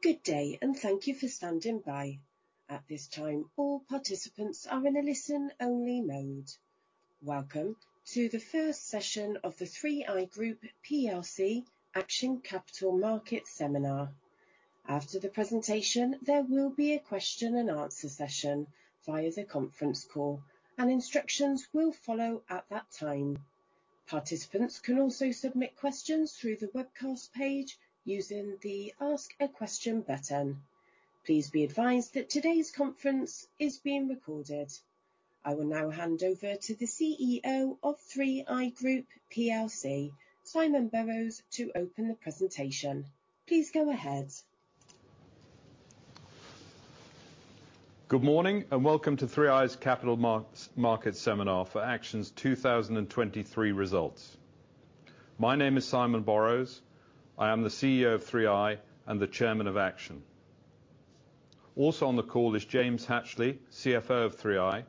Good day and thank you for standing by. At this time, all participants are in a listen-only mode. Welcome to the first session of the 3i Group plc Action Capital Markets Seminar. After the presentation, there will be a question-and-answer session via the conference call, and instructions will follow at that time. Participants can also submit questions through the webcast page using the Ask a Question button. Please be advised that today's conference is being recorded. I will now hand over to the CEO of 3i Group plc, Simon Borrows, to open the presentation. Please go ahead. Good morning and welcome to 3i's Capital Markets Seminar for Action's 2023 results. My name is Simon Borrows. I am the CEO of 3i and the chairman of Action. Also on the call is James Hatchley, CFO of 3i,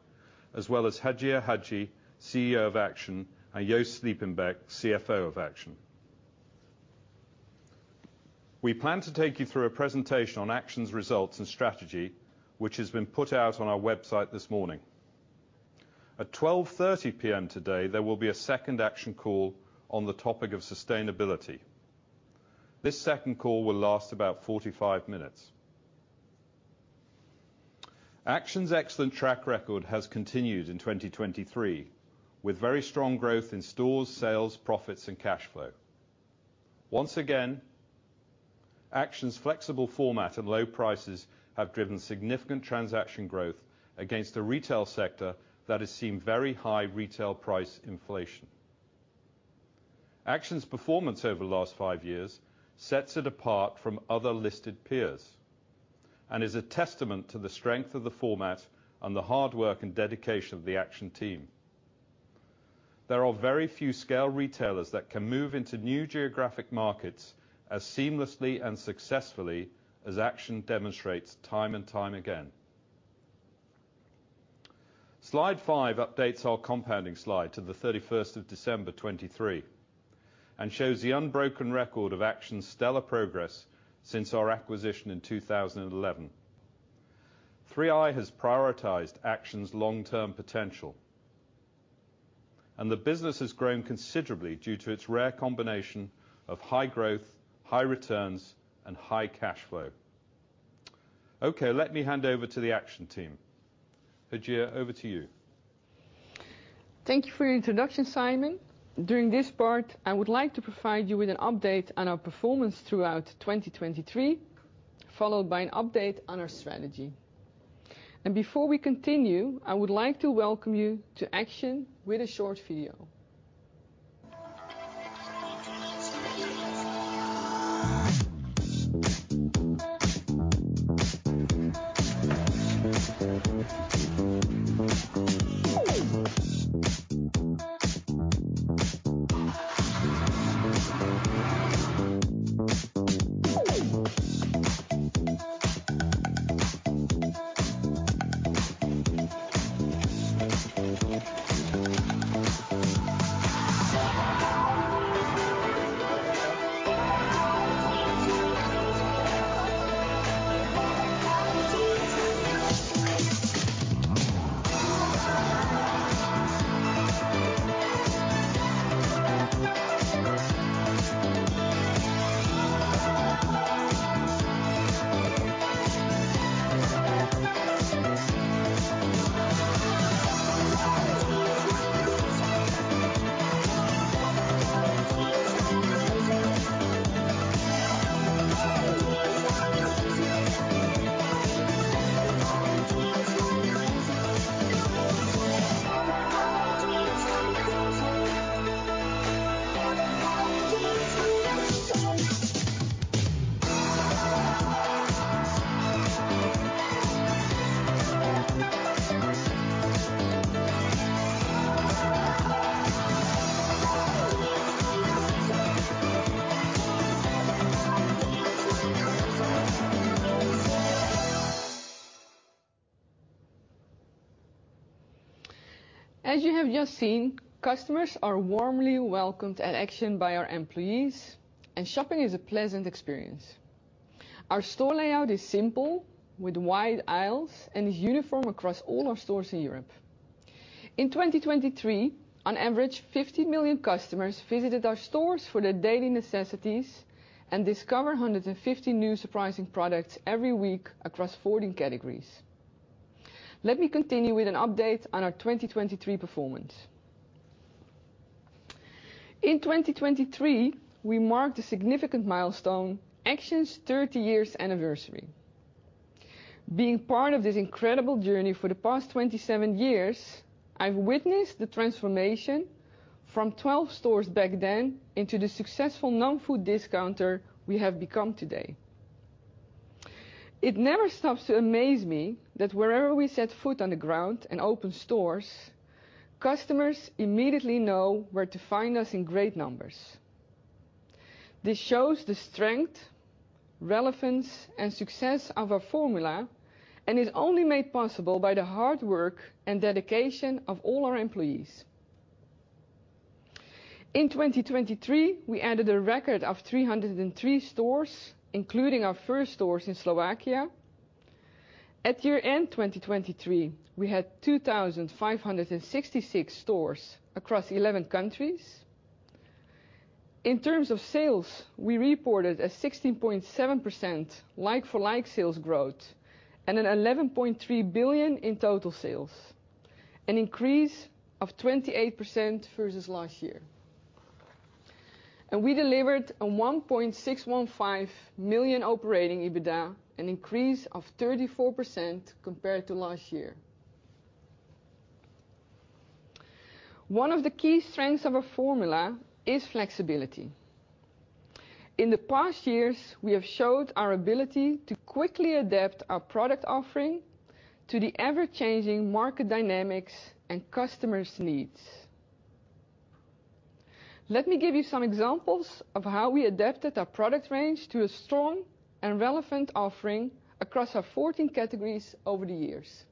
as well as Hajir Hajji, CEO of Action, and Joost Sliepenbeek, CFO of Action. We plan to take you through a presentation on Action's results and strategy, which has been put out on our website this morning. At 12:30 P.M. today, there will be a second Action call on the topic of sustainability. This second call will last about 45 minutes. Action's excellent track record has continued in 2023, with very strong growth in stores, sales, profits, and cash flow. Once again, Action's flexible format and low prices have driven significant transaction growth against a retail sector that has seen very high retail price inflation. Action's performance over the last five years sets it apart from other listed peers and is a testament to the strength of the format and the hard work and dedication of the Action team. There are very few scale retailers that can move into new geographic markets as seamlessly and successfully as Action demonstrates time and time again. Slide five updates our compounding slide to the 31st of December 2023 and shows the unbroken record of Action's stellar progress since our acquisition in 2011. 3i has prioritized Action's long-term potential, and the business has grown considerably due to its rare combination of high growth, high returns, and high cash flow. Okay, let me hand over to the Action team. Hajir, over to you. Thank you for your introduction, Simon. During this part, I would like to provide you with an update on our performance throughout 2023, followed by an update on our strategy. Before we continue, I would like to welcome you to Action with a short video. As you have just seen, customers are warmly welcomed at Action by our employees, and shopping is a pleasant experience. Our store layout is simple, with wide aisles, and is uniform across all our stores in Europe. In 2023, on average, 50 million customers visited our stores for their daily necessities and discover 150 new surprising products every week across 14 categories. Let me continue with an update on our 2023 performance. In 2023, we marked a significant milestone: Action's 30-years anniversary. Being part of this incredible journey for the past 27 years, I've witnessed the transformation from 12 stores back then into the successful non-food discounter we have become today. It never stops to amaze me that wherever we set foot on the ground and open stores, customers immediately know where to find us in great numbers. This shows the strength, relevance, and success of our formula and is only made possible by the hard work and dedication of all our employees. In 2023, we added a record of 303 stores, including our first stores in Slovakia. At year-end 2023, we had 2,566 stores across 11 countries. In terms of sales, we reported a 16.7% like-for-like sales growth and 11.3 billion in total sales, an increase of 28% versus last year. We delivered a 1.615 million operating EBITDA, an increase of 34% compared to last year. One of the key strengths of our formula is flexibility. In the past years, we have showed our ability to quickly adapt our product offering to the ever-changing market dynamics and customers' needs. Let me give you some examples of how we adapted our product range to a strong and relevant offering across our 14 categories over the years.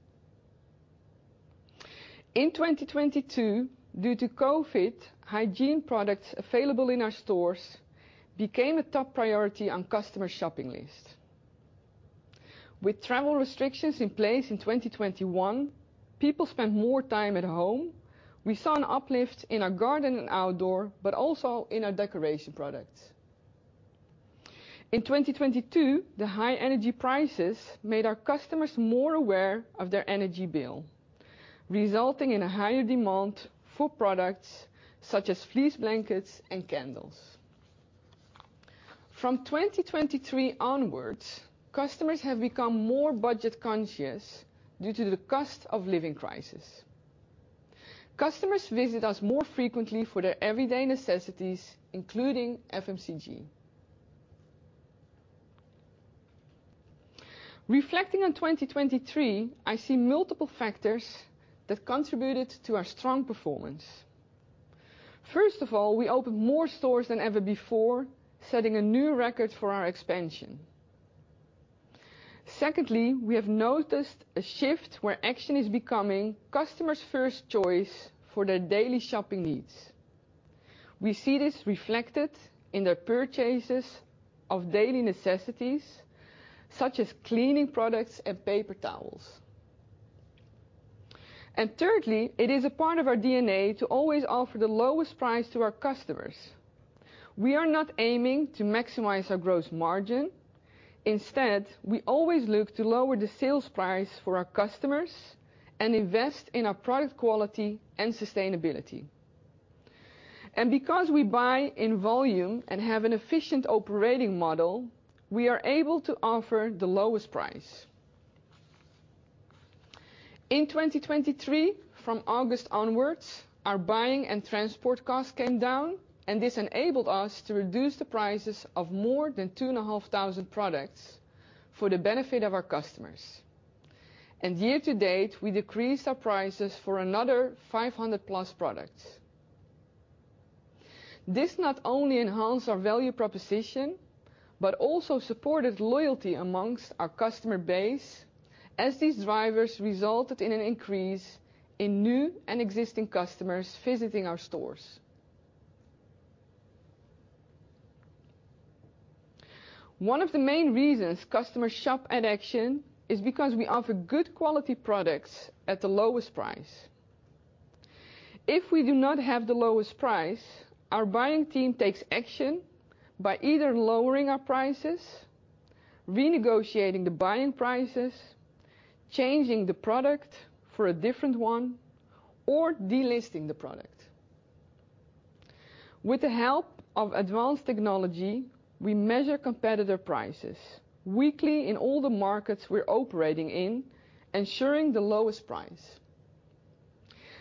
In 2022, due to COVID, hygiene products available in our stores became a top priority on customers' shopping lists. With travel restrictions in place in 2021, people spent more time at home. We saw an uplift in our garden and outdoor, but also in our decoration products. In 2022, the high energy prices made our customers more aware of their energy bill, resulting in a higher demand for products such as fleece blankets and candles. From 2023 onwards, customers have become more budget-conscious due to the cost of living crisis. Customers visit us more frequently for their everyday necessities, including FMCG. Reflecting on 2023, I see multiple factors that contributed to our strong performance. First of all, we opened more stores than ever before, setting a new record for our expansion. Secondly, we have noticed a shift where Action is becoming customers' first choice for their daily shopping needs. We see this reflected in their purchases of daily necessities, such as cleaning products and paper towels. And thirdly, it is a part of our DNA to always offer the lowest price to our customers. We are not aiming to maximize our gross margin. Instead, we always look to lower the sales price for our customers and invest in our product quality and sustainability. And because we buy in volume and have an efficient operating model, we are able to offer the lowest price. In 2023, from August onwards, our buying and transport costs came down, and this enabled us to reduce the prices of more than 2,500 products for the benefit of our customers. Year to date, we decreased our prices for another 500+ products. This not only enhanced our value proposition but also supported loyalty amongst our customer base, as these drivers resulted in an increase in new and existing customers visiting our stores. One of the main reasons customers shop at Action is because we offer good quality products at the lowest price. If we do not have the lowest price, our buying team takes action by either lowering our prices, renegotiating the buying prices, changing the product for a different one, or delisting the product. With the help of advanced technology, we measure competitor prices weekly in all the markets we're operating in, ensuring the lowest price.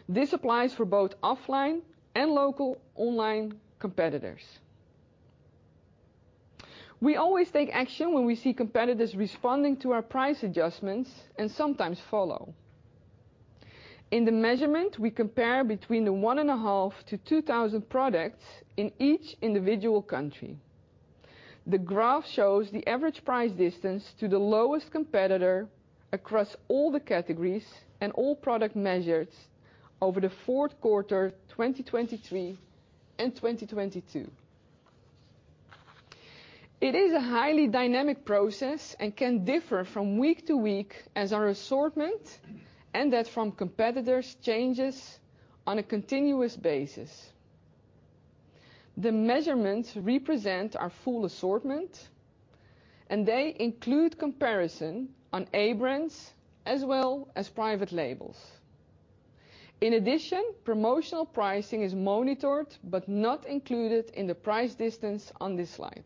This applies for both offline and local online competitors. We always take action when we see competitors responding to our price adjustments and sometimes follow. In the measurement, we compare between 1,500-2,000 products in each individual country. The graph shows the average price distance to the lowest competitor across all the categories and all products measured over the fourth quarter 2023 and 2022. It is a highly dynamic process and can differ from week to week as our assortment and that from competitors changes on a continuous basis. The measurements represent our full assortment, and they include comparison on A-brands as well as private labels. In addition, promotional pricing is monitored but not included in the price distance on this slide.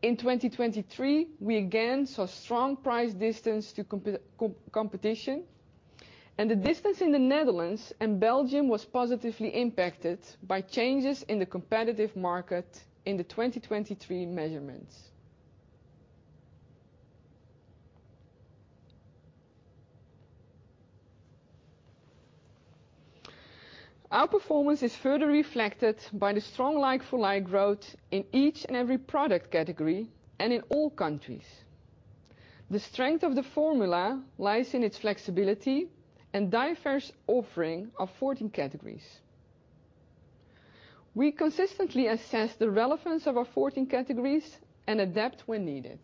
In 2023, we again saw strong price distance to competition, and the distance in the Netherlands and Belgium was positively impacted by changes in the competitive market in the 2023 measurements. Our performance is further reflected by the strong like-for-like growth in each and every product category and in all countries. The strength of the formula lies in its flexibility and diverse offering of 14 categories. We consistently assess the relevance of our 14 categories and adapt when needed.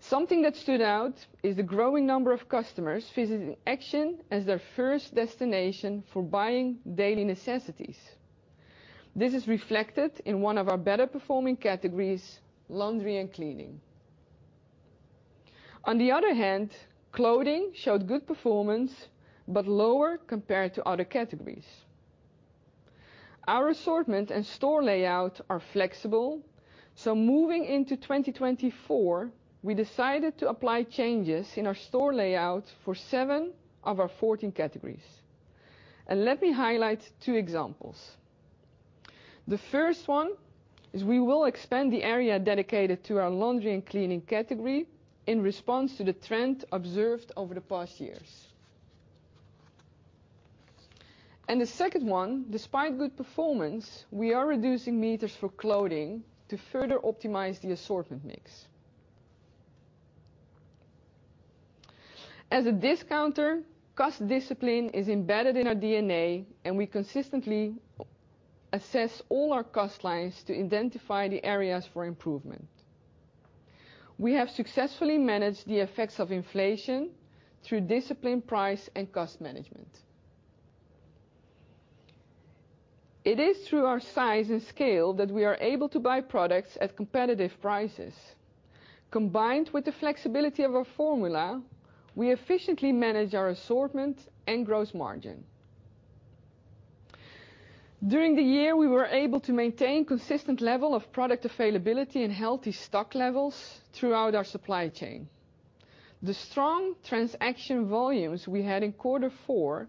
Something that stood out is the growing number of customers visiting Action as their first destination for buying daily necessities. This is reflected in one of our better-performing categories, laundry and cleaning. On the other hand, clothing showed good performance but lower compared to other categories. Our assortment and store layout are flexible, so moving into 2024, we decided to apply changes in our store layout for seven of our 14 categories. Let me highlight two examples. The first one is we will expand the area dedicated to our laundry and cleaning category in response to the trend observed over the past years. The second one, despite good performance, we are reducing meters for clothing to further optimize the assortment mix. As a discounter, cost discipline is embedded in our DNA, and we consistently assess all our cost lines to identify the areas for improvement. We have successfully managed the effects of inflation through disciplined price and cost management. It is through our size and scale that we are able to buy products at competitive prices. Combined with the flexibility of our formula, we efficiently manage our assortment and gross margin. During the year, we were able to maintain a consistent level of product availability and healthy stock levels throughout our supply chain. The strong transaction volumes we had in quarter four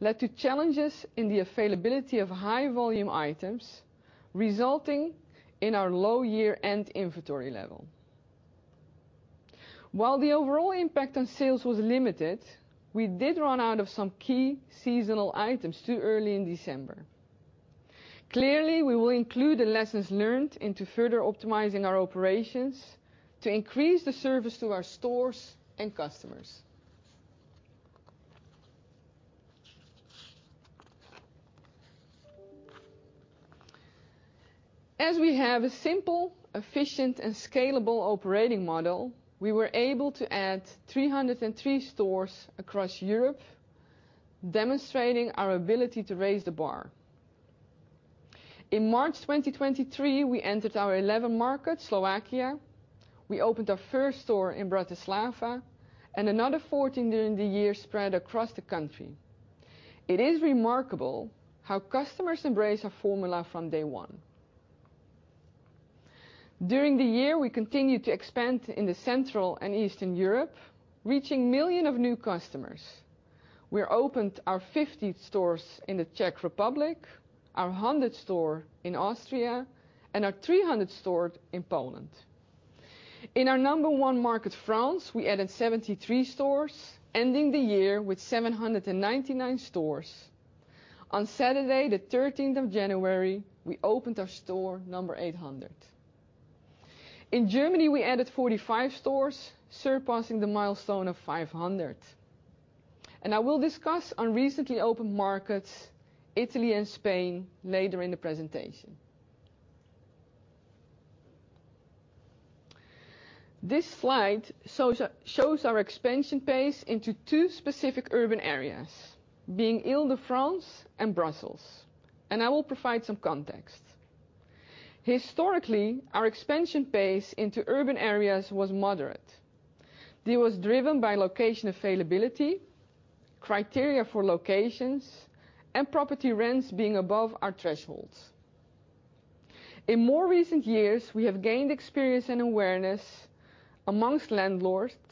led to challenges in the availability of high-volume items, resulting in our low year-end inventory level. While the overall impact on sales was limited, we did run out of some key seasonal items too early in December. Clearly, we will include the lessons learned into further optimizing our operations to increase the service to our stores and customers. As we have a simple, efficient, and scalable operating model, we were able to add 303 stores across Europe, demonstrating our ability to raise the bar. In March 2023, we entered our 11 markets, Slovakia. We opened our first store in Bratislava, and another 14 during the year spread across the country. It is remarkable how customers embrace our formula from day one. During the year, we continued to expand in Central and Eastern Europe, reaching millions of new customers. We opened our 50th store in the Czech Republic, our 100th store in Austria, and our 300th store in Poland. In our number one market, France, we added 73 stores, ending the year with 799 stores. On Saturday, the 13th of January, we opened our store number 800. In Germany, we added 45 stores, surpassing the milestone of 500. I will discuss our recently opened markets, Italy and Spain, later in the presentation. This slide shows our expansion pace into two specific urban areas, being Île-de-France and Brussels. I will provide some context. Historically, our expansion pace into urban areas was moderate. It was driven by location availability, criteria for locations, and property rents being above our thresholds. In more recent years, we have gained experience and awareness among landlords,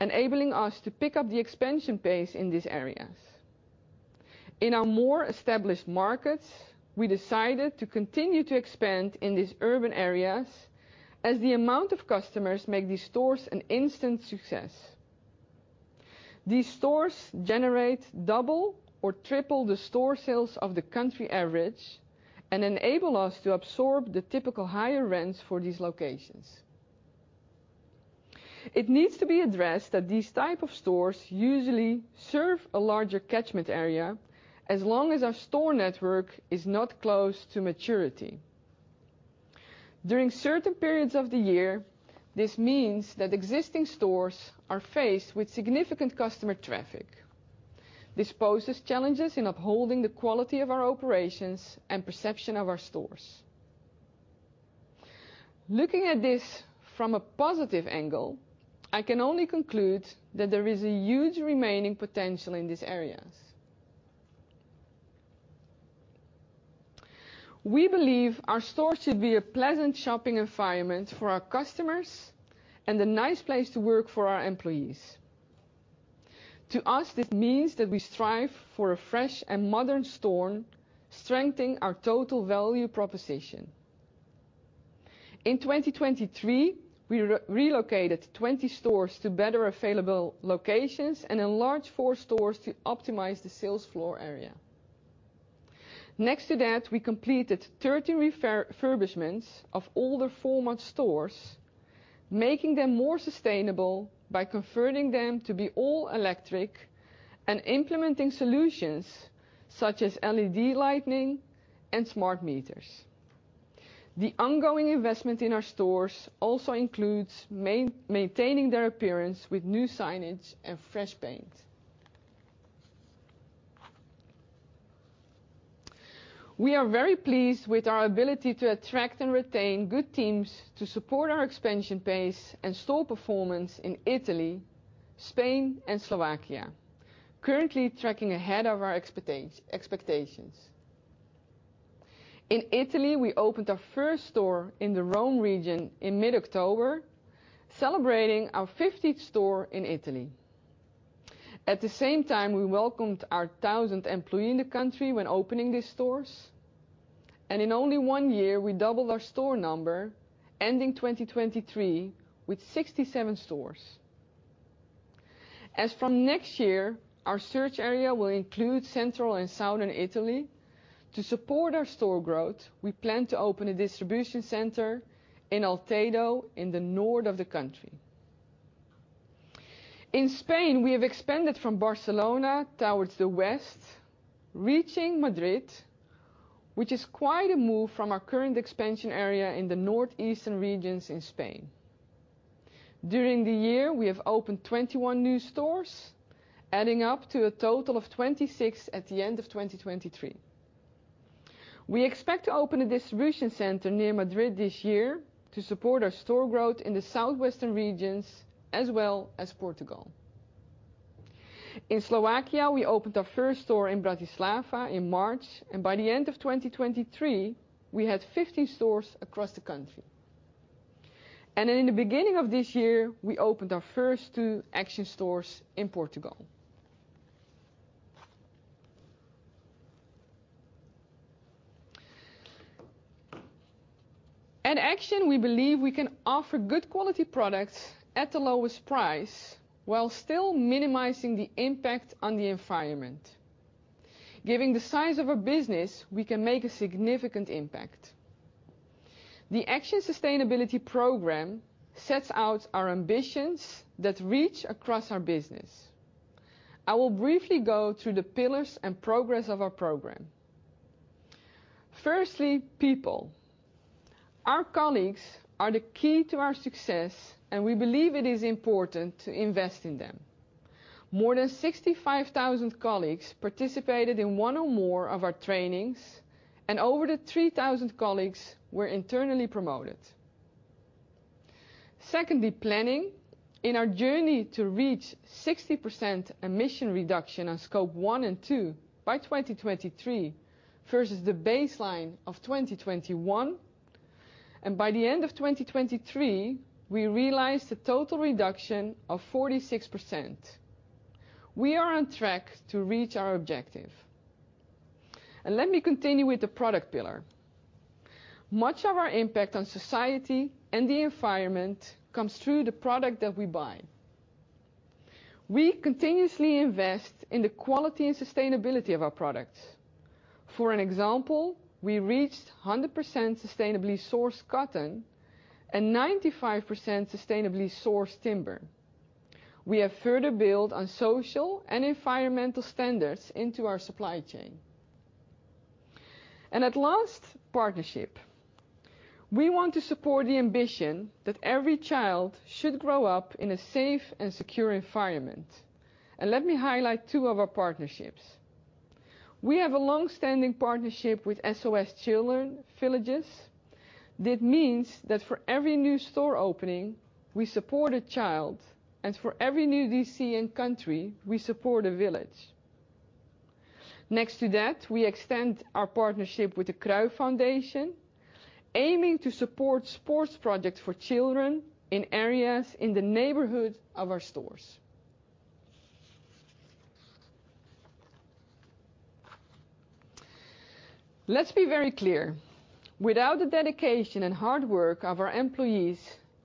enabling us to pick up the expansion pace in these areas. In our more established markets, we decided to continue to expand in these urban areas, as the amount of customers makes these stores an instant success. These stores generate double or triple the store sales of the country average and enable us to absorb the typical higher rents for these locations. It needs to be addressed that these types of stores usually serve a larger catchment area as long as our store network is not close to maturity. During certain periods of the year, this means that existing stores are faced with significant customer traffic. This poses challenges in upholding the quality of our operations and perception of our stores. Looking at this from a positive angle, I can only conclude that there is a huge remaining potential in these areas. We believe our stores should be a pleasant shopping environment for our customers and a nice place to work for our employees. To us, this means that we strive for a fresh and modern store, strengthening our total value proposition. In 2023, we relocated 20 stores to better available locations and enlarged four stores to optimize the sales floor area. Next to that, we completed 13 refurbishments of all the former stores, making them more sustainable by converting them to be all electric and implementing solutions such as LED lighting and smart meters. The ongoing investment in our stores also includes maintaining their appearance with new signage and fresh paint. We are very pleased with our ability to attract and retain good teams to support our expansion pace and store performance in Italy, Spain, and Slovakia, currently tracking ahead of our expectations. In Italy, we opened our first store in the Rome region in mid-October, celebrating our 50th store in Italy. At the same time, we welcomed our 1,000 employees in the country when opening these stores. In only one year, we doubled our store number, ending 2023 with 67 stores. As from next year, our search area will include Central and Southern Italy. To support our store growth, we plan to open a distribution center in Altedo in the north of the country. In Spain, we have expanded from Barcelona towards the west, reaching Madrid, which is quite a move from our current expansion area in the northeastern regions in Spain. During the year, we have opened 21 new stores, adding up to a total of 26 at the end of 2023. We expect to open a distribution center near Madrid this year to support our store growth in the southwestern regions as well as Portugal. In Slovakia, we opened our first store in Bratislava in March, and by the end of 2023, we had 15 stores across the country. In the beginning of this year, we opened our first two Action stores in Portugal. At Action, we believe we can offer good quality products at the lowest price while still minimizing the impact on the environment. Given the size of our business, we can make a significant impact. The Action Sustainability Programme sets out our ambitions that reach across our business. I will briefly go through the pillars and progress of our program. Firstly, people. Our colleagues are the key to our success, and we believe it is important to invest in them. More than 65,000 colleagues participated in one or more of our trainings, and over 3,000 colleagues were internally promoted. Secondly, planning. In our journey to reach 60% emission reduction on Scope 1 and 2 by 2023 versus the baseline of 2021. By the end of 2023, we realized a total reduction of 46%. We are on track to reach our objective. Let me continue with the product pillar. Much of our impact on society and the environment comes through the product that we buy. We continuously invest in the quality and sustainability of our products. For example, we reached 100% sustainably sourced cotton and 95% sustainably sourced timber. We have further built on social and environmental standards into our supply chain. At last, partnership. We want to support the ambition that every child should grow up in a safe and secure environment. Let me highlight two of our partnerships. We have a longstanding partnership with SOS Children's Villages. This means that for every new store opening, we support a child, and for every new DC and country, we support a village. Next to that, we extend our partnership with the Cruyff Foundation, aiming to support sports projects for children in areas in the neighborhood of our stores. Let's be very clear. Without the dedication and hard work of our employees,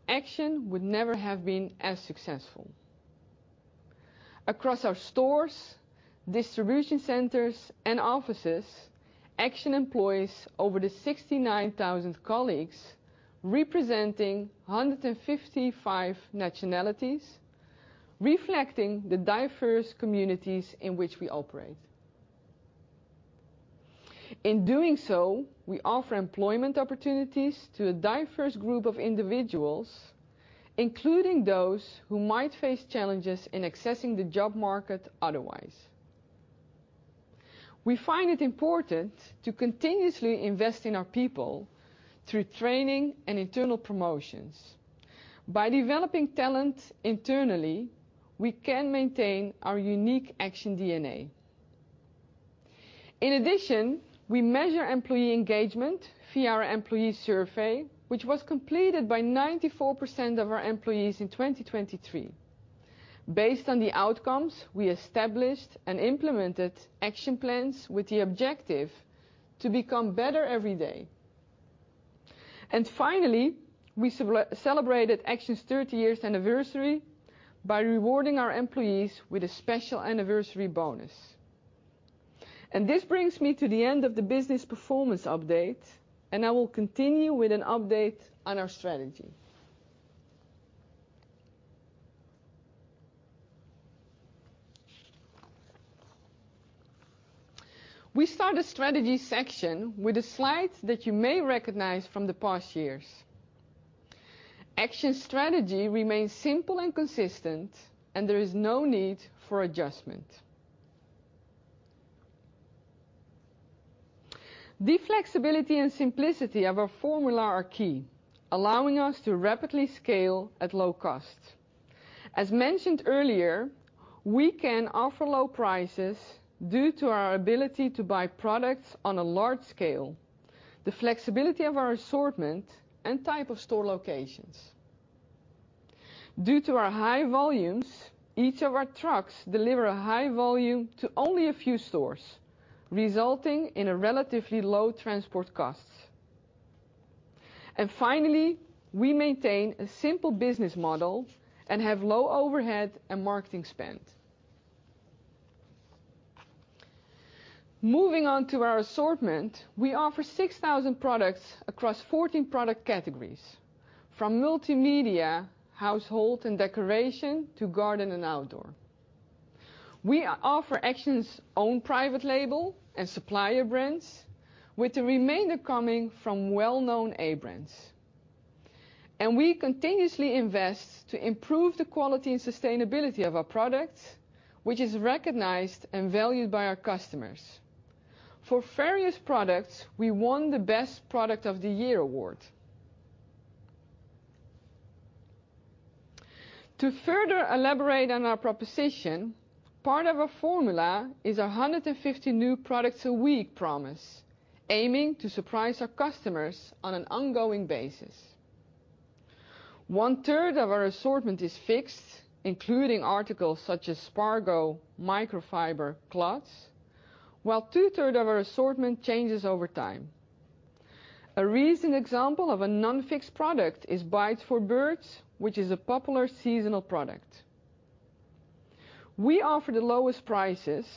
Action would never have been as successful. Across our stores, distribution centers, and offices, Action employs over 69,000 colleagues representing 155 nationalities, reflecting the diverse communities in which we operate. In doing so, we offer employment opportunities to a diverse group of individuals, including those who might face challenges in accessing the job market otherwise. We find it important to continuously invest in our people through training and internal promotions. By developing talent internally, we can maintain our unique Action DNA. In addition, we measure employee engagement via our employee survey, which was completed by 94% of our employees in 2023. Based on the outcomes, we established and implemented action plans with the objective to become better every day. Finally, we celebrated Action's 30-years anniversary by rewarding our employees with a special anniversary bonus. This brings me to the end of the business performance update, and I will continue with an update on our strategy. We start the strategy section with a slide that you may recognize from the past years. Action's strategy remains simple and consistent, and there is no need for adjustment. The flexibility and simplicity of our formula are key, allowing us to rapidly scale at low cost. As mentioned earlier, we can offer low prices due to our ability to buy products on a large scale, the flexibility of our assortment, and type of store locations. Due to our high volumes, each of our trucks delivers a high volume to only a few stores, resulting in relatively low transport costs. Finally, we maintain a simple business model and have low overhead and marketing spend. Moving on to our assortment, we offer 6,000 products across 14 product categories, from multimedia, household and decoration, to garden and outdoor. We offer Action's own private label and supplier brands, with the remainder coming from well-known A-brands. We continuously invest to improve the quality and sustainability of our products, which is recognized and valued by our customers. For various products, we won the Best Product of the Year award. To further elaborate on our proposition, part of our formula is our 150 new products a week promise, aiming to surprise our customers on an ongoing basis. 1/3 of our assortment is fixed, including articles such as Spargo, microfiber cloths, while 2/3 of our assortment changes over time. A recent example of a non-fixed product is Bites for Birds, which is a popular seasonal product. We offer the lowest prices,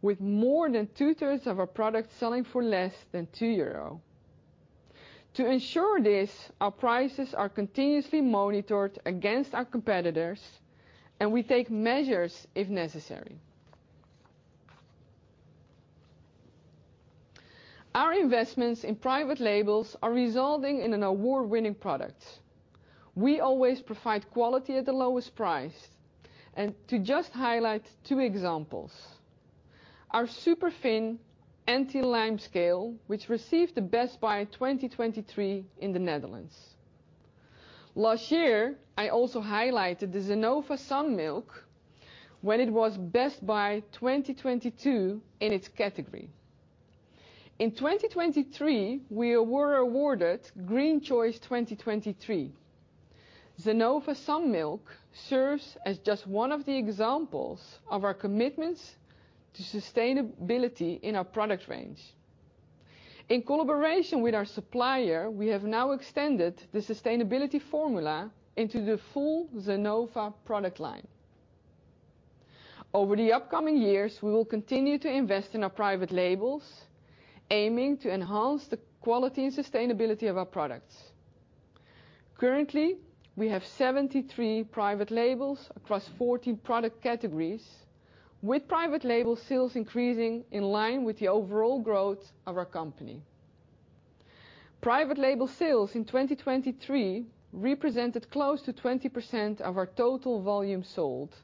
with more than 2/3 of our products selling for less than 2 euro. To ensure this, our prices are continuously monitored against our competitors, and we take measures if necessary. Our investments in private labels are resulting in an award-winning product. We always provide quality at the lowest price. To just highlight two examples: our Superfinn anti-lime scale, which received the Best Buy 2023 in the Netherlands. Last year, I also highlighted the Zenova Sun Milk when it was Best Buy 2022 in its category. In 2023, we were awarded Green Choice 2023. Zenova Sun Milk serves as just one of the examples of our commitments to sustainability in our product range. In collaboration with our supplier, we have now extended the sustainability formula into the full Zenova product line. Over the upcoming years, we will continue to invest in our private labels, aiming to enhance the quality and sustainability of our products. Currently, we have 73 private labels across 14 product categories, with private label sales increasing in line with the overall growth of our company. Private label sales in 2023 represented close to 20% of our total volume sold,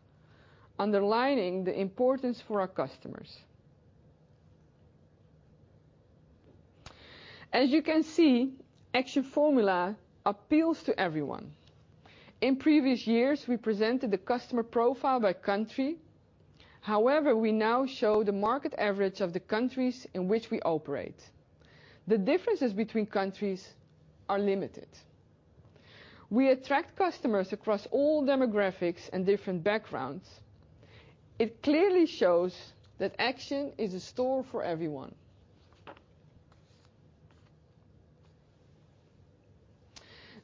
underlining the importance for our customers. As you can see, Action formula appeals to everyone. In previous years, we presented the customer profile by country. However, we now show the market average of the countries in which we operate. The differences between countries are limited. We attract customers across all demographics and different backgrounds. It clearly shows that Action is a store for everyone.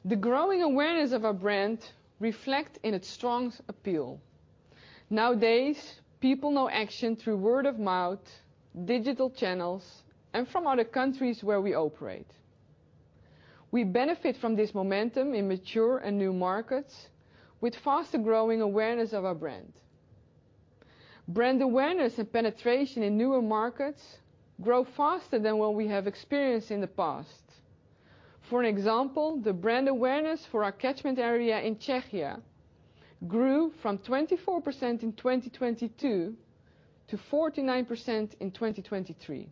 The growing awareness of our brand reflects in its strong appeal. Nowadays, people know Action through word of mouth, digital channels, and from other countries where we operate. We benefit from this momentum in mature and new markets, with faster growing awareness of our brand. Brand awareness and penetration in newer markets grow faster than what we have experienced in the past. For example, the brand awareness for our catchment area in Czechia grew from 24% in 2022 to 49% in 2023.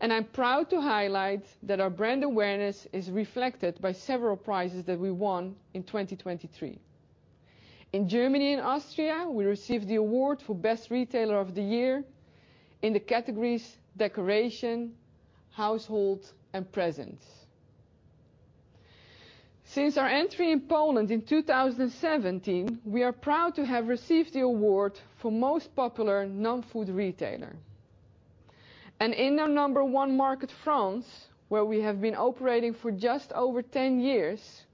I'm proud to highlight that our brand awareness is reflected by several prizes that we won in 2023. In Germany and Austria, we received the award for Best Retailer of the Year in the categories Decoration, Household, and Presents. Since our entry in Poland in 2017, we are proud to have received the award for most popular non-food retailer. In our number one market, France, where we have been operating for just over 10 years,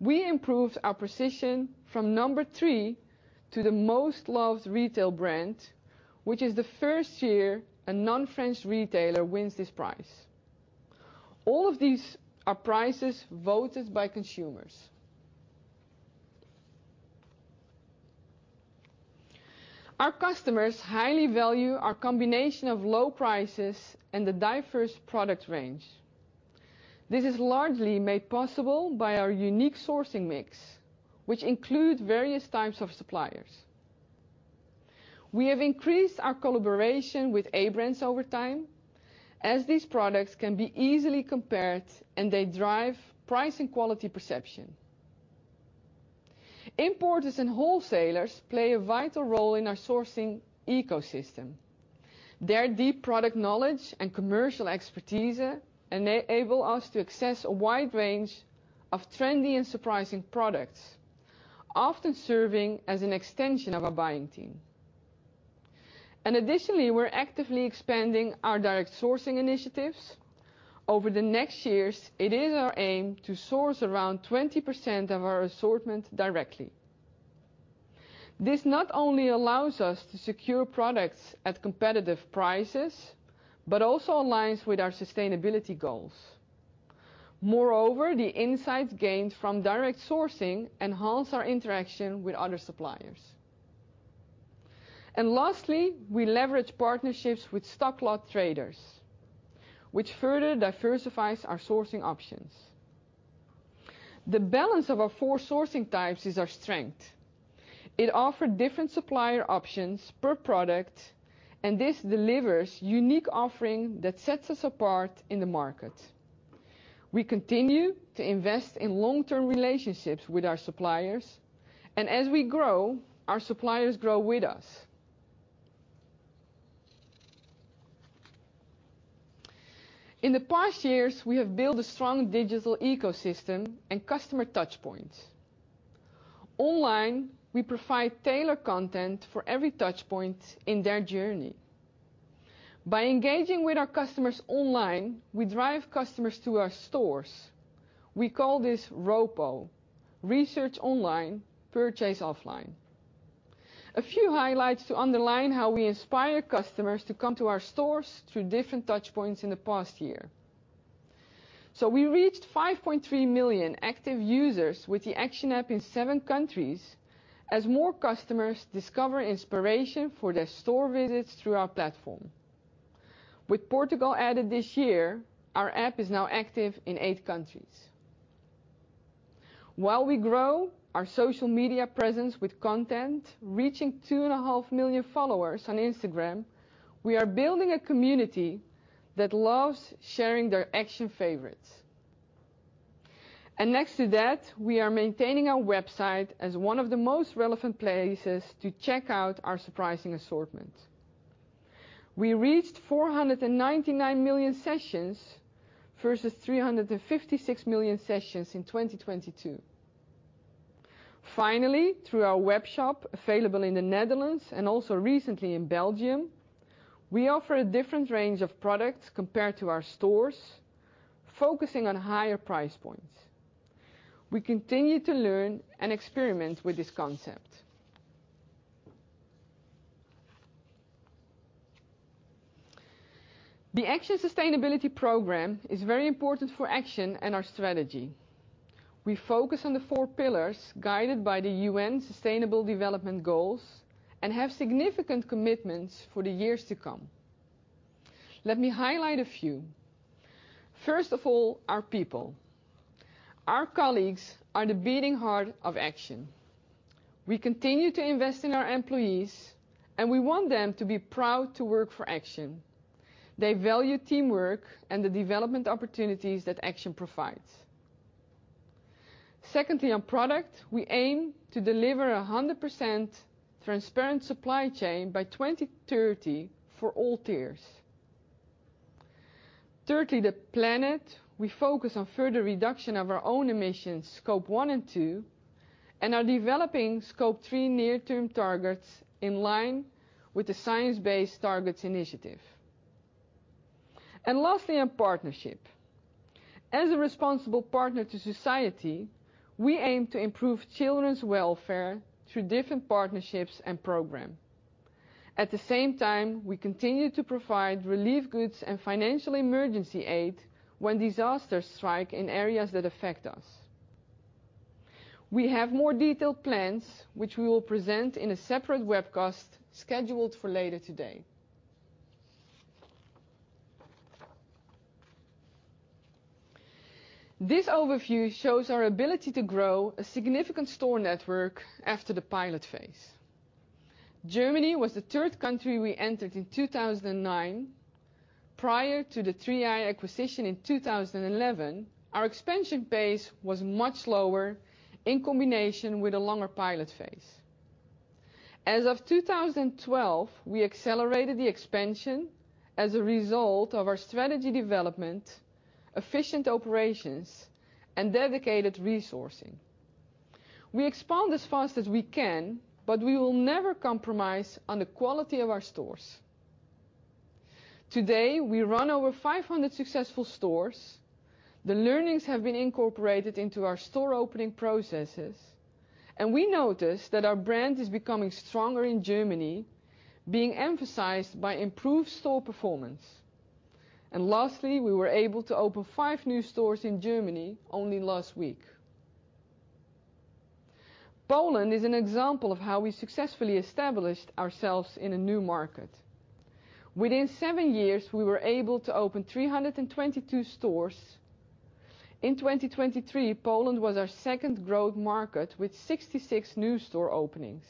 we improved our position from three to the most loved retail brand, which is the first year a non-French retailer wins this prize. All of these are prizes voted by consumers. Our customers highly value our combination of low prices and the diverse product range. This is largely made possible by our unique sourcing mix, which includes various types of suppliers. We have increased our collaboration with A-brands over time, as these products can be easily compared and they drive price and quality perception. Importers and wholesalers play a vital role in our sourcing ecosystem. Their deep product knowledge and commercial expertise enable us to access a wide range of trendy and surprising products, often serving as an extension of our buying team. Additionally, we're actively expanding our direct sourcing initiatives. Over the next years, it is our aim to source around 20% of our assortment directly. This not only allows us to secure products at competitive prices but also aligns with our sustainability goals. Moreover, the insights gained from direct sourcing enhance our interaction with other suppliers. Lastly, we leverage partnerships with stock lot traders, which further diversifies our sourcing options. The balance of our four sourcing types is our strength. It offers different supplier options per product, and this delivers a unique offering that sets us apart in the market. We continue to invest in long-term relationships with our suppliers, and as we grow, our suppliers grow with us. In the past years, we have built a strong digital ecosystem and customer touchpoints. Online, we provide tailored content for every touchpoint in their journey. By engaging with our customers online, we drive customers to our stores. We call this ROPO: Research Online, Purchase Offline. A few highlights to underline how we inspire customers to come to our stores through different touchpoints in the past year. So we reached 5.3 million active users with the Action app in seven countries as more customers discover inspiration for their store visits through our platform. With Portugal added this year, our app is now active in eight countries. While we grow our social media presence with content reaching 2.5 million followers on Instagram, we are building a community that loves sharing their Action favorites. And next to that, we are maintaining our website as one of the most relevant places to check out our surprising assortment. We reached 499 million sessions versus 356 million sessions in 2022. Finally, through our webshop available in the Netherlands and also recently in Belgium, we offer a different range of products compared to our stores, focusing on higher price points. We continue to learn and experiment with this concept. The Action Sustainability Programme is very important for Action and our strategy. We focus on the four pillars guided by the UN Sustainable Development Goals and have significant commitments for the years to come. Let me highlight a few. First of all, our people. Our colleagues are the beating heart of Action. We continue to invest in our employees, and we want them to be proud to work for Action. They value teamwork and the development opportunities that Action provides. Secondly, on product, we aim to deliver a 100% transparent supply chain by 2030 for all tiers. Thirdly, the planet. We focus on further reduction of our own emissions, Scope 1 and 2, and are developing Scope 3 near-term targets in line with the Science-Based Targets Initiative. Lastly, on partnership. As a responsible partner to society, we aim to improve children's welfare through different partnerships and programs. At the same time, we continue to provide relief goods and financial emergency aid when disasters strike in areas that affect us. We have more detailed plans, which we will present in a separate webcast scheduled for later today. This overview shows our ability to grow a significant store network after the pilot phase. Germany was the third country we entered in 2009. Prior to the 3i acquisition in 2011, our expansion pace was much lower in combination with a longer pilot phase. As of 2012, we accelerated the expansion as a result of our strategy development, efficient operations, and dedicated resourcing. We expand as fast as we can, but we will never compromise on the quality of our stores. Today, we run over 500 successful stores. The learnings have been incorporated into our store opening processes. We noticed that our brand is becoming stronger in Germany, being emphasized by improved store performance. Lastly, we were able to open five new stores in Germany only last week. Poland is an example of how we successfully established ourselves in a new market. Within seven years, we were able to open 322 stores. In 2023, Poland was our second growth market with 66 new store openings.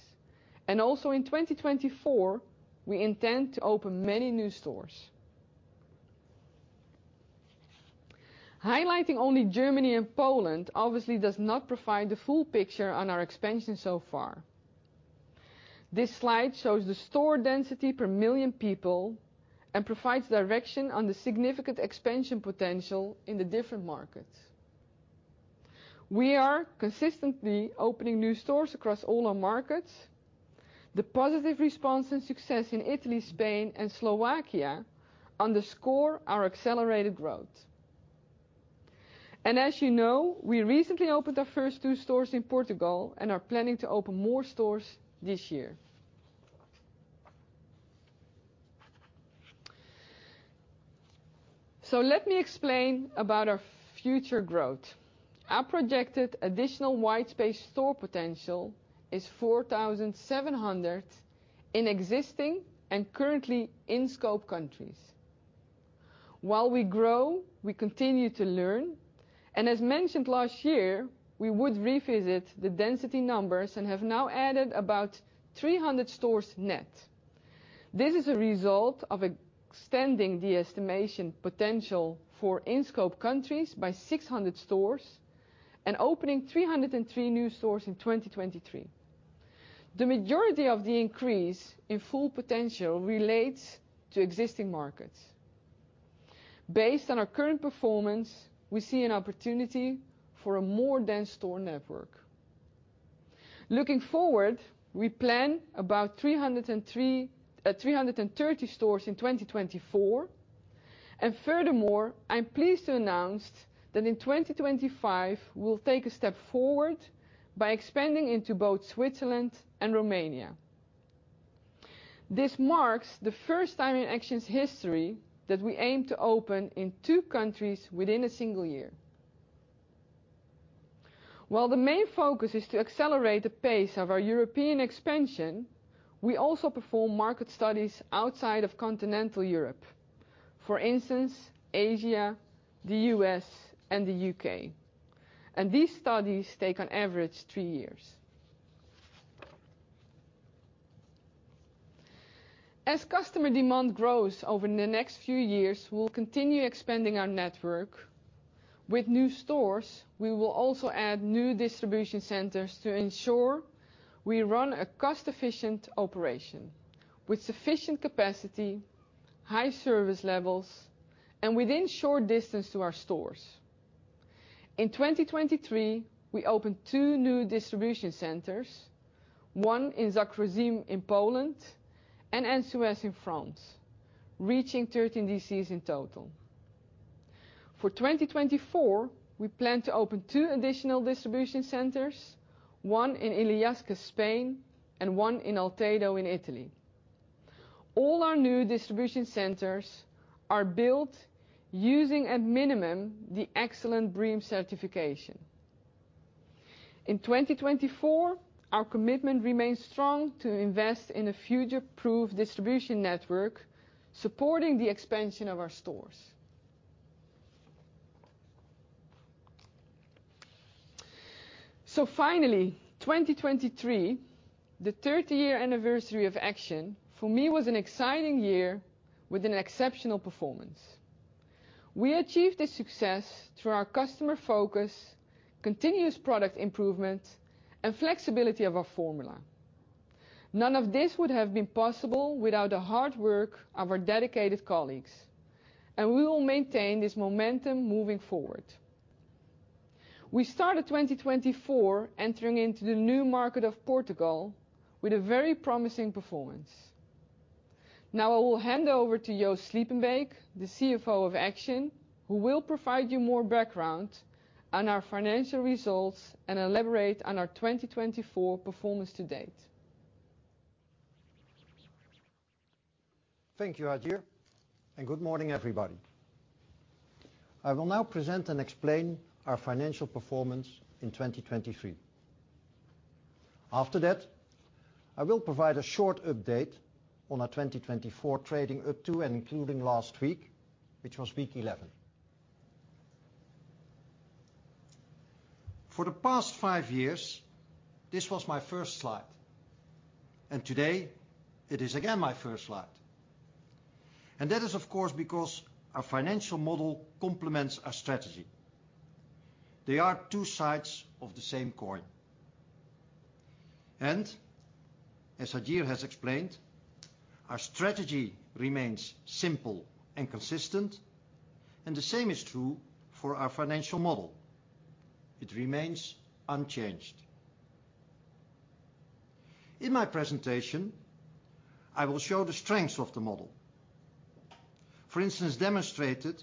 Also in 2024, we intend to open many new stores. Highlighting only Germany and Poland obviously does not provide the full picture on our expansion so far. This slide shows the store density per million people and provides direction on the significant expansion potential in the different markets. We are consistently opening new stores across all our markets. The positive response and success in Italy, Spain, and Slovakia underscore our accelerated growth. As you know, we recently opened our first two stores in Portugal and are planning to open more stores this year. Let me explain about our future growth. Our projected additional white space store potential is 4,700 in existing and currently in scope countries. While we grow, we continue to learn. As mentioned last year, we would revisit the density numbers and have now added about 300 stores net. This is a result of extending the estimation potential for in scope countries by 600 stores and opening 303 new stores in 2023. The majority of the increase in full potential relates to existing markets. Based on our current performance, we see an opportunity for a more dense store network. Looking forward, we plan about 330 stores in 2024. Furthermore, I'm pleased to announce that in 2025, we will take a step forward by expanding into both Switzerland and Romania. This marks the first time in Action's history that we aim to open in two countries within a single year. While the main focus is to accelerate the pace of our European expansion, we also perform market studies outside of continental Europe. For instance, Asia, the U.S., and the U.K. These studies take on average three years. As customer demand grows over the next few years, we will continue expanding our network. With new stores, we will also add new distribution centers to ensure we run a cost-efficient operation with sufficient capacity, high service levels, and within short distance to our stores. In 2023, we opened two new distribution centers, one in Zakroczym in Poland and Ensuès in France, reaching 13 DCs in total. For 2024, we plan to open two additional distribution centers, one in Illescas, Spain, and one in Altedo, Italy. All our new distribution centers are built using at minimum the excellent BREEAM certification. In 2024, our commitment remains strong to invest in a future-proof distribution network supporting the expansion of our stores. Finally, 2023, the 30-year anniversary of Action, for me, was an exciting year with an exceptional performance. We achieved this success through our customer focus, continuous product improvement, and flexibility of our formula. None of this would have been possible without the hard work of our dedicated colleagues. We will maintain this momentum moving forward. We started 2024 entering into the new market of Portugal with a very promising performance. Now I will hand over to Joost Sliepenbeek, the CFO of Action, who will provide you more background on our financial results and elaborate on our 2024 performance to date. Thank you, Hajir. Good morning, everybody. I will now present and explain our financial performance in 2023. After that, I will provide a short update on our 2024 trading up to and including last week, which was week 11. For the past five years, this was my first slide. Today, it is again my first slide. That is, of course, because our financial model complements our strategy. They are two sides of the same coin. As Hajir has explained, our strategy remains simple and consistent. The same is true for our financial model. It remains unchanged. In my presentation, I will show the strengths of the model. For instance, demonstrated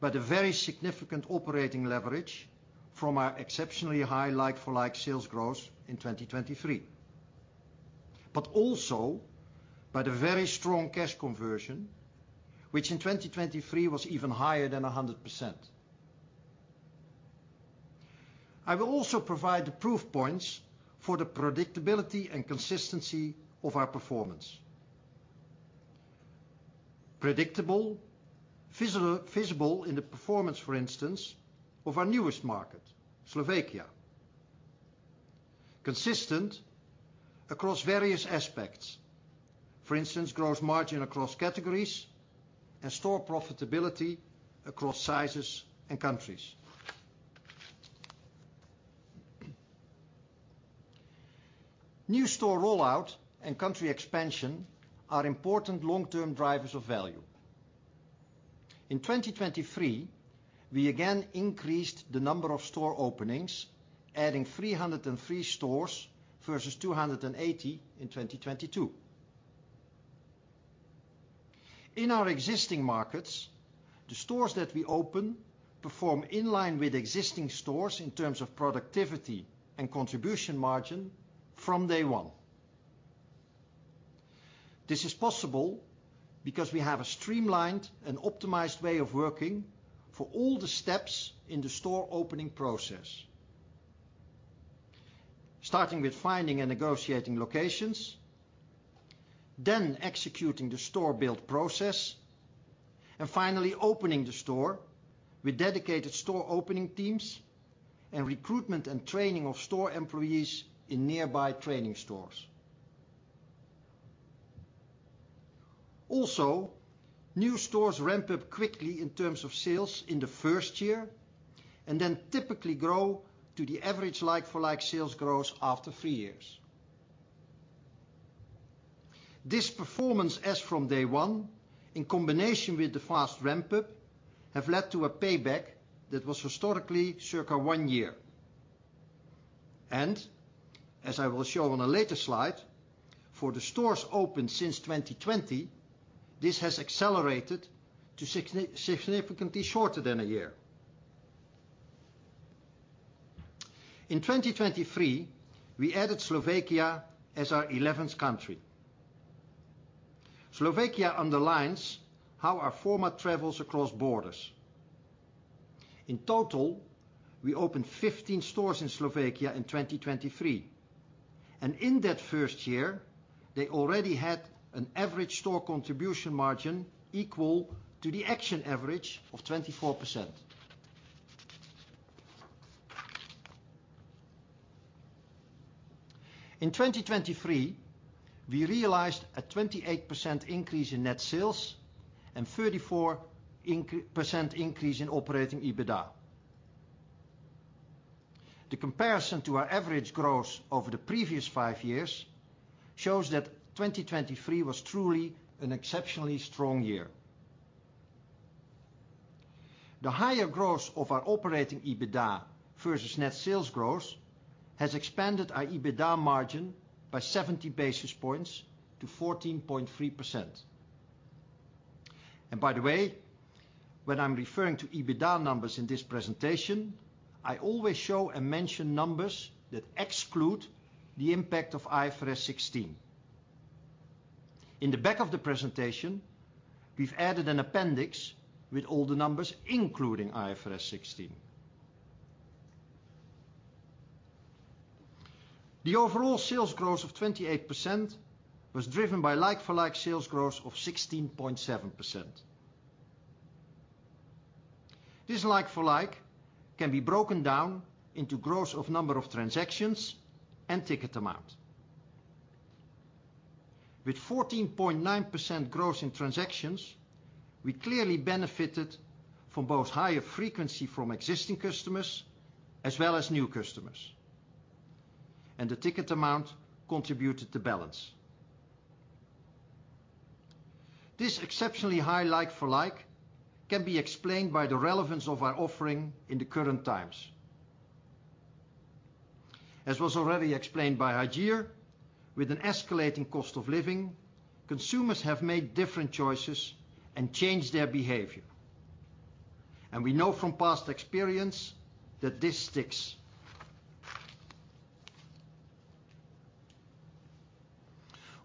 by the very significant operating leverage from our exceptionally high like-for-like sales growth in 2023. But also by the very strong cash conversion, which in 2023 was even higher than 100%. I will also provide the proof points for the predictability and consistency of our performance. Predictable, visible in the performance, for instance, of our newest market, Slovakia. Consistent across various aspects. For instance, gross margin across categories and store profitability across sizes and countries. New store rollout and country expansion are important long-term drivers of value. In 2023, we again increased the number of store openings, adding 303 stores versus 280 in 2022. In our existing markets, the stores that we open perform in line with existing stores in terms of productivity and contribution margin from day one. This is possible because we have a streamlined and optimized way of working for all the steps in the store opening process. Starting with finding and negotiating locations. Then executing the store build process. And finally, opening the store with dedicated store opening teams and recruitment and training of store employees in nearby training stores. Also, new stores ramp up quickly in terms of sales in the first year and then typically grow to the average like-for-like sales growth after three years. This performance as from day one in combination with the fast ramp up have led to a payback that was historically circa one year. As I will show on a later slide, for the stores opened since 2020, this has accelerated to significantly shorter than a year. In 2023, we added Slovakia as our 11th country. Slovakia underlines how our format travels across borders. In total, we opened 15 stores in Slovakia in 2023. And in that first year, they already had an average store contribution margin equal to the Action average of 24%. In 2023, we realized a 28% increase in net sales and 34% increase in operating EBITDA. The comparison to our average growth over the previous five years shows that 2023 was truly an exceptionally strong year. The higher growth of our operating EBITDA versus net sales growth has expanded our EBITDA margin by 70 basis points to 14.3%. And by the way, when I'm referring to EBITDA numbers in this presentation, I always show and mention numbers that exclude the impact of IFRS 16. In the back of the presentation, we've added an appendix with all the numbers including IFRS 16. The overall sales growth of 28% was driven by like-for-like sales growth of 16.7%. This like-for-like can be broken down into growth of number of transactions and ticket amount. With 14.9% growth in transactions, we clearly benefited from both higher frequency from existing customers as well as new customers. And the ticket amount contributed to balance. This exceptionally high like-for-like can be explained by the relevance of our offering in the current times. As was already explained by Hajir, with an escalating cost of living, consumers have made different choices and changed their behavior. And we know from past experience that this sticks.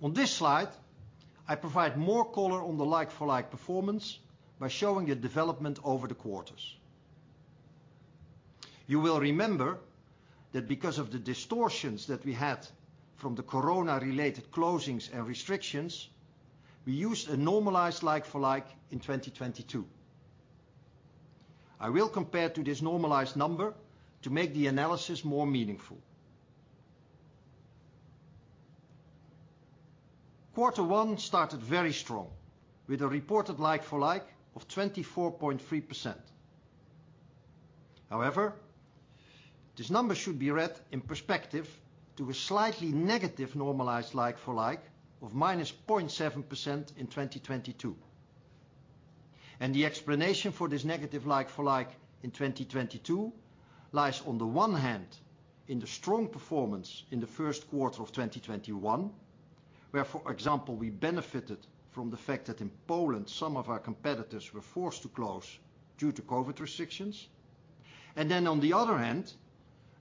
On this slide, I provide more color on the like-for-like performance by showing the development over the quarters. You will remember that because of the distortions that we had from the corona-related closings and restrictions, we used a normalized like-for-like in 2022. I will compare to this normalized number to make the analysis more meaningful. Quarter one started very strong with a reported like-for-like of 24.3%. However, this number should be read in perspective to a slightly negative normalized like-for-like of -0.7% in 2022. The explanation for this negative like-for-like in 2022 lies on the one hand in the strong performance in the first quarter of 2021 where, for example, we benefited from the fact that in Poland, some of our competitors were forced to close due to COVID restrictions. And then on the other hand,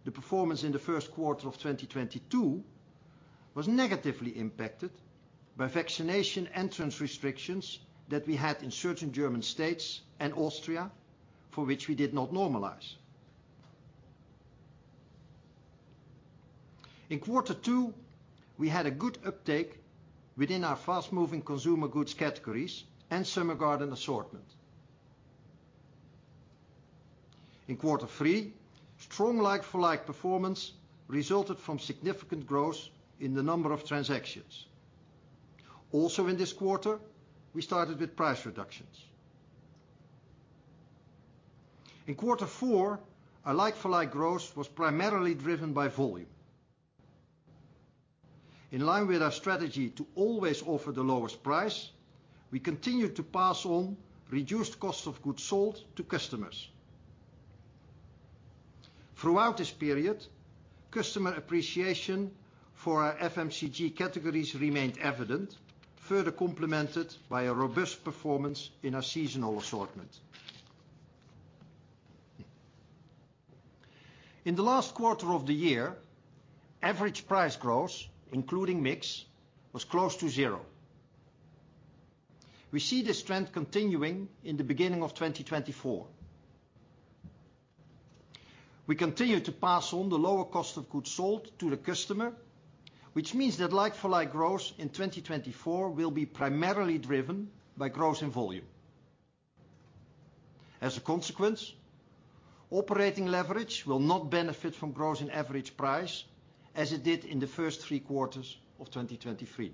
the performance in the first quarter of 2022 was negatively impacted by vaccination entrance restrictions that we had in certain German states and Austria for which we did not normalize. In quarter two, we had a good uptake within our fast-moving consumer goods categories and Summer Garden assortment. In quarter three, strong like-for-like performance resulted from significant growth in the number of transactions. Also in this quarter, we started with price reductions. In quarter four, our like-for-like growth was primarily driven by volume. In line with our strategy to always offer the lowest price, we continued to pass on reduced cost of goods sold to customers. Throughout this period, customer appreciation for our FMCG categories remained evident, further complemented by a robust performance in our seasonal assortment. In the last quarter of the year, average price growth, including mix, was close to zero. We see this trend continuing in the beginning of 2024. We continue to pass on the lower cost of goods sold to the customer, which means that like-for-like growth in 2024 will be primarily driven by growth in volume. As a consequence, operating leverage will not benefit from growth in average price as it did in the first three quarters of 2023.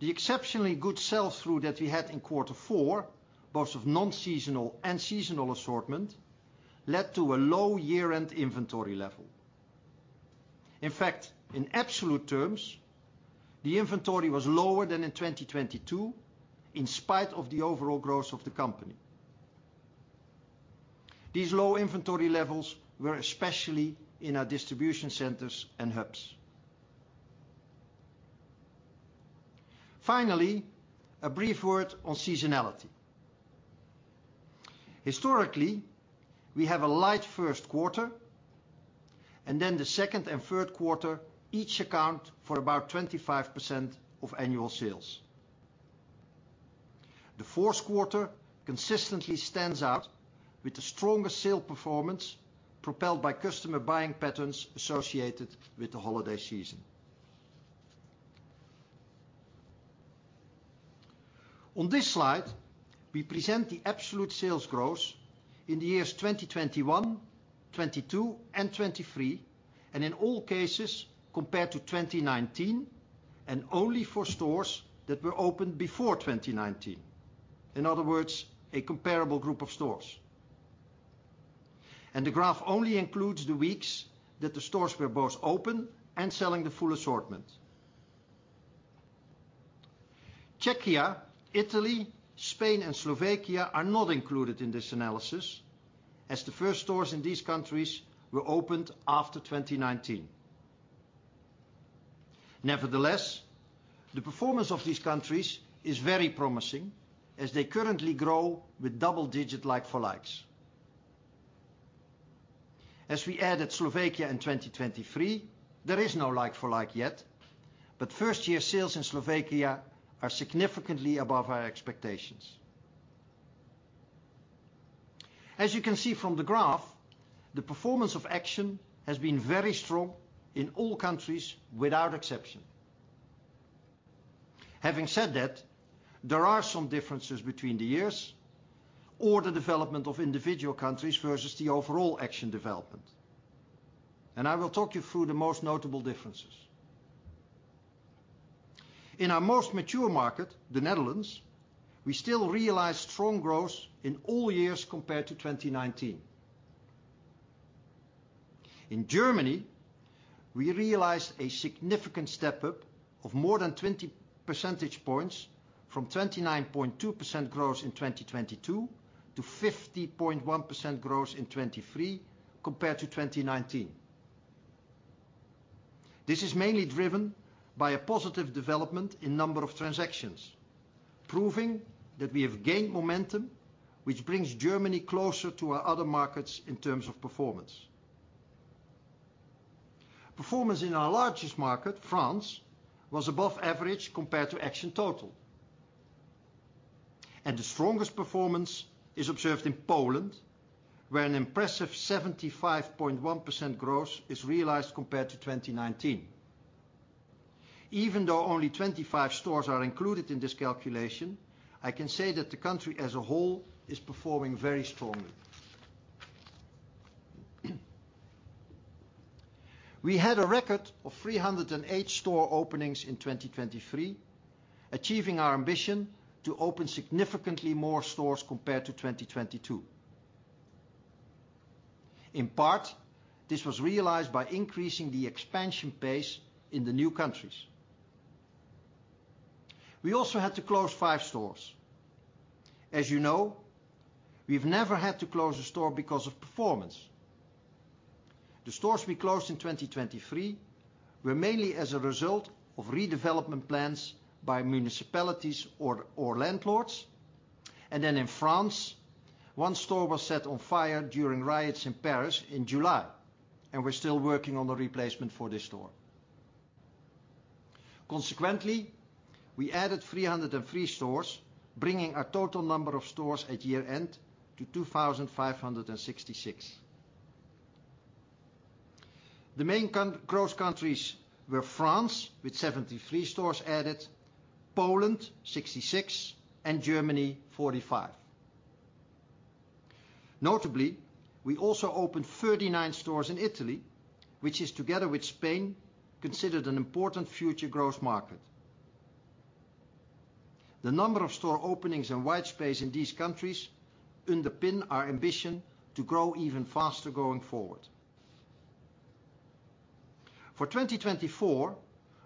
The exceptionally good sell-through that we had in quarter four, both of non-seasonal and seasonal assortment, led to a low year-end inventory level. In fact, in absolute terms, the inventory was lower than in 2022 in spite of the overall growth of the company. These low inventory levels were especially in our distribution centers and hubs. Finally, a brief word on seasonality. Historically, we have a light first quarter and then the second and third quarter each account for about 25% of annual sales. The fourth quarter consistently stands out with the strongest sales performance propelled by customer buying patterns associated with the holiday season. On this slide, we present the absolute sales growth in the years 2021, 2022, and 2023 and in all cases compared to 2019 and only for stores that were opened before 2019. In other words, a comparable group of stores. The graph only includes the weeks that the stores were both open and selling the full assortment. Czechia, Italy, Spain, and Slovakia are not included in this analysis as the first stores in these countries were opened after 2019. Nevertheless, the performance of these countries is very promising as they currently grow with double-digit like-for-like. As we added Slovakia in 2023, there is no like-for-like yet. But first-year sales in Slovakia are significantly above our expectations. As you can see from the graph, the performance of Action has been very strong in all countries without exception. Having said that, there are some differences between the years or the development of individual countries versus the overall Action development. I will talk you through the most notable differences. In our most mature market, the Netherlands, we still realize strong growth in all years compared to 2019. In Germany, we realized a significant step up of more than 20 percentage points from 29.2% growth in 2022 to 50.1% growth in 2023 compared to 2019. This is mainly driven by a positive development in number of transactions, proving that we have gained momentum, which brings Germany closer to our other markets in terms of performance. Performance in our largest market, France, was above average compared to Action total. The strongest performance is observed in Poland where an impressive 75.1% growth is realized compared to 2019. Even though only 25 stores are included in this calculation, I can say that the country as a whole is performing very strongly. We had a record of 308 store openings in 2023, achieving our ambition to open significantly more stores compared to 2022. In part, this was realized by increasing the expansion pace in the new countries. We also had to close five stores. As you know, we've never had to close a store because of performance. The stores we closed in 2023 were mainly as a result of redevelopment plans by municipalities or landlords. And then in France, one store was set on fire during riots in Paris in July. And we're still working on the replacement for this store. Consequently, we added 303 stores, bringing our total number of stores at year-end to 2,566. The main growth countries were France with 73 stores added, Poland 66, and Germany 45. Notably, we also opened 39 stores in Italy, which is together with Spain considered an important future growth market. The number of store openings and white space in these countries underpin our ambition to grow even faster going forward. For 2024,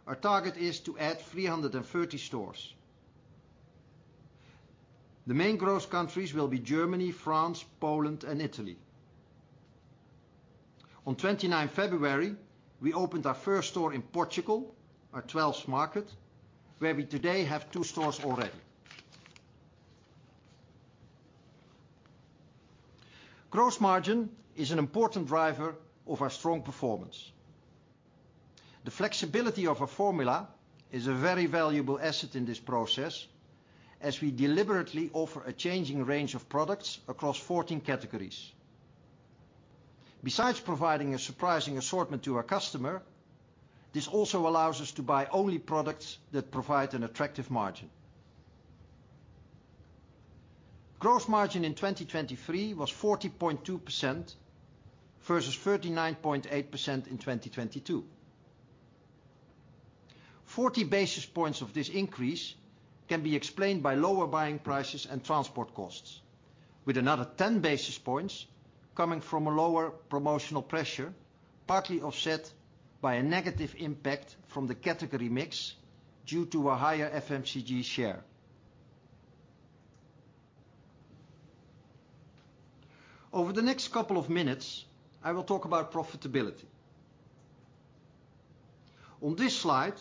our target is to add 330 stores. The main growth countries will be Germany, France, Poland, and Italy. On 29 February, we opened our first store in Portugal, our 12th market, where we today have two stores already. Gross margin is an important driver of our strong performance. The flexibility of our formula is a very valuable asset in this process as we deliberately offer a changing range of products across 14 categories. Besides providing a surprising assortment to our customer, this also allows us to buy only products that provide an attractive margin. Gross margin in 2023 was 40.2% versus 39.8% in 2022. 40 basis points of this increase can be explained by lower buying prices and transport costs, with another 10 basis points coming from a lower promotional pressure partly offset by a negative impact from the category mix due to a higher FMCG share. Over the next couple of minutes, I will talk about profitability. On this slide,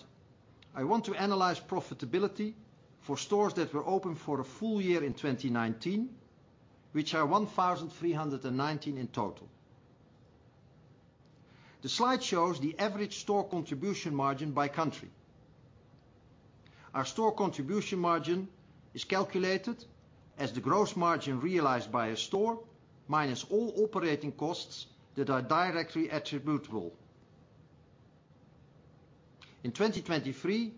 I want to analyze profitability for stores that were open for the full year in 2019, which are 1,319 in total. The slide shows the average store contribution margin by country. Our store contribution margin is calculated as the gross margin realized by a store minus all operating costs that are directly attributable. In 2023,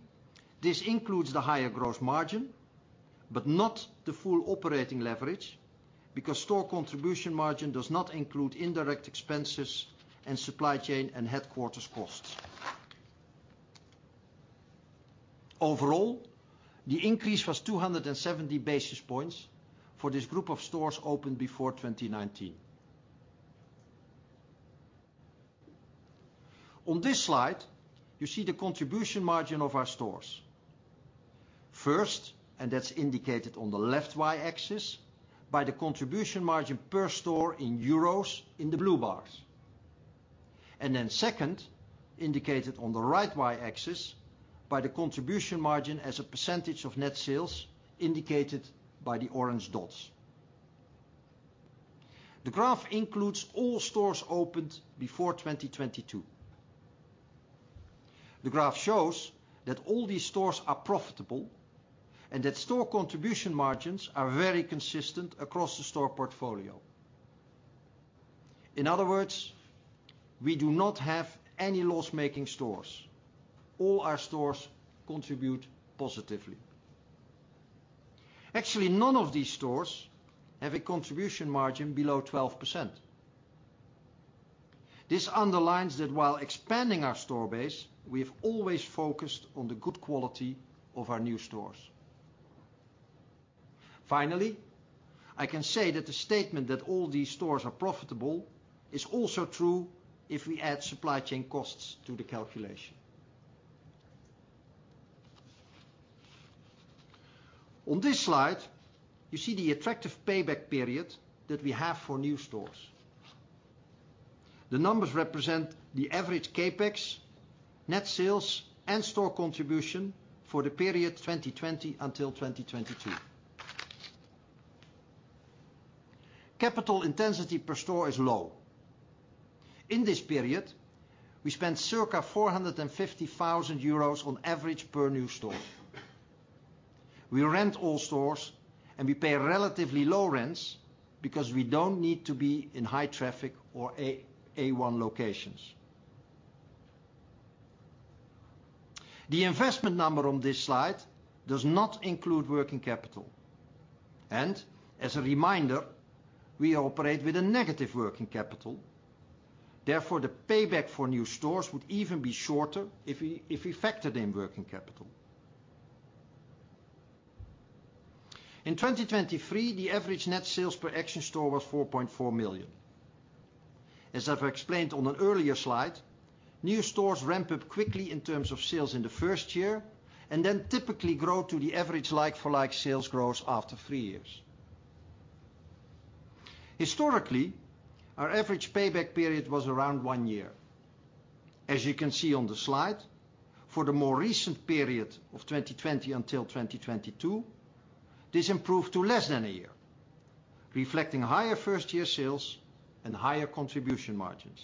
this includes the higher gross margin but not the full operating leverage because store contribution margin does not include indirect expenses and supply chain and headquarters costs. Overall, the increase was 270 basis points for this group of stores opened before 2019. On this slide, you see the contribution margin of our stores. First, and that's indicated on the left Y-axis by the contribution margin per store in euros in the blue bars. And then second, indicated on the right Y-axis by the contribution margin as a percentage of net sales indicated by the orange dots. The graph includes all stores opened before 2022. The graph shows that all these stores are profitable and that store contribution margins are very consistent across the store portfolio. In other words, we do not have any loss-making stores. All our stores contribute positively. Actually, none of these stores have a contribution margin below 12%. This underlines that while expanding our store base, we have always focused on the good quality of our new stores. Finally, I can say that the statement that all these stores are profitable is also true if we add supply chain costs to the calculation. On this slide, you see the attractive payback period that we have for new stores. The numbers represent the average CapEx, net sales, and store contribution for the period 2020 until 2022. Capital intensity per store is low. In this period, we spent circa 450,000 euros on average per new store. We rent all stores and we pay relatively low rents because we don't need to be in high traffic or A1 locations. The investment number on this slide does not include working capital. As a reminder, we operate with a negative working capital. Therefore, the payback for new stores would even be shorter if we factored in working capital. In 2023, the average net sales per Action store was 4.4 million. As I've explained on an earlier slide, new stores ramp up quickly in terms of sales in the first year and then typically grow to the average like-for-like sales growth after three years. Historically, our average payback period was around one year. As you can see on the slide, for the more recent period of 2020 until 2022, this improved to less than a year, reflecting higher first-year sales and higher contribution margins.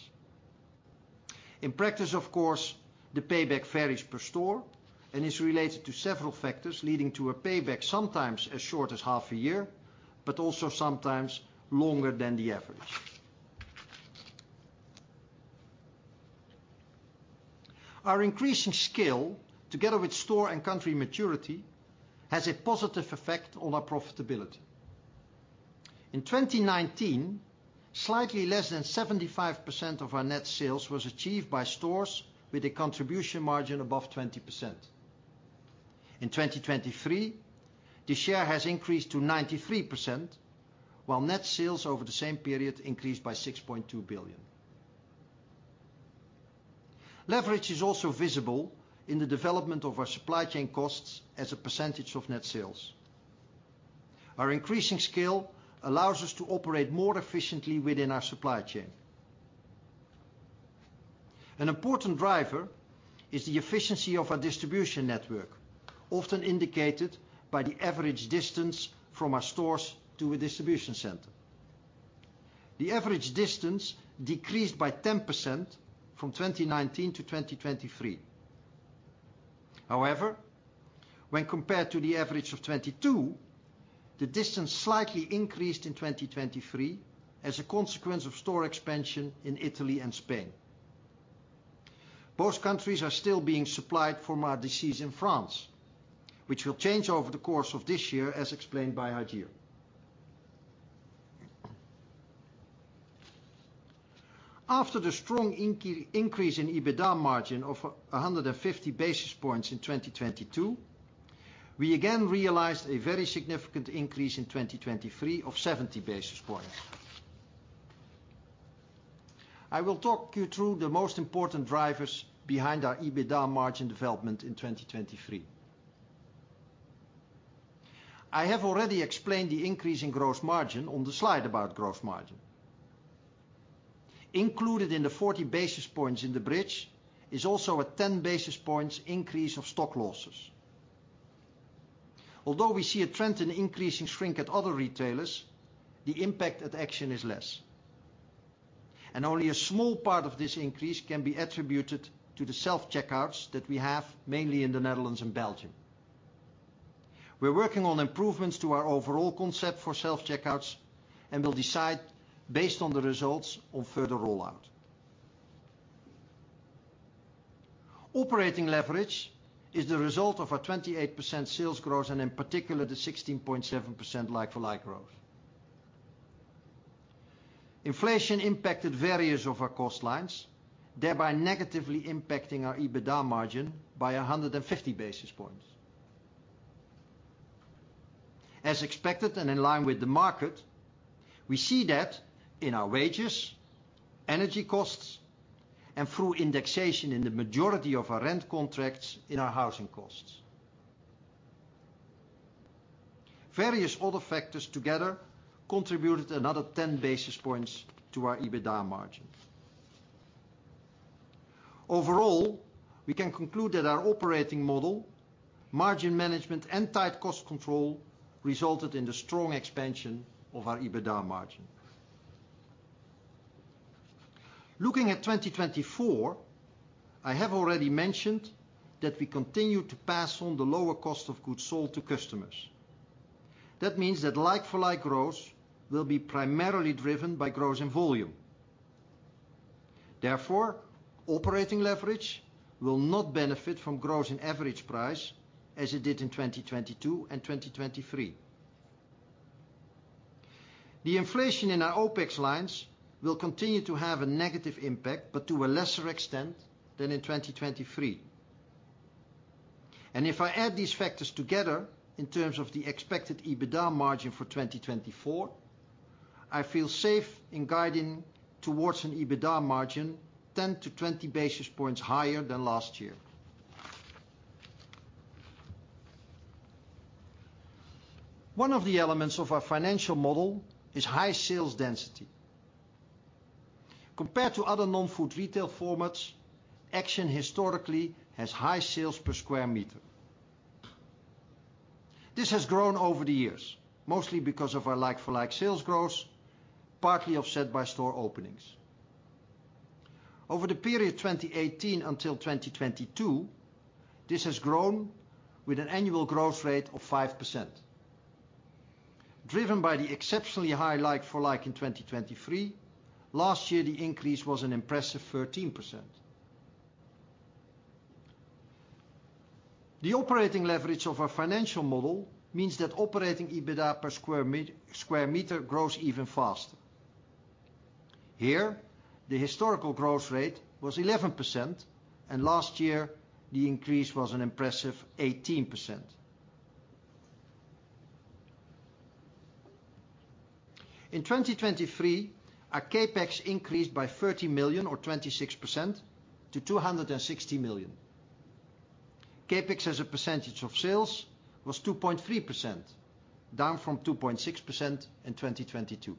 In practice, of course, the payback varies per store and is related to several factors leading to a payback sometimes as short as half a year but also sometimes longer than the average. Our increasing scale together with store and country maturity has a positive effect on our profitability. In 2019, slightly less than 75% of our net sales was achieved by stores with a contribution margin above 20%. In 2023, the share has increased to 93% while net sales over the same period increased by 6.2 billion. Leverage is also visible in the development of our supply chain costs as a percentage of net sales. Our increasing scale allows us to operate more efficiently within our supply chain. An important driver is the efficiency of our distribution network, often indicated by the average distance from our stores to a distribution center. The average distance decreased by 10% from 2019 to 2023. However, when compared to the average of 2022, the distance slightly increased in 2023 as a consequence of store expansion in Italy and Spain. Both countries are still being supplied from our DCs in France, which will change over the course of this year as explained by Hajir. After the strong increase in EBITDA margin of 150 basis points in 2022, we again realized a very significant increase in 2023 of 70 basis points. I will talk you through the most important drivers behind our EBITDA margin development in 2023. I have already explained the increase in gross margin on the slide about gross margin. Included in the 40 basis points in the bridge is also a 10 basis points increase of stock losses. Although we see a trend in increasing shrink at other retailers, the impact at Action is less. Only a small part of this increase can be attributed to the self-checkouts that we have mainly in the Netherlands and Belgium. We're working on improvements to our overall concept for self-checkouts and will decide based on the results on further rollout. Operating leverage is the result of our 28% sales growth and in particular the 16.7% like-for-like growth. Inflation impacted various of our cost lines, thereby negatively impacting our EBITDA margin by 150 basis points. As expected and in line with the market, we see that in our wages, energy costs, and through indexation in the majority of our rent contracts in our housing costs. Various other factors together contributed another 10 basis points to our EBITDA margin. Overall, we can conclude that our operating model, margin management, and tight cost control resulted in the strong expansion of our EBITDA margin. Looking at 2024, I have already mentioned that we continue to pass on the lower cost of goods sold to customers. That means that like-for-like growth will be primarily driven by growth in volume. Therefore, operating leverage will not benefit from growth in average price as it did in 2022 and 2023. The inflation in our OpEx lines will continue to have a negative impact but to a lesser extent than in 2023. And if I add these factors together in terms of the expected EBITDA margin for 2024, I feel safe in guiding towards an EBITDA margin 10-20 basis points higher than last year. One of the elements of our financial model is high sales density. Compared to other non-food retail formats, Action historically has high sales per square meter. This has grown over the years mostly because of our like-for-like sales growth, partly offset by store openings. Over the period 2018 until 2022, this has grown with an annual growth rate of 5%. Driven by the exceptionally high like-for-like in 2023, last year the increase was an impressive 13%. The operating leverage of our financial model means that operating EBITDA per square meter grows even faster. Here, the historical growth rate was 11% and last year the increase was an impressive 18%. In 2023, our CapEx increased by 30 million or 26% to 260 million. CapEx as a percentage of sales was 2.3%, down from 2.6% in 2022.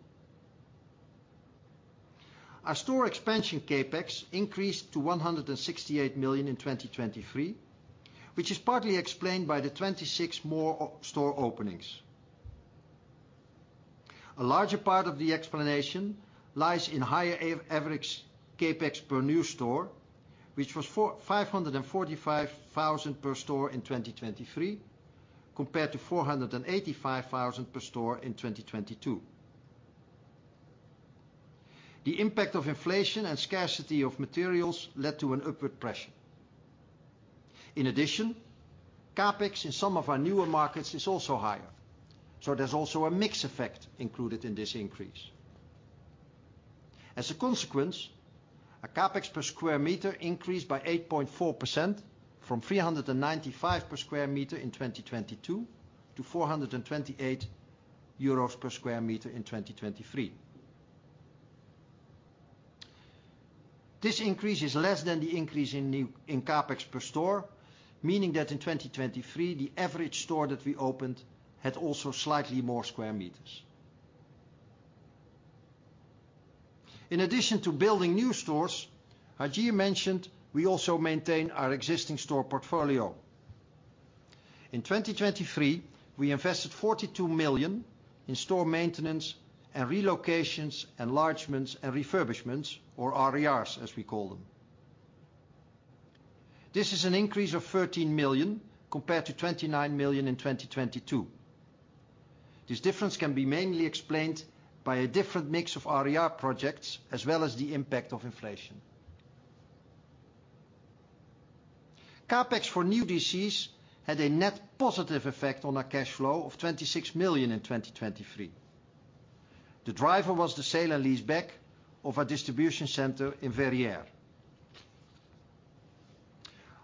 Our store expansion CapEx increased to 168 million in 2023, which is partly explained by the 26 more store openings. A larger part of the explanation lies in higher average CapEx per new store, which was 545,000 per store in 2023 compared to 485,000 per store in 2022. The impact of inflation and scarcity of materials led to an upward pressure. In addition, CapEx in some of our newer markets is also higher. There's also a mix effect included in this increase. As a consequence, our CapEx per sq m increased by 8.4% from 395 per sq m in 2022 to 428 euros per sq m in 2023. This increase is less than the increase in CapEx per store, meaning that in 2023, the average store that we opened had also slightly more square meters. In addition to building new stores, Hajir mentioned we also maintain our existing store portfolio. In 2023, we invested 42 million in store maintenance and relocations enlargements and refurbishments or RERs, as we call them. This is an increase of 13 million compared to 29 million in 2022. This difference can be mainly explained by a different mix of RER projects as well as the impact of inflation. CapEx for new DCs had a net positive effect on our cash flow of 26 million in 2023. The driver was the sale and leaseback of our distribution center in Verrières.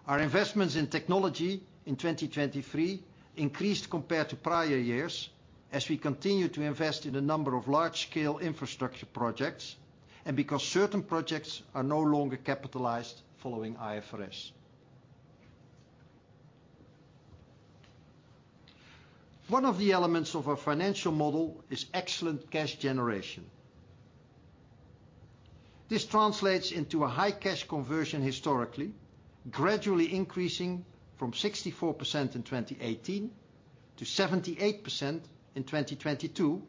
Our investments in technology in 2023 increased compared to prior years as we continue to invest in a number of large-scale infrastructure projects and because certain projects are no longer capitalized following IFRS. One of the elements of our financial model is excellent cash generation. This translates into a high cash conversion historically, gradually increasing from 64% in 2018 to 78% in 2022,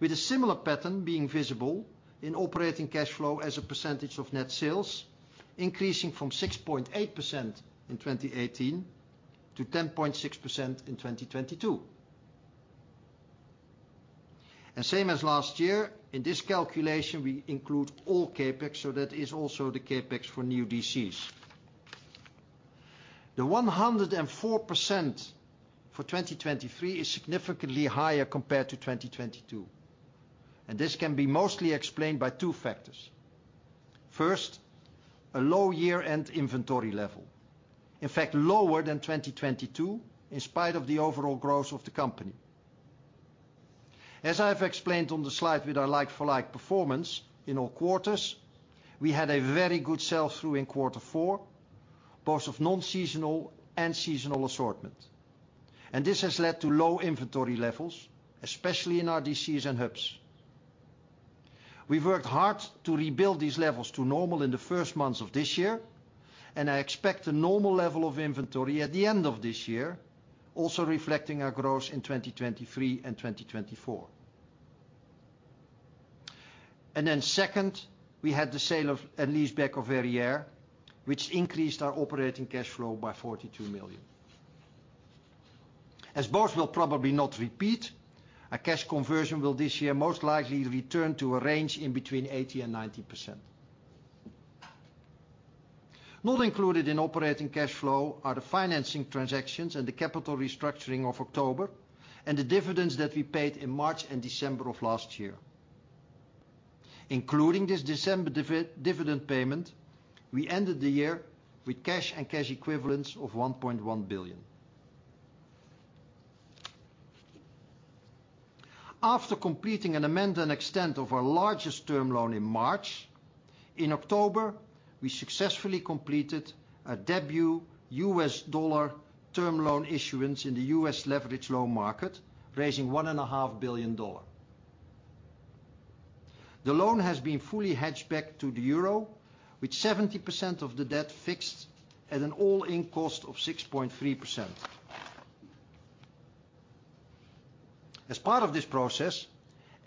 with a similar pattern being visible in operating cash flow as a percentage of net sales, increasing from 6.8% in 2018 to 10.6% in 2022. Same as last year, in this calculation, we include all CapEx so that is also the CapEx for new DCs. The 104% for 2023 is significantly higher compared to 2022. This can be mostly explained by two factors. First, a low year-end inventory level, in fact, lower than 2022 in spite of the overall growth of the company. As I've explained on the slide with our like-for-like performance in all quarters, we had a very good sell-through in quarter four, both of non-seasonal and seasonal assortment. This has led to low inventory levels, especially in our DCs and hubs. We've worked hard to rebuild these levels to normal in the first months of this year. I expect a normal level of inventory at the end of this year, also reflecting our growth in 2023 and 2024. Then second, we had the sale and leaseback of Verrières, which increased our operating cash flow by 42 million. As both will probably not repeat, our cash conversion will this year most likely return to a range in between 80% and 90%. Not included in operating cash flow are the financing transactions and the capital restructuring of October and the dividends that we paid in March and December of last year. Including this December dividend payment, we ended the year with cash and cash equivalents of 1.1 billion. After completing an amend and extend of our largest term loan in March, in October, we successfully completed a debut U.S. dollar term loan issuance in the U.S. leverage loan market, raising $1.5 billion. The loan has been fully hedged back to the euro, with 70% of the debt fixed at an all-in cost of 6.3%. As part of this process,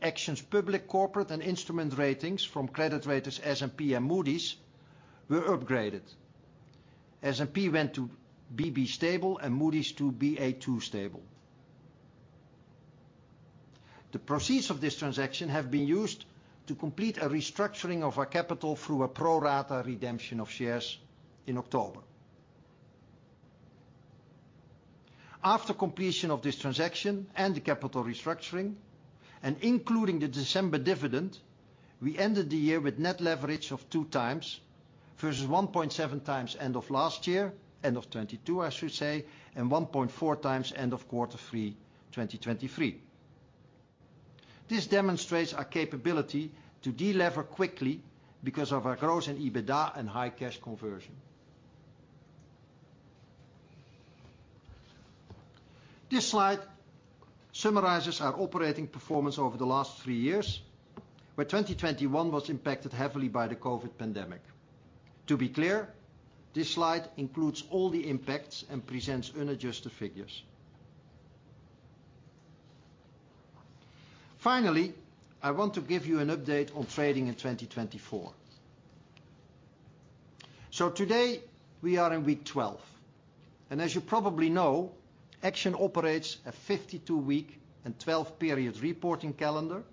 Action's public corporate and instrument ratings from credit raters S&P and Moody's were upgraded. S&P went to BB stable and Moody's to Ba2 stable. The proceeds of this transaction have been used to complete a restructuring of our capital through a pro-rata redemption of shares in October. After completion of this transaction and the capital restructuring and including the December dividend, we ended the year with net leverage of 2x versus 1.7x end of last year, end of 2022, I should say, and 1.4x end of Q3 2023. This demonstrates our capability to delever quickly because of our growth in EBITDA and high cash conversion. This slide summarizes our operating performance over the last three years, where 2021 was impacted heavily by the COVID pandemic. To be clear, this slide includes all the impacts and presents unadjusted figures. Finally, I want to give you an update on trading in 2024. Today, we are in week 12. As you probably know, Action operates a 52-week and 12-period reporting calendar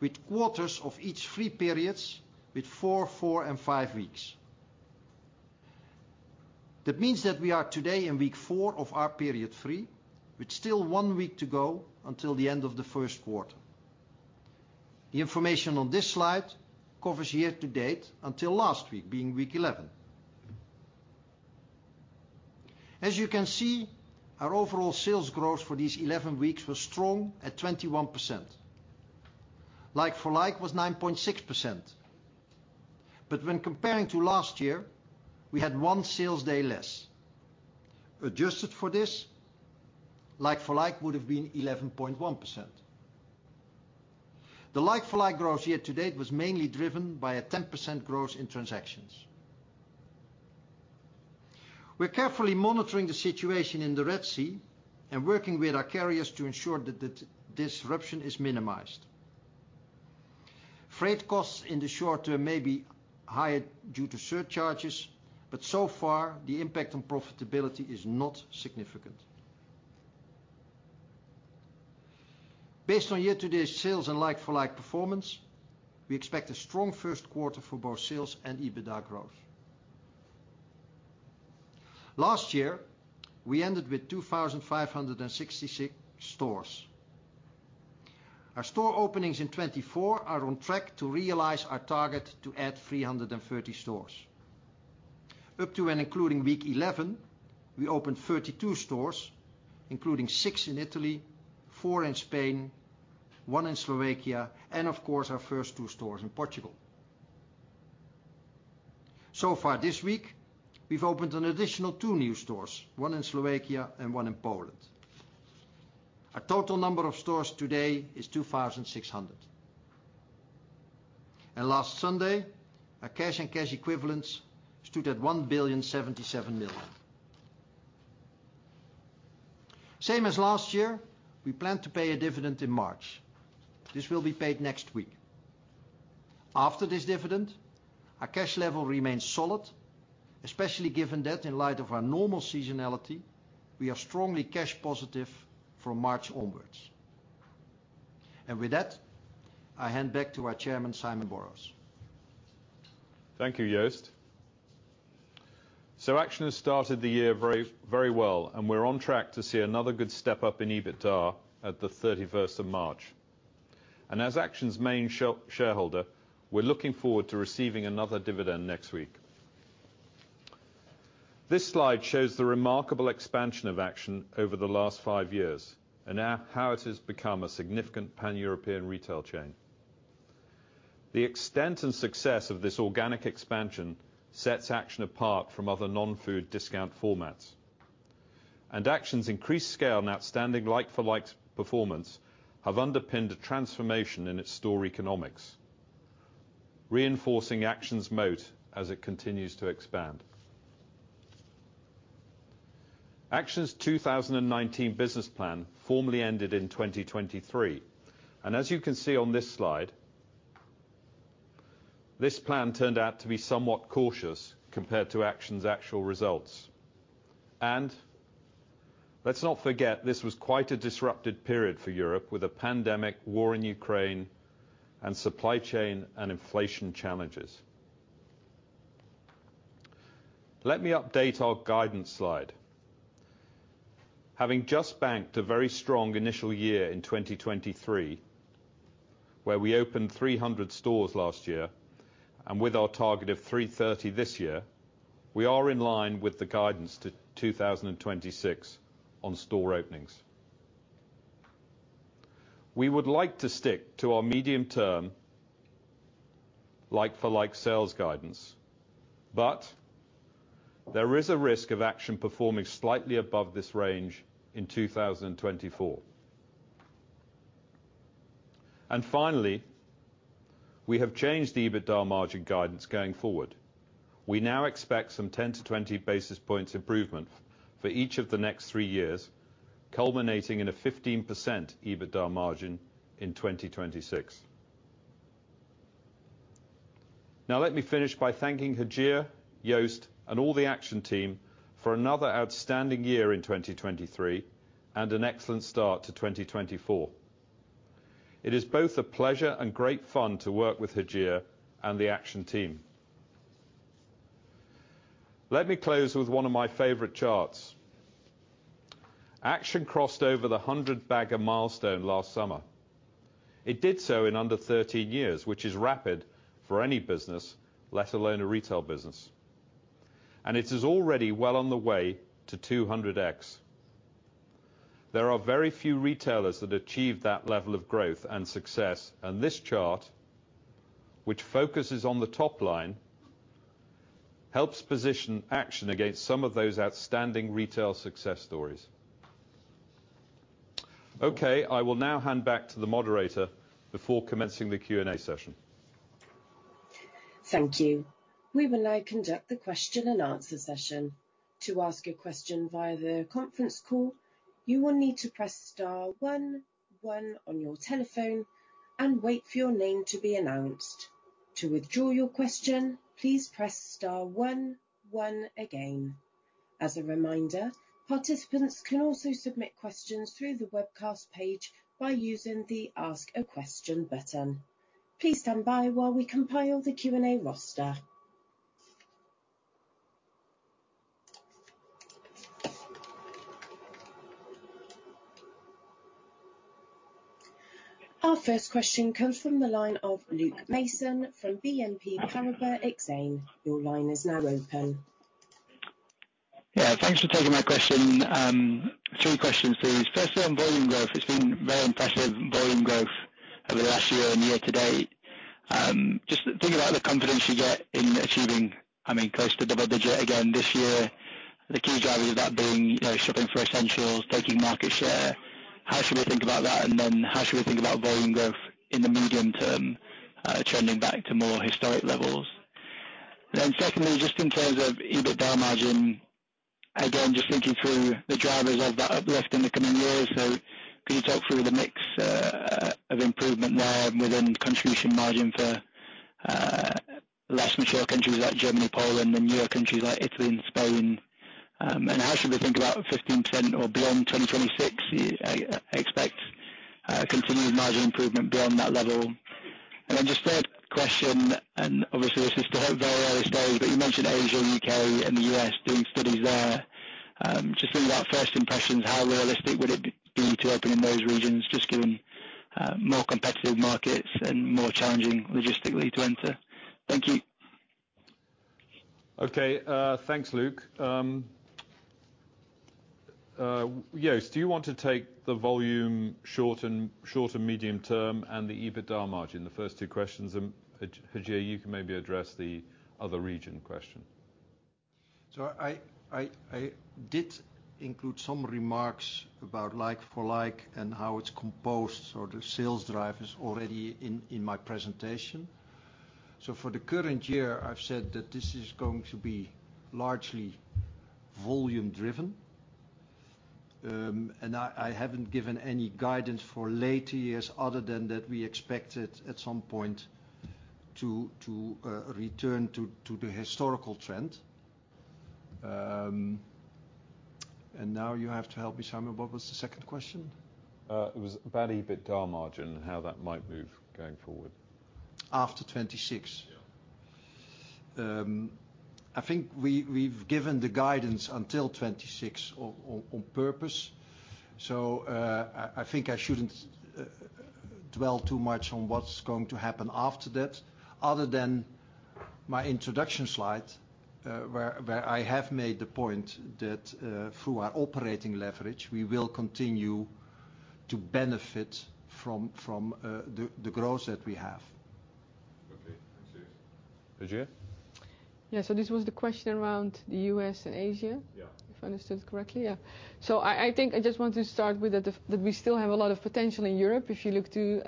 with quarters of each three periods with four, four, and five weeks. That means that we are today in week four of our period three, with still one week to go until the end of the first quarter. The information on this slide covers year to date until last week, being week 11. As you can see, our overall sales growth for these 11 weeks was strong at 21%. Like-for-like was 9.6%. But when comparing to last year, we had one sales day less. Adjusted for this, like-for-like would have been 11.1%. The like-for-like growth year to date was mainly driven by a 10% growth in transactions. We're carefully monitoring the situation in the Red Sea and working with our carriers to ensure that the disruption is minimized. Freight costs in the short term may be higher due to surcharges, but so far, the impact on profitability is not significant. Based on year-to-date sales and like-for-like performance, we expect a strong first quarter for both sales and EBITDA growth. Last year, we ended with 2,566 stores. Our store openings in 2024 are on track to realize our target to add 330 stores. Up to and including week 11, we opened 32 stores, including six in Italy, four in Spain, one in Slovakia, and, of course, our first two stores in Portugal. So far this week, we've opened an additional two new stores, one in Slovakia and one in Poland. Our total number of stores today is 2,600. Last Sunday, our cash and cash equivalents stood at 1.077 billion. Same as last year, we plan to pay a dividend in March. This will be paid next week. After this dividend, our cash level remains solid, especially given that in light of our normal seasonality, we are strongly cash positive from March onwards. With that, I hand back to our chairman, Simon Borrows. Thank you, Joost. Action has started the year very, very well, and we're on track to see another good step up in EBITDA at the 31st of March. As Action's main shareholder, we're looking forward to receiving another dividend next week. This slide shows the remarkable expansion of Action over the last five years and how it has become a significant pan-European retail chain. The extent and success of this organic expansion sets Action apart from other non-food discount formats. Action's increased scale and outstanding like-for-like performance have underpinned a transformation in its store economics, reinforcing Action's moat as it continues to expand. Action's 2019 business plan formally ended in 2023. As you can see on this slide, this plan turned out to be somewhat cautious compared to Action's actual results. Let's not forget, this was quite a disrupted period for Europe with a pandemic, war in Ukraine, and supply chain and inflation challenges. Let me update our guidance slide. Having just banked a very strong initial year in 2023, where we opened 300 stores last year and with our target of 330 this year, we are in line with the guidance to 2026 on store openings. We would like to stick to our medium-term like-for-like sales guidance, but there is a risk of Action performing slightly above this range in 2024. Finally, we have changed the EBITDA margin guidance going forward. We now expect some 10-20 basis points improvement for each of the next three years, culminating in a 15% EBITDA margin in 2026. Now, let me finish by thanking Hajir, Joost, and all the Action team for another outstanding year in 2023 and an excellent start to 2024. It is both a pleasure and great fun to work with Hajir and the Action team. Let me close with one of my favorite charts. Action crossed over the 100-bagger milestone last summer. It did so in under 13 years, which is rapid for any business, let alone a retail business. And it is already well on the way to 200x. There are very few retailers that achieve that level of growth and success. And this chart, which focuses on the top line, helps position Action against some of those outstanding retail success stories. Okay, I will now hand back to the moderator before commencing the Q&A session. Thank you. We will now conduct the question and answer session. To ask a question via the conference call, you will need to press star one, one on your telephone and wait for your name to be announced. To withdraw your question, please press star one, one again. As a reminder, participants can also submit questions through the webcast page by using the Ask a Question button. Please stand by while we compile the Q&A roster. Our first question comes from the line of Luke Mason from BNP Paribas Exane. Your line is now open. Yeah, thanks for taking my question. Three questions, please. Firstly, on volume growth, it's been very impressive volume growth over the last year and year to date. Just think about the confidence you get in achieving, I mean, close to double-digit again this year, the key drivers of that being, you know, shopping for essentials, taking market share. How should we think about that? And then how should we think about volume growth in the medium term, trending back to more historic levels? And then secondly, just in terms of EBITDA margin, again, just thinking through the drivers of that uplift in the coming years. So could you talk through the mix of improvement there within contribution margin for less mature countries like Germany, Poland, and newer countries like Italy and Spain? And how should we think about 15% or beyond 2026? You expect continued margin improvement beyond that level? And then just third question, and obviously, this is still at a very early stage, but you mentioned Asia, U.K., and the U.S. doing studies there. Just think about first impressions. How realistic would it be to open in those regions, just given more competitive markets and more challenging logistically to enter? Thank you. Okay. Thanks, Luke. Joost, do you want to take the volume short and shorter medium term and the EBITDA margin, the first two questions? Hajir, you can maybe address the other region question. So I did include some remarks about like-for-like and how it's composed or the sales drivers already in my presentation. So for the current year, I've said that this is going to be largely volume-driven. I haven't given any guidance for later years other than that we expected at some point to return to the historical trend. Now you have to help me, Simon. What was the second question? It was about EBITDA margin and how that might move going forward. After 2026. Yeah. I think we've given the guidance until 2026 on purpose. So, I think I shouldn't dwell too much on what's going to happen after that other than my introduction slide, where I have made the point that, through our operating leverage, we will continue to benefit from the growth that we have. Okay. Thanks, Joost. Hajir? Yeah, so this was the question around the U.S. and Asia. Yeah. If I understood correctly. Yeah. So I think I just want to start with that we still have a lot of potential in Europe if you look to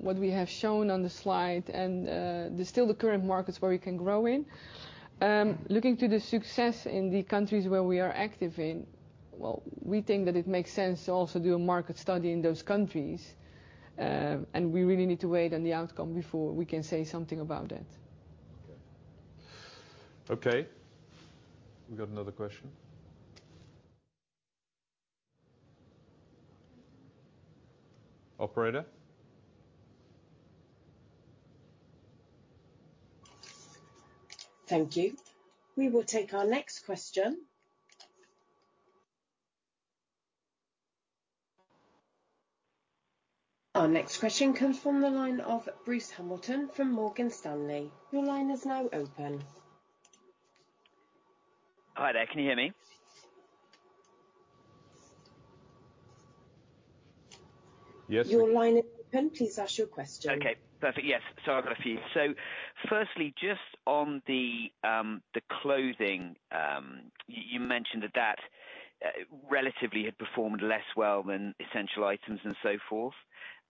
what we have shown on the slide and still the current markets where we can grow in. Looking to the success in the countries where we are active in, well, we think that it makes sense to also do a market study in those countries. We really need to wait on the outcome before we can say something about that. Okay. Okay. We've got another question. Operator? Thank you. We will take our next question. Our next question comes from the line of Bruce Hamilton from Morgan Stanley. Your line is now open. Hi there. Can you hear me? Yes. Your line is open. Please ask your question. Okay. Perfect. Yes. So I've got a few. So firstly, just on the clothing, you mentioned that relatively had performed less well than essential items and so forth.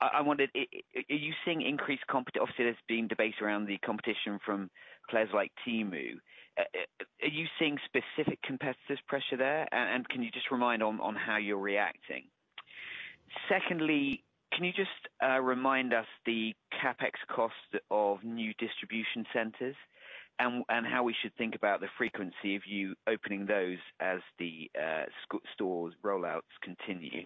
I wondered, are you seeing increased competition? Obviously, there's been debate around the competition from players like Temu. Are you seeing specific competitors' pressure there? And can you just remind on how you're reacting? Secondly, can you just remind us the CapEx cost of new distribution centers and how we should think about the frequency of you opening those as the store rollouts continue?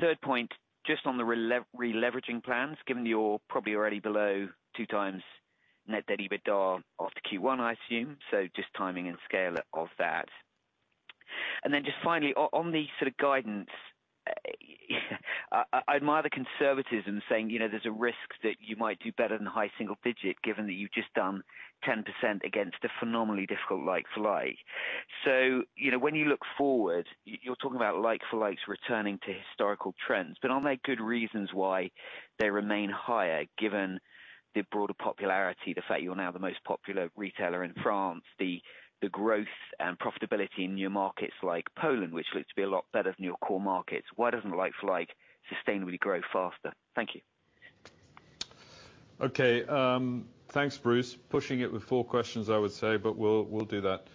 Third point, just on the re-leveraging plans, given you're probably already below 2x net debt EBITDA after Q1, I assume. So just timing and scale of that. And then just finally, on the sort of guidance, I'd more the conservatism saying, you know, there's a risk that you might do better than high single digit given that you've just done 10% against a phenomenally difficult like-for-like. So, you know, when you look forward, you're talking about like-for-likes returning to historical trends. But are there good reasons why they remain higher given the broader popularity, the fact you're now the most popular retailer in France, the growth and profitability in new markets like Poland, which look to be a lot better than your core markets? Why doesn't like-for-like sustainably grow faster? Thank you. Okay. Thanks, Bruce. Pushing it with four questions, I would say, but we'll, we'll do that.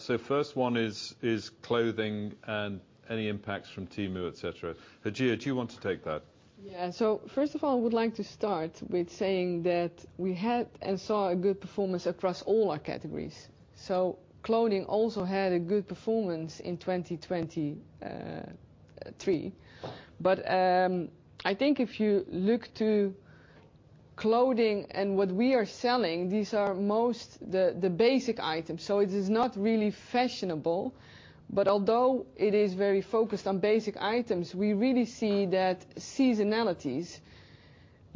So first one is, is clothing and any impacts from Temu, etc. Hajir, do you want to take that? Yeah. So first of all, I would like to start with saying that we had and saw a good performance across all our categories. So clothing also had a good performance in 2023. But I think if you look to clothing and what we are selling, these are mostly the basic items. So it is not really fashionable. But although it is very focused on basic items, we really see that seasonalities,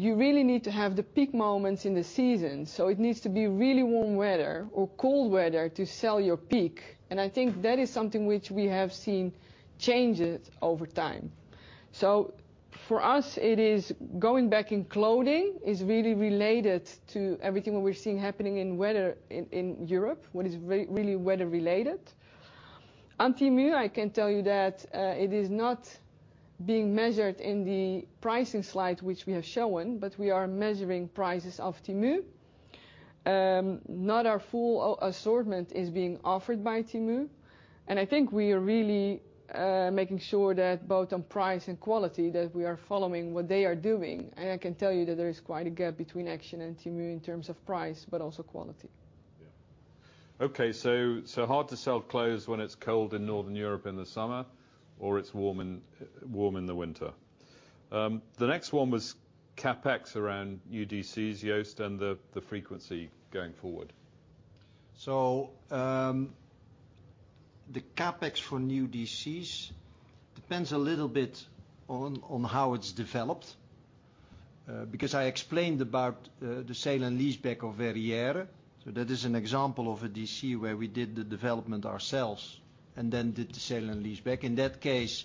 you really need to have the peak moments in the season. So it needs to be really warm weather or cold weather to sell your peak. And I think that is something which we have seen change over time. So for us, it is going back in clothing is really related to everything what we're seeing happening in weather in Europe, what is really weather-related. On Temu, I can tell you that it is not being measured in the pricing slide which we have shown, but we are measuring prices of Temu. Not our full assortment is being offered by Temu. And I can tell you that there is quite a gap between Action and Temu in terms of price but also quality. Yeah. Okay. So hard to sell clothes when it's cold in northern Europe in the summer or it's warm in the winter. The next one was CapEx around new DCs, Joost, and the frequency going forward. So, the CapEx for new DCs depends a little bit on how it's developed, because I explained about the sale and leaseback of Verrières. So that is an example of a DC where we did the development ourselves and then did the sale and leaseback. In that case,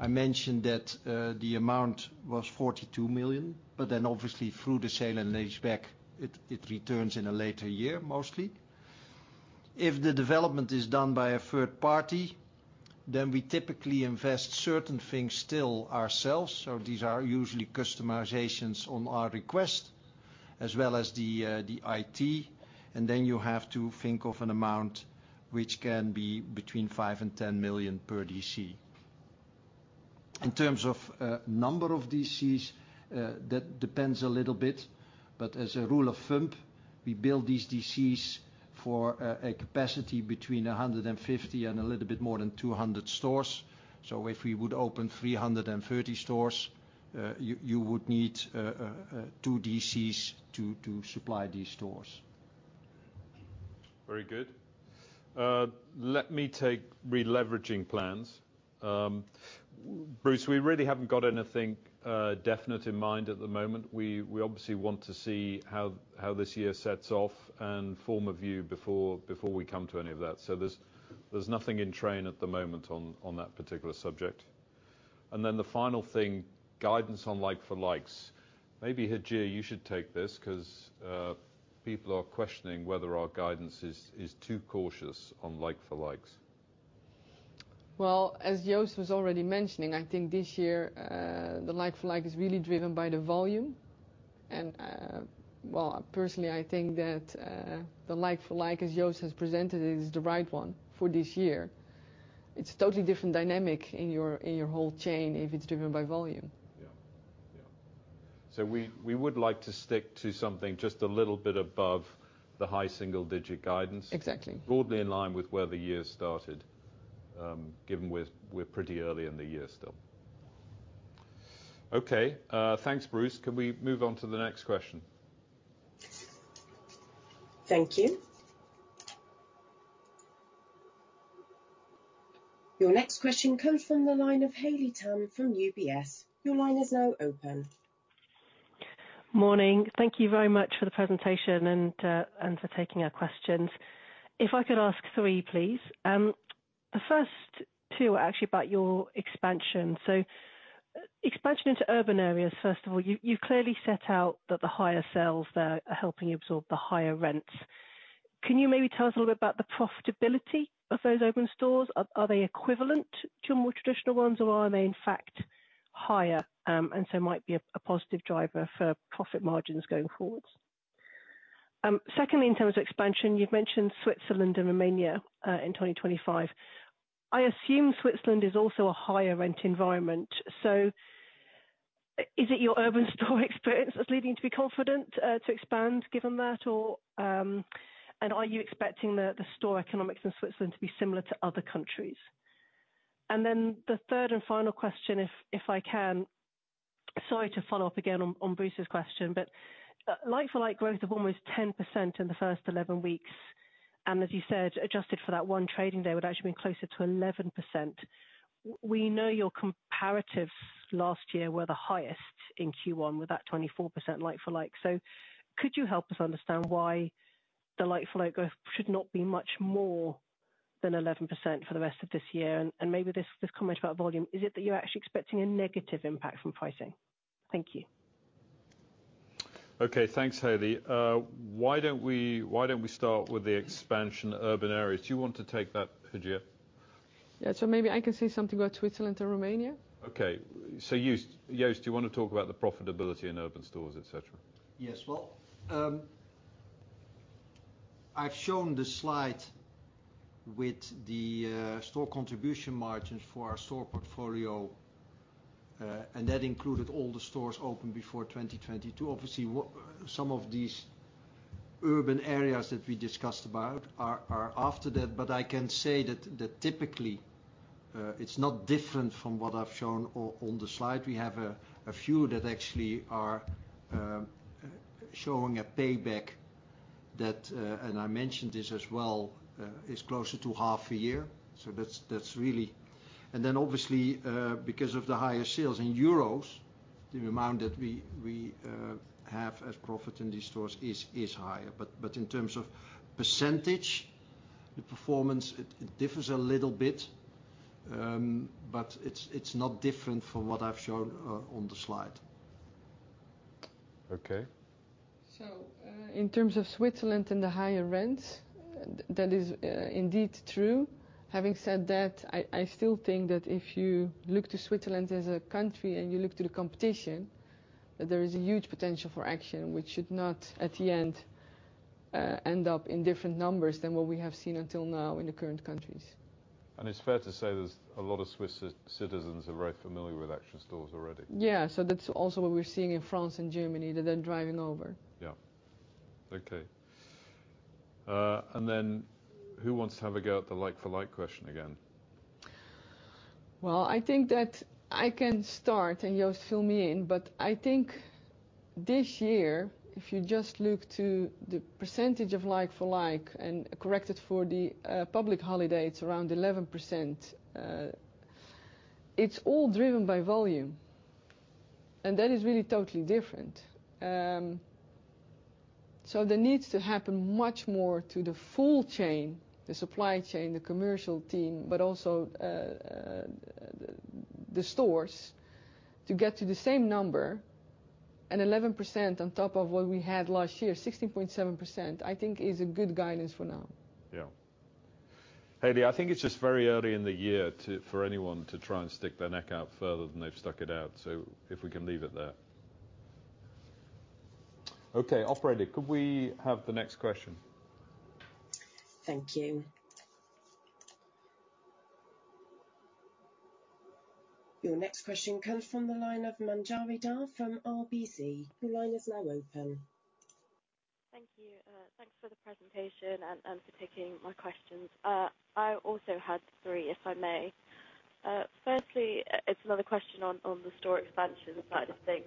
I mentioned that the amount was 42 million. But then obviously, through the sale and leaseback, it returns in a later year mostly. If the development is done by a third party, then we typically invest certain things still ourselves. So these are usually customizations on our request as well as the IT. And then you have to think of an amount which can be between 5 million and 10 million per DC. In terms of number of DCs, that depends a little bit. As a rule of thumb, we build these DCs for a capacity between 150 and a little bit more than 200 stores. So if we would open 330 stores, you would need two DCs to supply these stores. Very good. Let me take re-leveraging plans. Bruce, we really haven't got anything definite in mind at the moment. We obviously want to see how this year sets off and form a view before we come to any of that. So there's nothing in train at the moment on that particular subject. And then the final thing, guidance on like-for-likes. Maybe, Hajir, you should take this 'cause people are questioning whether our guidance is too cautious on like-for-likes. Well, as Joost was already mentioning, I think this year, the like-for-like is really driven by the volume. And, well, personally, I think that, the like-for-like, as Joost has presented, is the right one for this year. It's a totally different dynamic in your whole chain if it's driven by volume. Yeah. Yeah. So we, we would like to stick to something just a little bit above the high single digit guidance. Exactly. Broadly in line with where the year started, given we're pretty early in the year still. Okay. Thanks, Bruce. Can we move on to the next question? Thank you. Your next question comes from the line of Haley Tam from UBS. Your line is now open. Morning. Thank you very much for the presentation and for taking our questions. If I could ask three, please. The first two are actually about your expansion. So expansion into urban areas, first of all, you've clearly set out that the higher sales there are helping you absorb the higher rents. Can you maybe tell us a little bit about the profitability of those open stores? Are they equivalent to more traditional ones, or are they, in fact, higher, and so might be a positive driver for profit margins going forwards? Secondly, in terms of expansion, you've mentioned Switzerland and Romania in 2025. I assume Switzerland is also a higher rent environment. So is it your urban store experience that's leading you to be confident to expand given that, or and are you expecting the store economics in Switzerland to be similar to other countries? Then the third and final question, if I can, sorry to follow up again on Bruce's question, but like-for-like growth of almost 10% in the first 11 weeks, and as you said, adjusted for that one trading day, would actually be closer to 11%. We know your comparatives last year were the highest in Q1 with that 24% like-for-like. So could you help us understand why the like-for-like growth should not be much more than 11% for the rest of this year? And maybe this comment about volume, is it that you're actually expecting a negative impact from pricing? Thank you. Okay. Thanks, Haley. Why don't we start with the expansion urban areas? Do you want to take that, Hajir? Yeah. Maybe I can say something about Switzerland and Romania. Okay. So, you see, Joost, do you want to talk about the profitability in urban stores, et cetera? Yes. Well, I've shown the slide with the store contribution margins for our store portfolio, and that included all the stores open before 2022. Obviously, with some of these urban areas that we discussed about are after that. But I can say that typically, it's not different from what I've shown on the slide. We have a few that actually are showing a payback that, and I mentioned this as well, is closer to half a year. So that's really and then obviously, because of the higher sales in euros, the amount that we have as profit in these stores is higher. But in terms of percentage, the performance it differs a little bit. But it's not different from what I've shown on the slide. Okay. So, in terms of Switzerland and the higher rents, that is, indeed true. Having said that, I still think that if you look to Switzerland as a country and you look to the competition, that there is a huge potential for Action, which should not, at the end, end up in different numbers than what we have seen until now in the current countries. It's fair to say there's a lot of Swiss citizens are very familiar with Action stores already. Yeah. That's also what we're seeing in France and Germany, that they're driving over. Yeah. Okay. And then who wants to have a go at the like-for-like question again? Well, I think that I can start, and Joost, fill me in. But I think this year, if you just look to the percentage of like-for-like and corrected for the public holidays, around 11%, it's all driven by volume. And that is really totally different. So there needs to happen much more to the full chain, the supply chain, the commercial team, but also the stores to get to the same number. And 11% on top of what we had last year, 16.7%, I think is a good guidance for now. Yeah. Haley, I think it's just too early in the year for anyone to try and stick their neck out further than they've stuck it out. So if we can leave it there. Okay. Operator, could we have the next question? Thank you. Your next question comes from the line of Manjari Dhar from RBC. Your line is now open. Thank you. Thanks for the presentation and for taking my questions. I also had three, if I may. Firstly, it's another question on the store expansion side of things.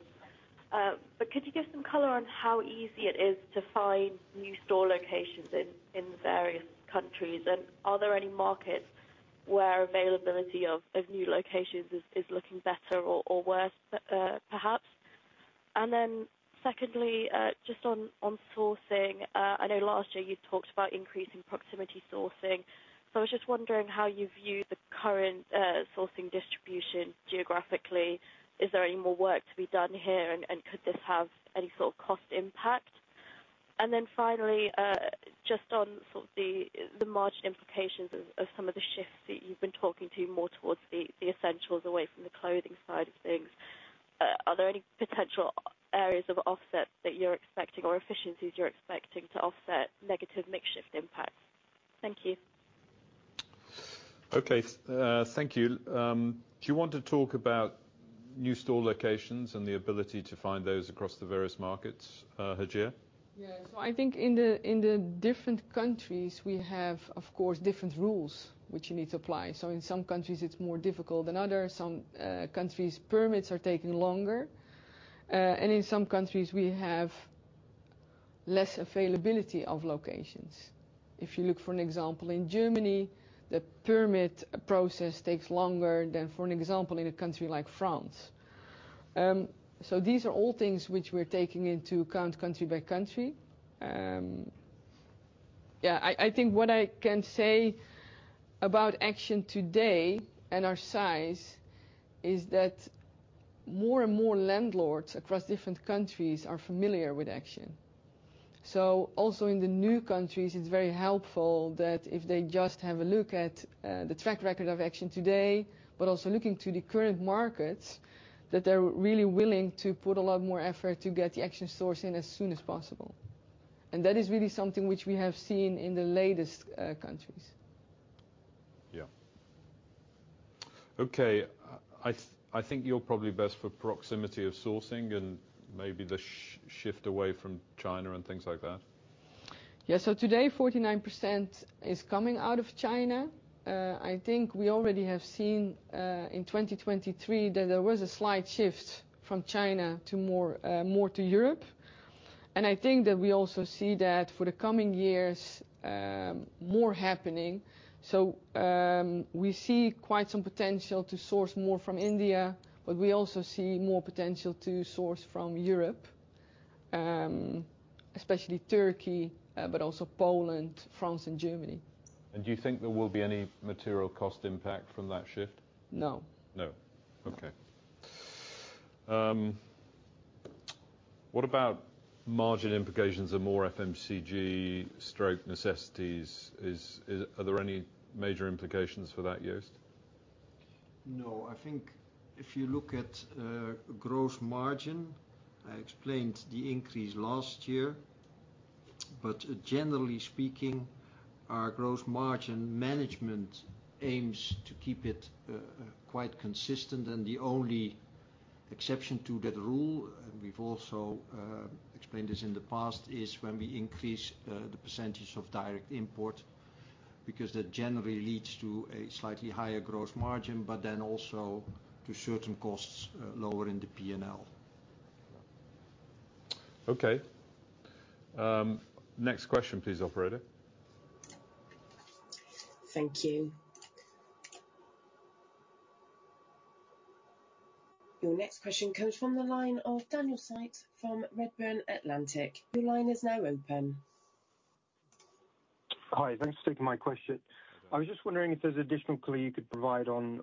But could you give some color on how easy it is to find new store locations in various countries? And are there any markets where availability of new locations is looking better or worse, perhaps? And then secondly, just on sourcing, I know last year you talked about increasing proximity sourcing. So I was just wondering how you view the current sourcing distribution geographically. Is there any more work to be done here, and could this have any sort of cost impact? And then finally, just on sort of the margin implications of some of the shifts that you've been talking to more towards the essentials away from the clothing side of things, are there any potential areas of offset that you're expecting or efficiencies you're expecting to offset negative margin impacts? Thank you. Okay. Thank you. Do you want to talk about new store locations and the ability to find those across the various markets, Hajir? Yeah. So I think in the different countries, we have, of course, different rules which you need to apply. So in some countries, it's more difficult than others. Some countries, permits are taking longer. And in some countries, we have less availability of locations. If you look, for example, in Germany, the permit process takes longer than, for example, in a country like France. So these are all things which we're taking into account country by country. Yeah. I think what I can say about Action today and our size is that more and more landlords across different countries are familiar with Action. So also in the new countries, it's very helpful that if they just have a look at the track record of Action today, but also looking to the current markets, that they're really willing to put a lot more effort to get the Action stores in as soon as possible. And that is really something which we have seen in the latest countries. Yeah. Okay. I think you're probably best for proximity of sourcing and maybe the shift away from China and things like that. Yeah. So today, 49% is coming out of China. I think we already have seen, in 2023, that there was a slight shift from China to more, more to Europe. And I think that we also see that for the coming years, more happening. So, we see quite some potential to source more from India, but we also see more potential to source from Europe, especially Turkey, but also Poland, France, and Germany. Do you think there will be any material cost impact from that shift? No. No. Okay. What about margin implications of more FMCG/necessities? Are there any major implications for that, Joost? No. I think if you look at gross margin, I explained the increase last year. But generally speaking, our gross margin management aims to keep it quite consistent. And the only exception to that rule, and we've also explained this in the past, is when we increase the percentage of direct import because that generally leads to a slightly higher gross margin, but then also to certain costs lower in the P&L. Yeah. Okay. Next question, please, operator. Thank you. Your next question comes from the line of Daniel Sykes from Redburn Atlantic. Your line is now open. Hi. Thanks for taking my question. I was just wondering if there's additional clarity you could provide on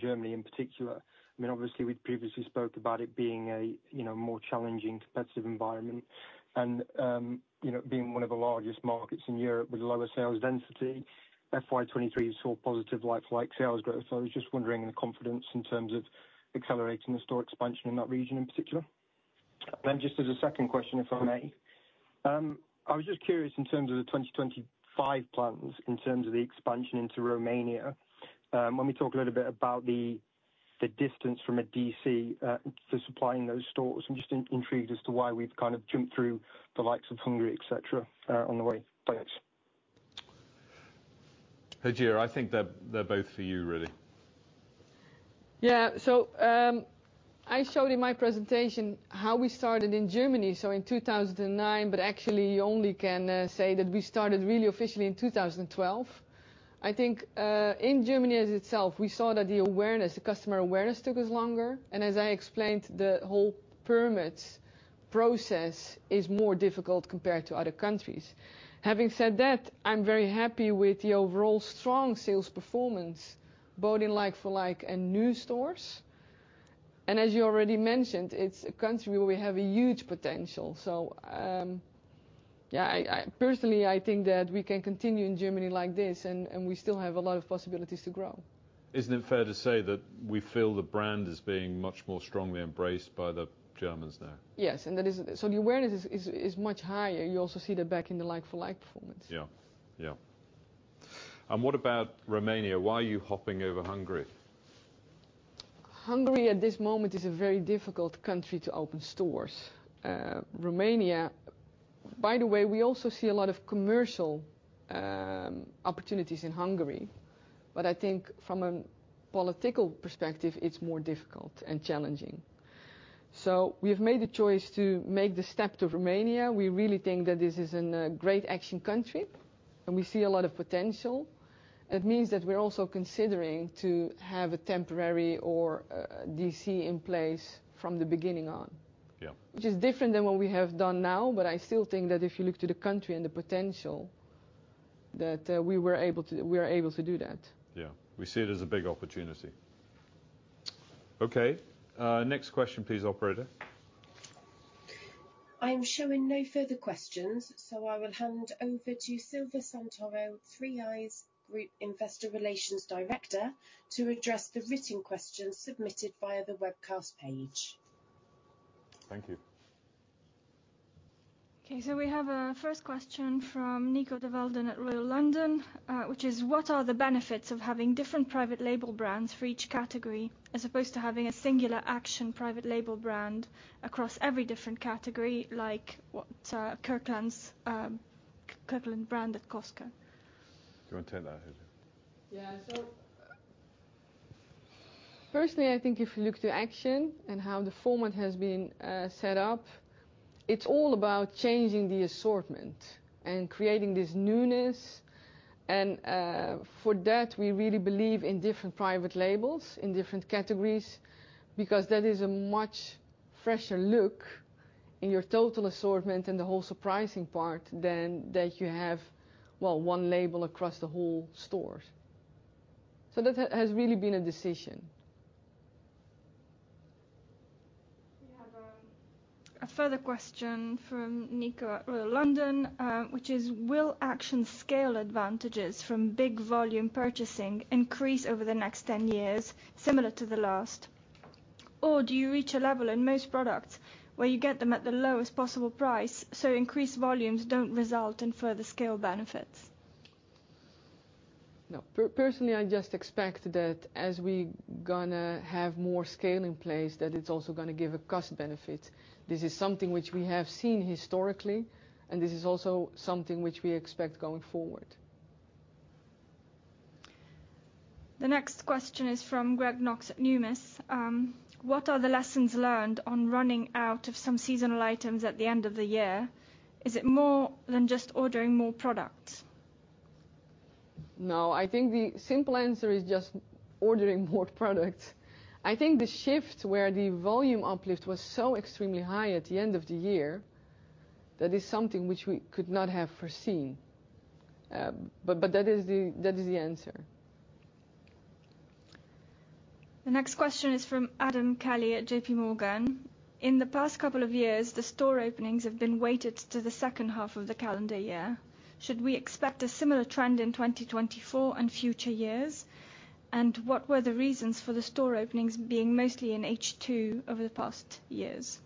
Germany in particular. I mean, obviously, we'd previously spoke about it being a, you know, more challenging, competitive environment and, you know, being one of the largest markets in Europe with lower sales density. FY 2023 saw positive like-for-like sales growth. I was just wondering the confidence in terms of accelerating the store expansion in that region in particular. And then just as a second question, if I may, I was just curious in terms of the 2025 plans, in terms of the expansion into Romania. Let me talk a little bit about the distance from a DC for supplying those stores. I'm just intrigued as to why we've kind of jumped through the likes of Hungary, etc., on the way. Thanks. Hajir, I think they're, they're both for you, really. Yeah. So, I showed in my presentation how we started in Germany, so in 2009, but actually, you only can say that we started really officially in 2012. I think, in Germany itself, we saw that the awareness, the customer awareness, took us longer. And as I explained, the whole permits process is more difficult compared to other countries. Having said that, I'm very happy with the overall strong sales performance both in like-for-like and new stores. And as you already mentioned, it's a country where we have a huge potential. So, yeah. I personally think that we can continue in Germany like this, and we still have a lot of possibilities to grow. Isn't it fair to say that we feel the brand is being much more strongly embraced by the Germans now? Yes. That is so the awareness is much higher. You also see that back in the like-for-like performance. Yeah. Yeah. And what about Romania? Why are you hopping over Hungary? Hungary at this moment is a very difficult country to open stores. Romania, by the way, we also see a lot of commercial opportunities in Hungary. But I think from a political perspective, it's more difficult and challenging. So we have made the choice to make the step to Romania. We really think that this is a great Action country, and we see a lot of potential. And it means that we're also considering to have a temporary or DC in place from the beginning on. Yeah. Which is different than what we have done now. But I still think that if you look to the country and the potential, that we are able to do that. Yeah. We see it as a big opportunity. Okay. Next question, please, Operator. I'm showing no further questions. So I will hand over to Silvia Santoro, 3i's Group Investor Relations Director, to address the written questions submitted via the webcast page. Thank you. Okay. So we have a first question from Nico de Walden at Royal London, which is, "What are the benefits of having different private label brands for each category as opposed to having a singular Action private label brand across every different category, like what, Kirkland's, Kirkland brand at Costco? Do you want to take that, Hajir? Yeah. So personally, I think if you look to Action and how the format has been set up, it's all about changing the assortment and creating this newness. And, for that, we really believe in different private labels in different categories because that is a much fresher look in your total assortment and the whole surprising part than that you have, well, one label across the whole stores. So that has really been a decision. We have a further question from Nico at Royal London, which is, "Will Action's scale advantages from big-volume purchasing increase over the next 10 years similar to the last? Or do you reach a level in most products where you get them at the lowest possible price, so increased volumes don't result in further scale benefits? No, personally, I just expect that as we gonna have more scale in place, that it's also gonna give a cost benefit. This is something which we have seen historically, and this is also something which we expect going forward. The next question is from Greg Knox at Numis. "What are the lessons learned on running out of some seasonal items at the end of the year? Is it more than just ordering more products? No. I think the simple answer is just ordering more products. I think the shift where the volume uplift was so extremely high at the end of the year, that is something which we could not have foreseen. But that is the answer. The next question is from Adam Kelly at J.P. Morgan. "In the past couple of years, the store openings have been weighted to the second half of the calendar year. Should we expect a similar trend in 2024 and future years? And what were the reasons for the store openings being mostly in H2 over the past years?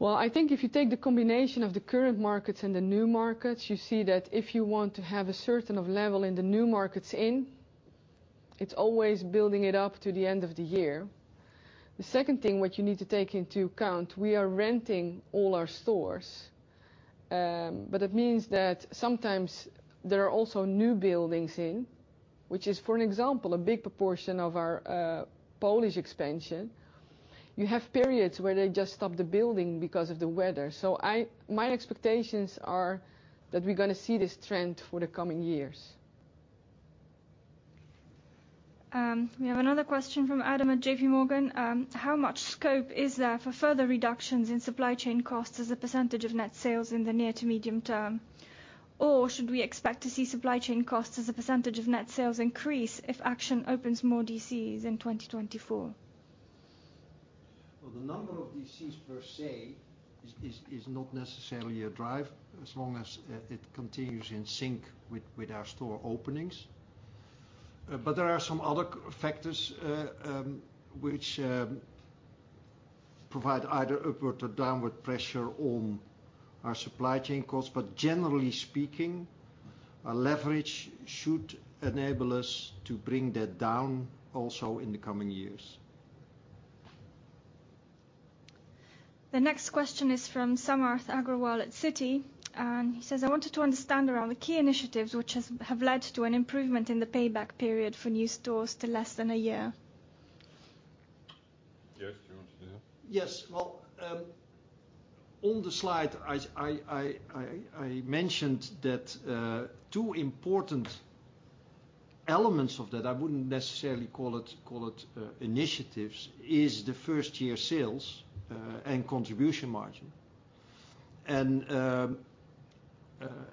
Well, I think if you take the combination of the current markets and the new markets, you see that if you want to have a certain level in the new markets in, it's always building it up to the end of the year. The second thing which you need to take into account, we are renting all our stores. But that means that sometimes there are also new buildings in, which is, for example, a big proportion of our Polish expansion. You have periods where they just stop the building because of the weather. So my expectations are that we're gonna see this trend for the coming years. We have another question from Adam at J.P. Morgan. "How much scope is there for further reductions in supply chain costs as a percentage of net sales in the near to medium term? Or should we expect to see supply chain costs as a percentage of net sales increase if Action opens more DCs in 2024? Well, the number of DCs per se is not necessarily a drive as long as it continues in sync with our store openings. But there are some other factors, which provide either upward or downward pressure on our supply chain costs. But generally speaking, our leverage should enable us to bring that down also in the coming years. The next question is from Samarth Agrawal at Citi. He says, "I wanted to understand around the key initiatives which have led to an improvement in the payback period for new stores to less than a year. Yes. Do you want to do that? Yes. Well, on the slide, I mentioned that two important elements of that I wouldn't necessarily call it initiatives is the first-year sales, and contribution margin.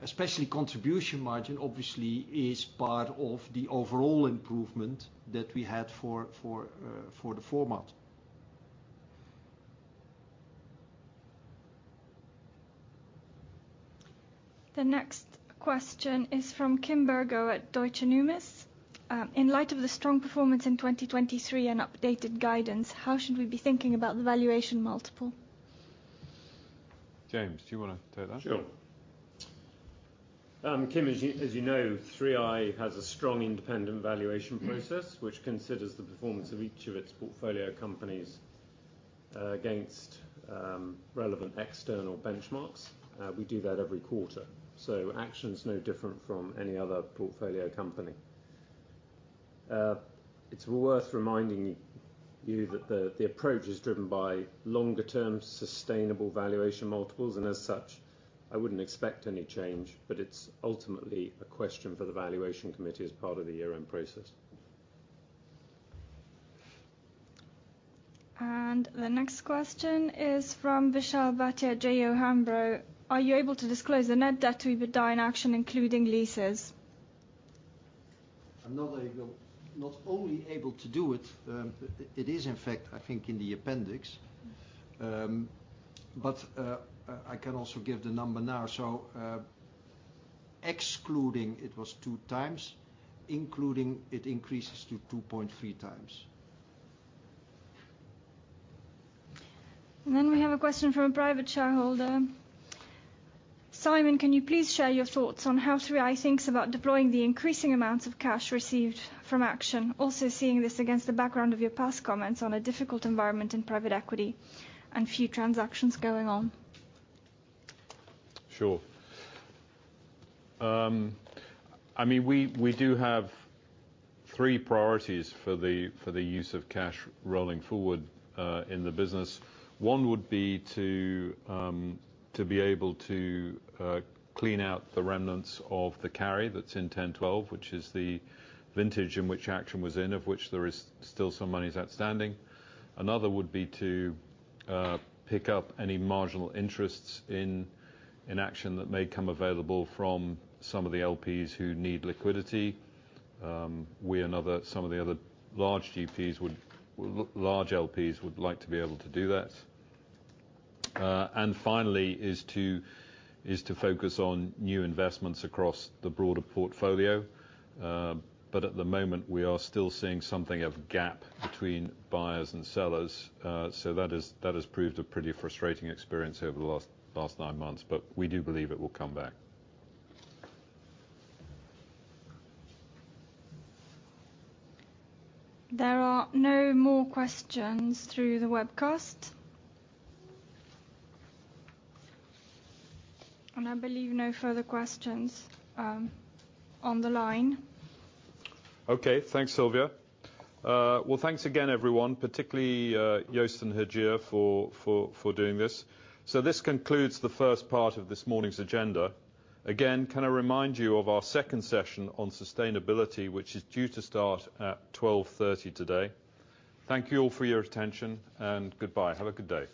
Especially contribution margin, obviously, is part of the overall improvement that we had for the format. The next question is from Kim Bergoe at Deutsche Numis. "In light of the strong performance in 2023 and updated guidance, how should we be thinking about the valuation multiple? James, do you wanna take that? Sure. Kim, as you as you know, 3i has a strong independent valuation process which considers the performance of each of its portfolio companies against relevant external benchmarks. We do that every quarter. Action's no different from any other portfolio company. It's worth reminding you, you that the, the approach is driven by longer-term, sustainable valuation multiples. As such, I wouldn't expect any change. It's ultimately a question for the valuation committee as part of the year-end process. And the next question is from Vishal Bhatia, J.O. Hambro. "Are you able to disclose the net debt to be paid in Action, including leases? I'm not only able to do it. It is, in fact, I think, in the appendix. But I can also give the number now. So, excluding it was 2x, including it increases to 2.3x. We have a question from a private shareholder. "Simon, can you please share your thoughts on how 3i's thinks about deploying the increasing amounts of cash received from Action, also seeing this against the background of your past comments on a difficult environment in private equity and few transactions going on? Sure. I mean, we do have three priorities for the use of cash rolling forward in the business. One would be to be able to clean out the remnants of the carry that's in 10/12, which is the vintage in which Action was in, of which there is still some money outstanding. Another would be to pick up any marginal interests in Action that may come available from some of the LPs who need liquidity. Some of the other large LPs would like to be able to do that. And finally is to focus on new investments across the broader portfolio. But at the moment, we are still seeing something of a gap between buyers and sellers. So that has proved a pretty frustrating experience over the last nine months. But we do believe it will come back. There are no more questions through the webcast. I believe no further questions, on the line. Okay. Thanks, Silvia. Well, thanks again, everyone, particularly Joost and Hajir for doing this. So this concludes the first part of this morning's agenda. Again, can I remind you of our second session on sustainability, which is due to start at 12:30 today. Thank you all for your attention, and goodbye. Have a good day.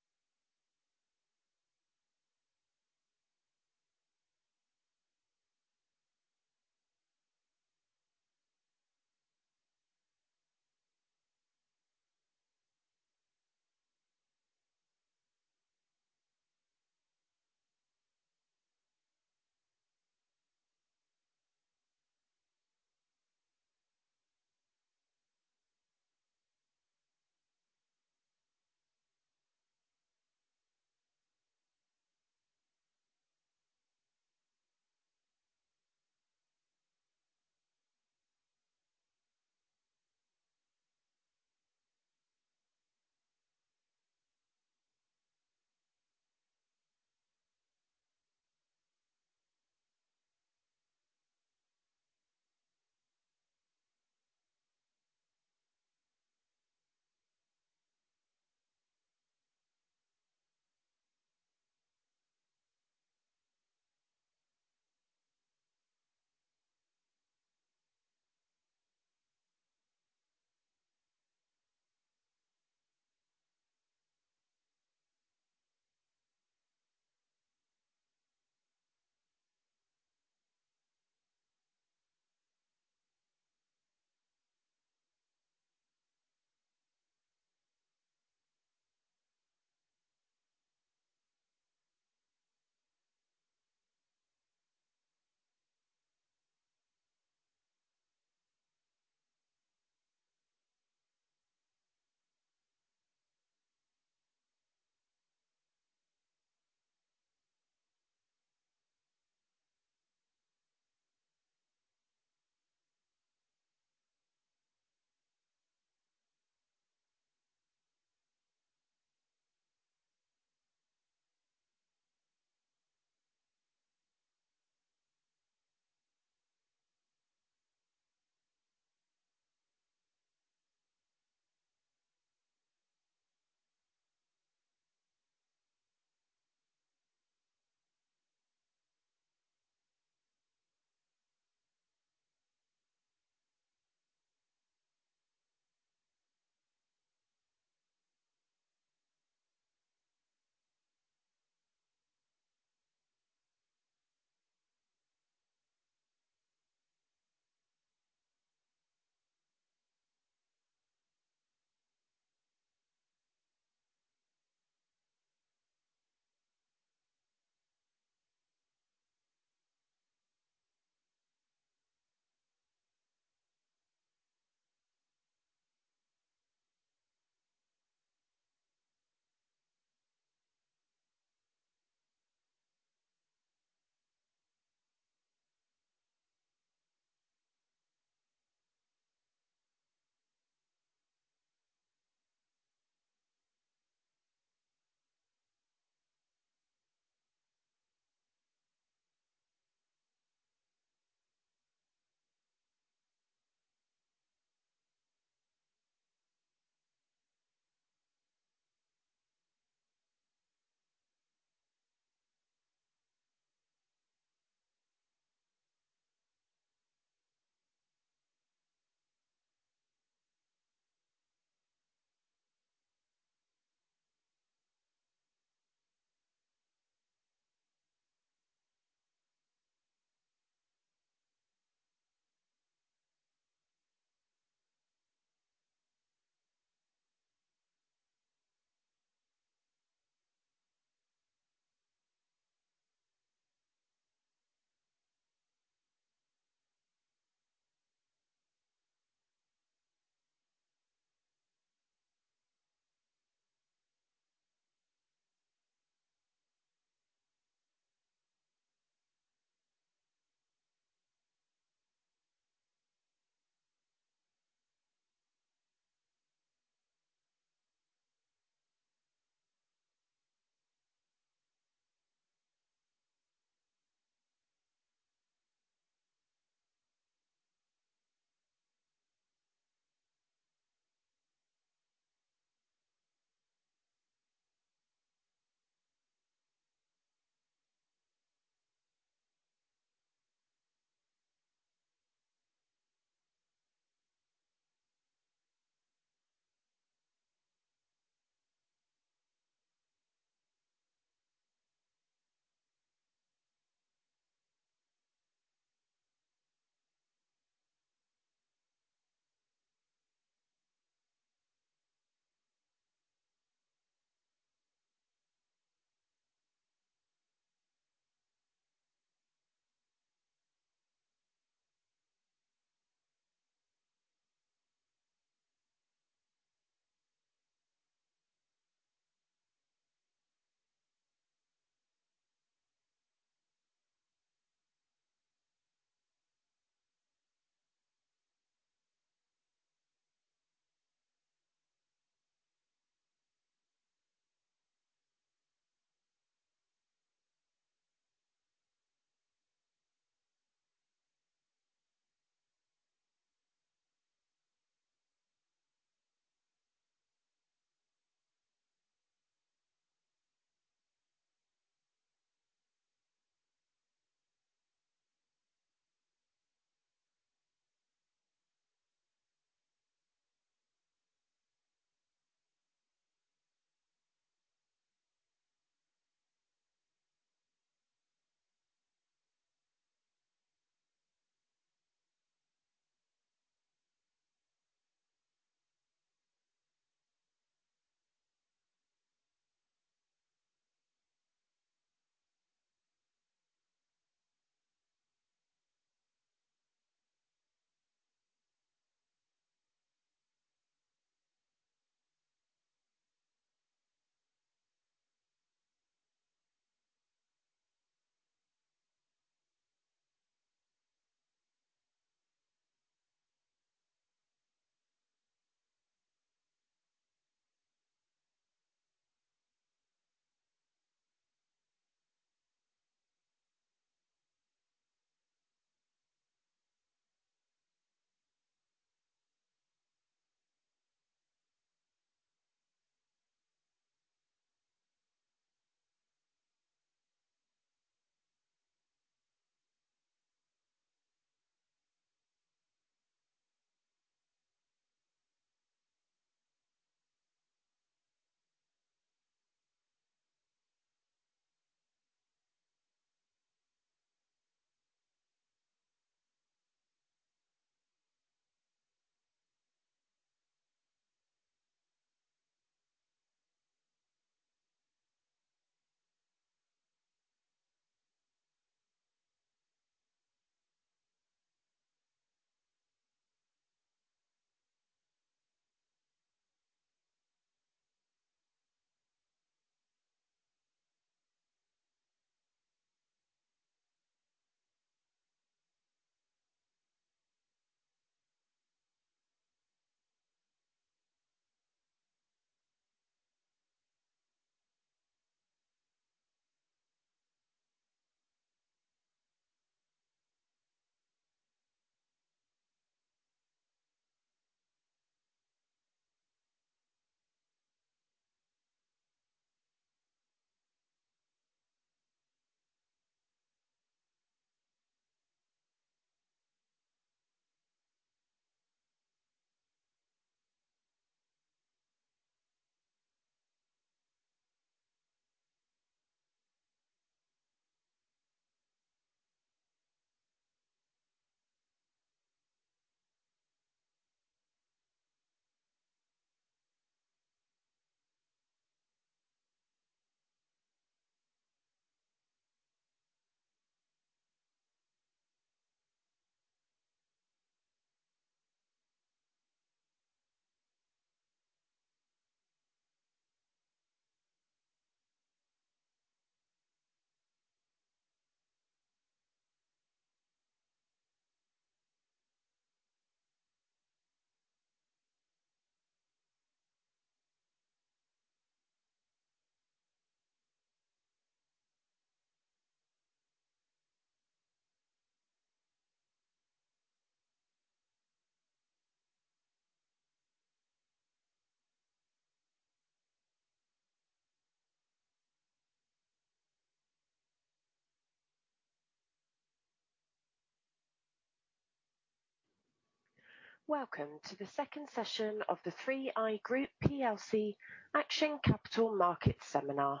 Welcome to the second session of the 3i Group plc Action Capital Markets Seminar.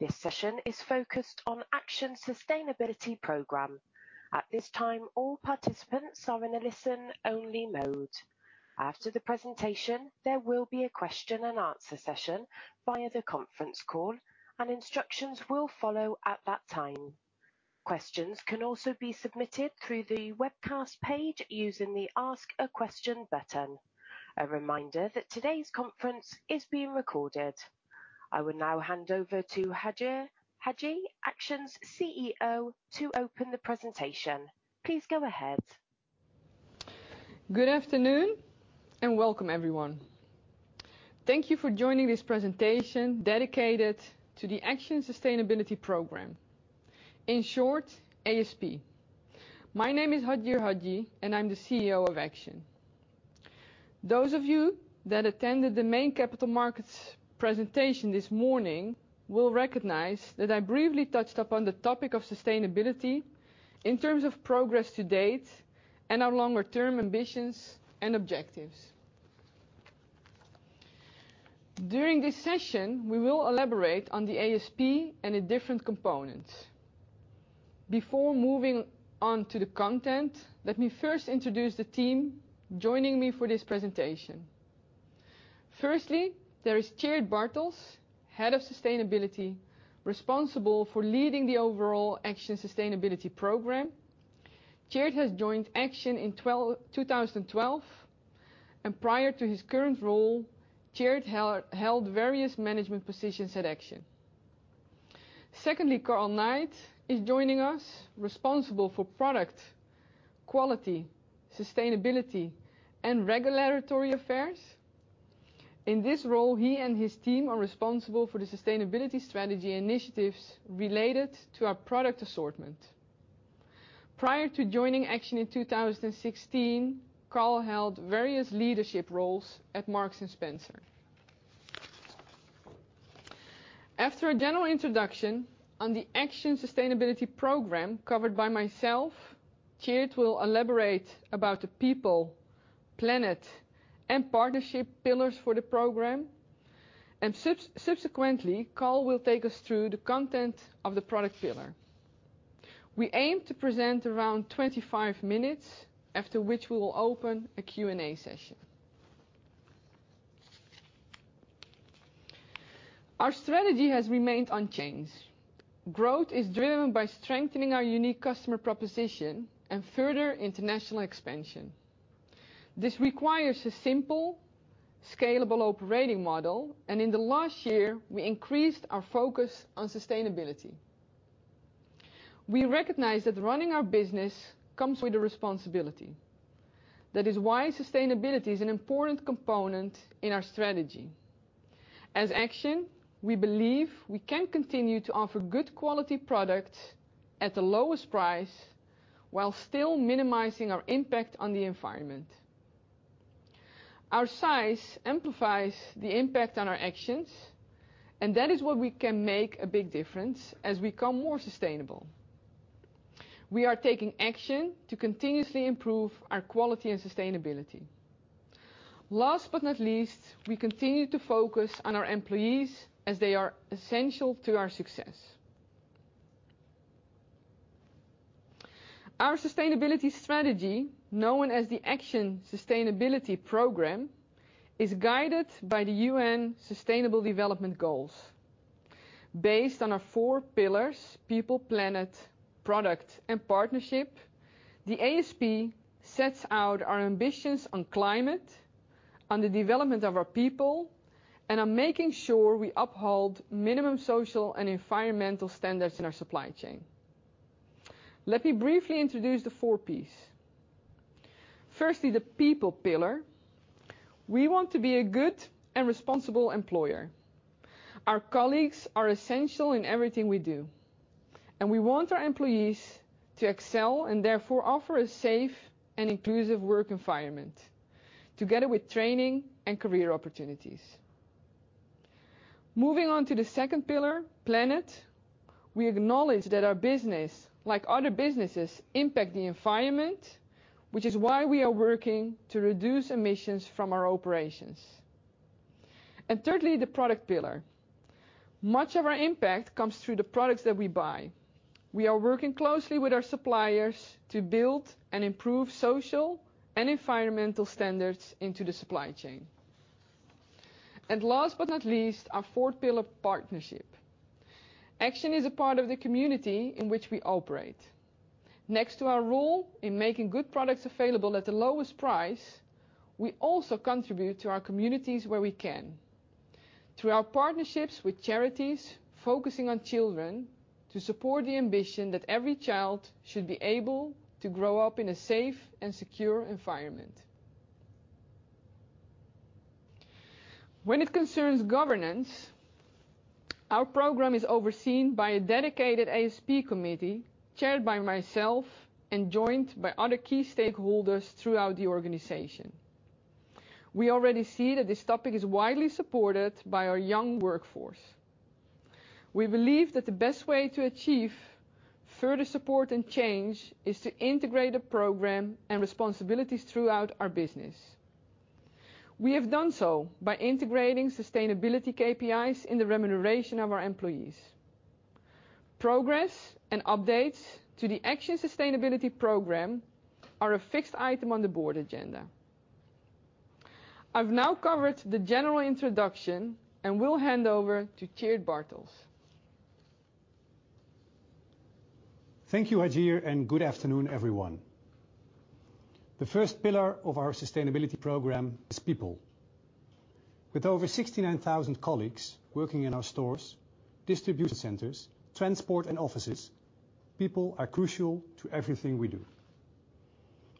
This session is focused on Action Sustainability Programme. At this time, all participants are in a listen-only mode. After the presentation, there will be a question-and-answer session via the conference call, and instructions will follow at that time. Questions can also be submitted through the webcast page using the Ask a Question button. A reminder that today's conference is being recorded. I will now hand over to Hajir Hajji, Action's CEO, to open the presentation. Please go ahead. Good afternoon and welcome, everyone. Thank you for joining this presentation dedicated to the Action Sustainability Programme, in short, ASP. My name is Hajir Hajji, and I'm the CEO of Action. Those of you that attended the main capital markets presentation this morning will recognize that I briefly touched upon the topic of sustainability in terms of progress to date and our longer-term ambitions and objectives. During this session, we will elaborate on the ASP and its different components. Before moving on to the content, let me first introduce the team joining me for this presentation. Firstly, there is Tjeerd Bartels, Head of Sustainability, responsible for leading the overall Action Sustainability Programme. Tjeerd has joined Action in 2012, and prior to his current role, Tjeerd held various management positions at Action. Secondly, Karl Knight is joining us, responsible for product, quality, sustainability, and regulatory affairs. In this role, he and his team are responsible for the sustainability strategy initiatives related to our product assortment. Prior to joining Action in 2016, Karl held various leadership roles at Marks & Spencer. After a general introduction on the Action Sustainability Programme covered by myself, Tjeerd will elaborate about the People, Planet, and Partnership pillars for the program. Subsequently, Karl will take us through the content of the product pillar. We aim to present around 25 minutes, after which we will open a Q&A session. Our strategy has remained unchanged. Growth is driven by strengthening our unique customer proposition and further international expansion. This requires a simple, scalable operating model, and in the last year, we increased our focus on sustainability. We recognize that running our business comes with a responsibility. That is why sustainability is an important component in our strategy. As Action, we believe we can continue to offer good quality products at the lowest price while still minimizing our impact on the environment. Our size amplifies the impact on our actions, and that is what we can make a big difference as we become more sustainable. We are taking action to continuously improve our quality and sustainability. Last but not least, we continue to focus on our employees as they are essential to our success. Our sustainability strategy, known as the Action Sustainability Programme, is guided by the UN Sustainable Development Goals. Based on our four pillars: people, planet, product, and partnership, the ASP sets out our ambitions on climate, on the development of our people, and on making sure we uphold minimum social and environmental standards in our supply chain. Let me briefly introduce the four P's. Firstly, the people pillar. We want to be a good and responsible employer. Our colleagues are essential in everything we do. We want our employees to excel and therefore offer a safe and inclusive work environment, together with training and career opportunities. Moving on to the second pillar, planet. We acknowledge that our business, like other businesses, impacts the environment, which is why we are working to reduce emissions from our operations. Thirdly, the product pillar. Much of our impact comes through the products that we buy. We are working closely with our suppliers to build and improve social and environmental standards into the supply chain. Last but not least, our fourth pillar, partnership. Action is a part of the community in which we operate. Next to our role in making good products available at the lowest price, we also contribute to our communities where we can, through our partnerships with charities focusing on children to support the ambition that every child should be able to grow up in a safe and secure environment. When it concerns governance, our program is overseen by a dedicated ASP committee chaired by myself and joined by other key stakeholders throughout the organization. We already see that this topic is widely supported by our young workforce. We believe that the best way to achieve further support and change is to integrate the program and responsibilities throughout our business. We have done so by integrating sustainability KPIs in the remuneration of our employees. Progress and updates to the Action Sustainability Programme are a fixed item on the board agenda. I've now covered the general introduction, and we'll hand over to Tjeerd Bartels. Thank you, Hajir, and good afternoon, everyone. The first pillar of our sustainability program is people. With over 69,000 colleagues working in our stores, distribution centers, transport, and offices, people are crucial to everything we do.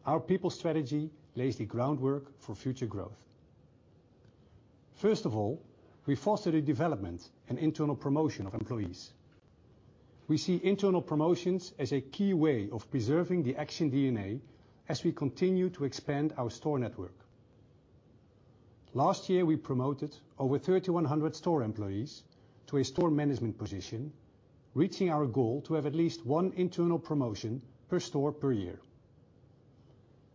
Our people strategy lays the groundwork for future growth. First of all, we foster the development and internal promotion of employees. We see internal promotions as a key way of preserving the Action DNA as we continue to expand our store network. Last year, we promoted over 3,100 store employees to a store management position, reaching our goal to have at least one internal promotion per store per year.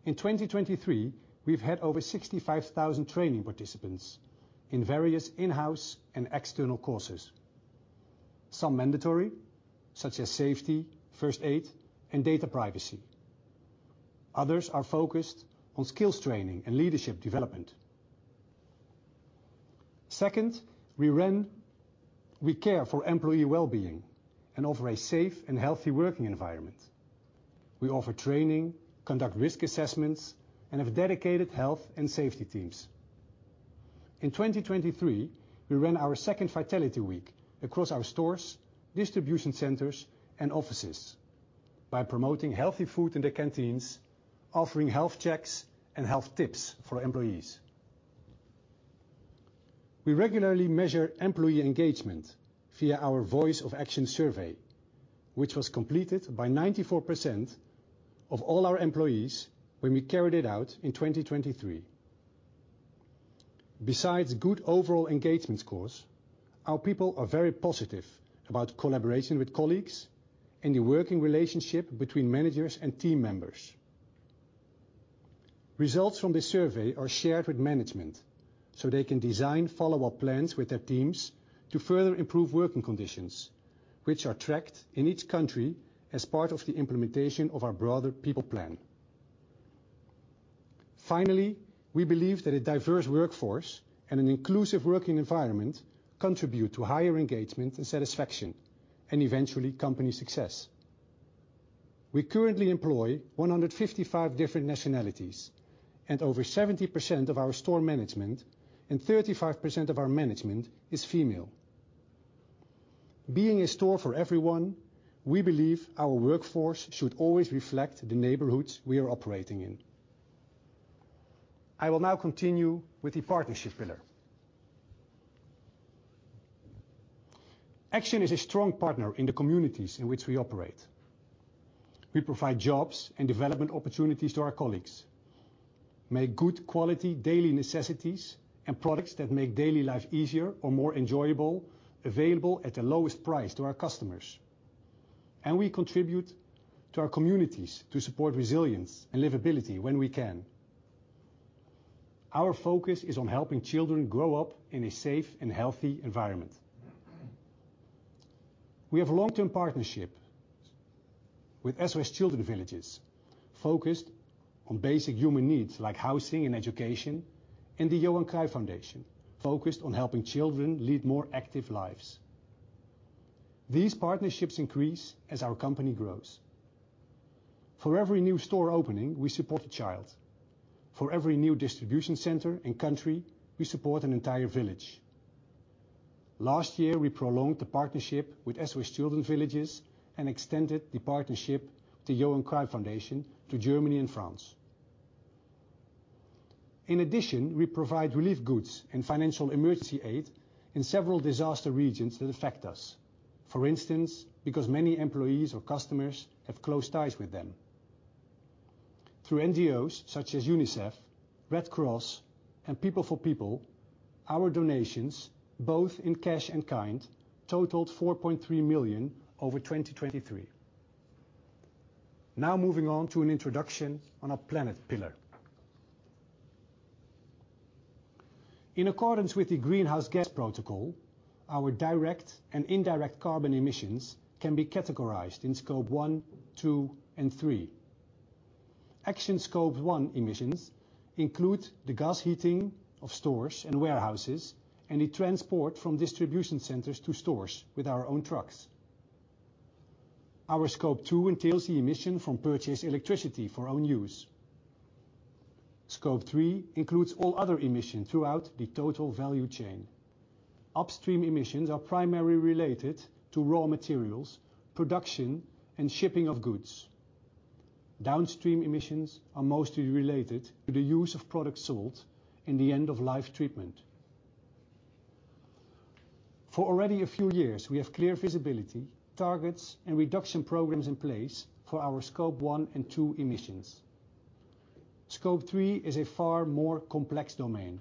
In 2023, we've had over 65,000 training participants in various in-house and external courses. Some mandatory, such as safety, first aid, and data privacy. Others are focused on skills training and leadership development. Second, we care for employee well-being and offer a safe and healthy working environment. We offer training, conduct risk assessments, and have dedicated health and safety teams. In 2023, we ran our second Vitality Week across our stores, distribution centers, and offices by promoting healthy food in the canteens, offering health checks, and health tips for employees. We regularly measure employee engagement via our Voice of Action survey, which was completed by 94% of all our employees when we carried it out in 2023. Besides good overall engagement scores, our people are very positive about collaboration with colleagues and the working relationship between managers and team members. Results from this survey are shared with management so they can design follow-up plans with their teams to further improve working conditions, which are tracked in each country as part of the implementation of our broader people plan. Finally, we believe that a diverse workforce and an inclusive working environment contribute to higher engagement and satisfaction, and eventually company success. We currently employ 155 different nationalities, and over 70% of our store management and 35% of our management is female. Being a store for everyone, we believe our workforce should always reflect the neighborhoods we are operating in. I will now continue with the partnership pillar. Action is a strong partner in the communities in which we operate. We provide jobs and development opportunities to our colleagues, make good quality daily necessities and products that make daily life easier or more enjoyable available at the lowest price to our customers. We contribute to our communities to support resilience and livability when we can. Our focus is on helping children grow up in a safe and healthy environment. We have a long-term partnership with SOS Children's Villages, focused on basic human needs like housing and education, and the Johan Cruyff Foundation, focused on helping children lead more active lives. These partnerships increase as our company grows. For every new store opening, we support a child. For every new distribution center and country, we support an entire village. Last year, we prolonged the partnership with SOS Children's Villages and extended the partnership with the Johan Cruyff Foundation to Germany and France. In addition, we provide relief goods and financial emergency aid in several disaster regions that affect us, for instance, because many employees or customers have close ties with them. Through NGOs such as UNICEF, Red Cross, and People for People, our donations, both in cash and kind, totaled 4.3 million over 2023. Now moving on to an introduction on our planet pillar. In accordance with the Greenhouse Gas Protocol, our direct and indirect carbon emissions can be categorized in Scope 1, 2, and 3. Action's Scope 1 emissions include the gas heating of stores and warehouses and the transport from distribution centers to stores with our own trucks. Our Scope 2 entails the emission from purchased electricity for own use. Scope 3 includes all other emissions throughout the total value chain. Upstream emissions are primarily related to raw materials, production, and shipping of goods. Downstream emissions are mostly related to the use of products sold and the end-of-life treatment. For already a few years, we have clear visibility, targets, and reduction programs in place for our Scope 1 and 2 emissions. Scope 3 is a far more complex domain.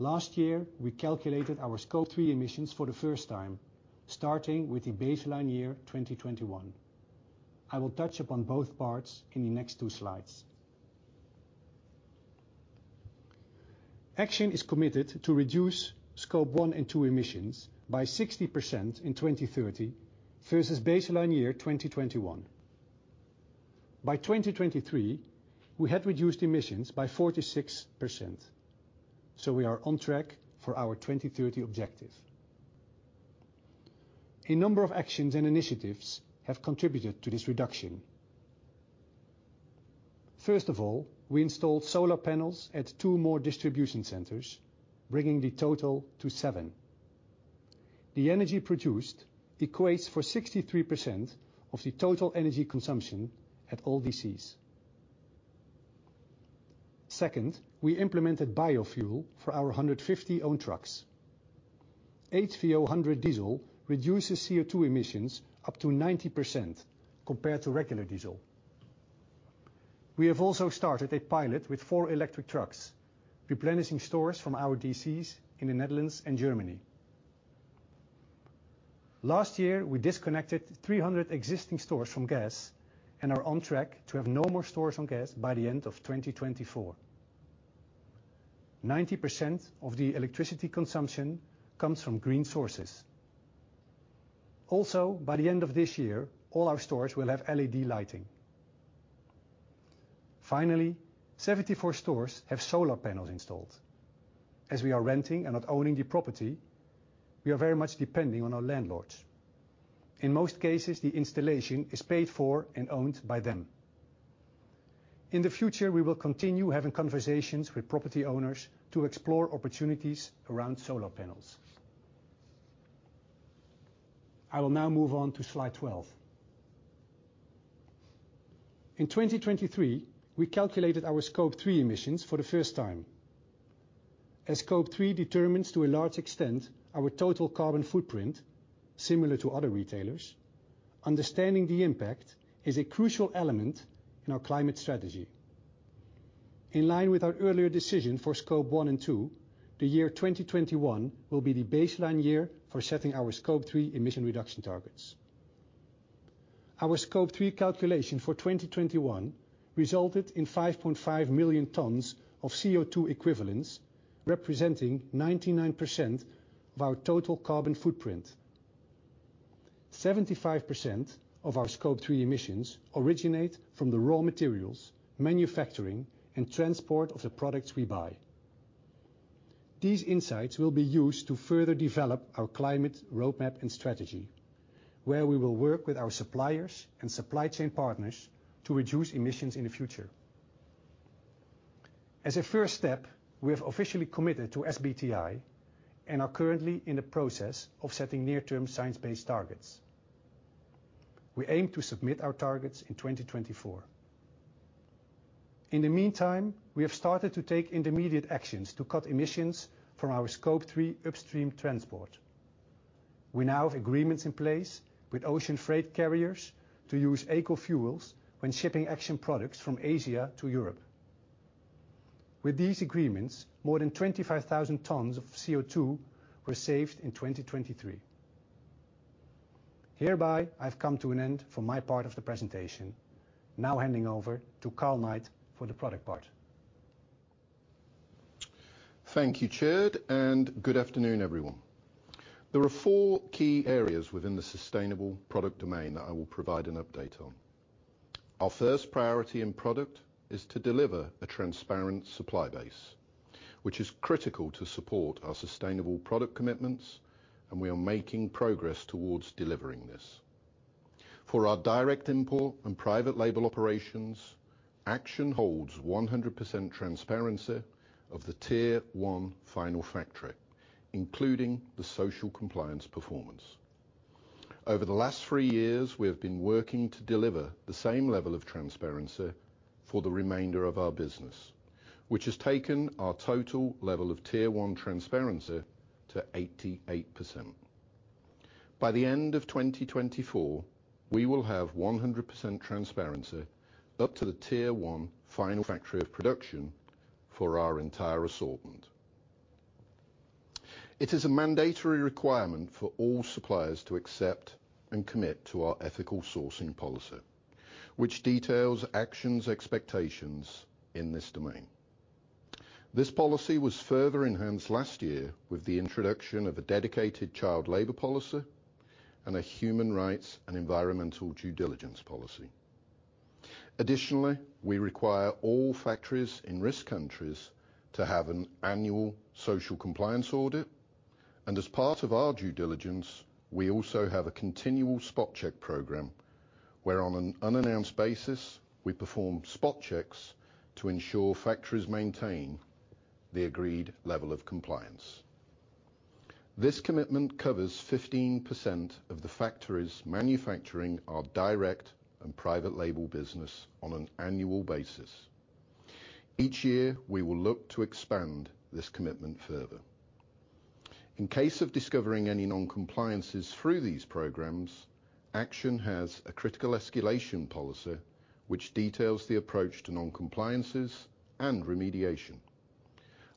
Last year, we calculated our Scope 3 emissions for the first time, starting with the baseline year 2021. I will touch upon both parts in the next two slides. Action is committed to reduce Scope 1 and 2 emissions by 60% in 2030 versus baseline year 2021. By 2023, we had reduced emissions by 46%, so we are on track for our 2030 objective. A number of actions and initiatives have contributed to this reduction. First of all, we installed solar panels at two more distribution centers, bringing the total to seven. The energy produced equates for 63% of the total energy consumption at all DCs. Second, we implemented biofuel for our 150 owned trucks. HVO 100 diesel reduces CO2 emissions up to 90% compared to regular diesel. We have also started a pilot with four electric trucks, replenishing stores from our DCs in the Netherlands and Germany. Last year, we disconnected 300 existing stores from gas and are on track to have no more stores on gas by the end of 2024. 90% of the electricity consumption comes from green sources. Also, by the end of this year, all our stores will have LED lighting. Finally, 74 stores have solar panels installed. As we are renting and not owning the property, we are very much depending on our landlords. In most cases, the installation is paid for and owned by them. In the future, we will continue having conversations with property owners to explore opportunities around solar panels. I will now move on to slide 12. In 2023, we calculated our Scope 3 emissions for the first time. As Scope 3 determines to a large extent our total carbon footprint, similar to other retailers, understanding the impact is a crucial element in our climate strategy. In line with our earlier decision for Scope 1 and 2, the year 2021 will be the baseline year for setting our Scope 3 emission reduction targets. Our Scope 3 calculation for 2021 resulted in 5.5 million tons of CO2 equivalents, representing 99% of our total carbon footprint. 75% of our Scope 3 emissions originate from the raw materials, manufacturing, and transport of the products we buy. These insights will be used to further develop our climate roadmap and strategy, where we will work with our suppliers and supply chain partners to reduce emissions in the future. As a first step, we have officially committed to SBTi and are currently in the process of setting near-term science-based targets. We aim to submit our targets in 2024. In the meantime, we have started to take intermediate actions to cut emissions from our Scope 3 upstream transport. We now have agreements in place with ocean freight carriers to use ecofuels when shipping Action products from Asia to Europe. With these agreements, more than 25,000 tonnes of CO2 were saved in 2023. Hereby, I have come to an end for my part of the presentation. Now handing over to Karl Knight for the product part. Thank you, Tjeerd, and good afternoon, everyone. There are four key areas within the sustainable product domain that I will provide an update on. Our first priority in product is to deliver a transparent supply base, which is critical to support our sustainable product commitments, and we are making progress towards delivering this. For our direct import and private label operations, Action holds 100% transparency of the Tier 1 final factory, including the social compliance performance. Over the last three years, we have been working to deliver the same level of transparency for the remainder of our business, which has taken our total level of Tier 1 transparency to 88%. By the end of 2024, we will have 100% transparency up to the Tier 1 final factory of production for our entire assortment. It is a mandatory requirement for all suppliers to accept and commit to our ethical sourcing policy, which details Action's expectations in this domain. This policy was further enhanced last year with the introduction of a dedicated child labor policy and a human rights and environmental due diligence policy. Additionally, we require all factories in risk countries to have an annual social compliance audit, and as part of our due diligence, we also have a continual spot check program where, on an unannounced basis, we perform spot checks to ensure factories maintain the agreed level of compliance. This commitment covers 15% of the factories manufacturing our direct and private label business on an annual basis. Each year, we will look to expand this commitment further. In case of discovering any non-compliances through these programs, Action has a critical escalation policy which details the approach to non-compliances and remediation.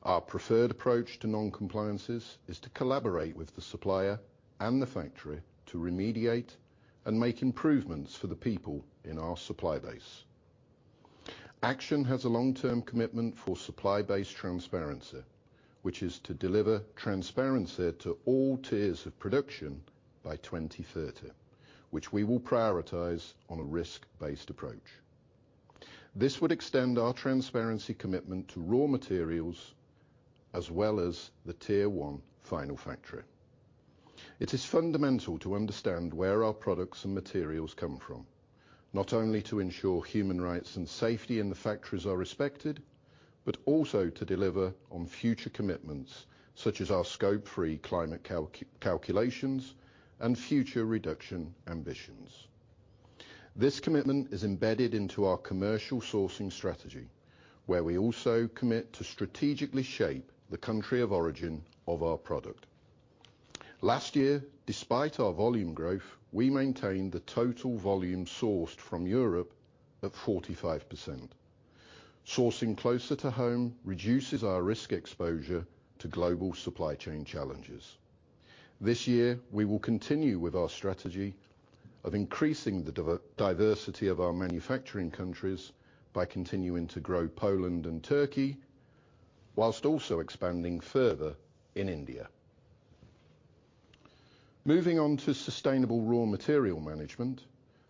Our preferred approach to non-compliances is to collaborate with the supplier and the factory to remediate and make improvements for the people in our supply base. Action has a long-term commitment for supply-based transparency, which is to deliver transparency to all tiers of production by 2030, which we will prioritize on a risk-based approach. This would extend our transparency commitment to raw materials as well as the Tier 1 final factory. It is fundamental to understand where our products and materials come from, not only to ensure human rights and safety in the factories are respected, but also to deliver on future commitments such as our Scope 3 climate calculations and future reduction ambitions. This commitment is embedded into our commercial sourcing strategy, where we also commit to strategically shape the country of origin of our product. Last year, despite our volume growth, we maintained the total volume sourced from Europe at 45%. Sourcing closer to home reduces our risk exposure to global supply chain challenges. This year, we will continue with our strategy of increasing the diversity of our manufacturing countries by continuing to grow Poland and Turkey, while also expanding further in India. Moving on to sustainable raw material management,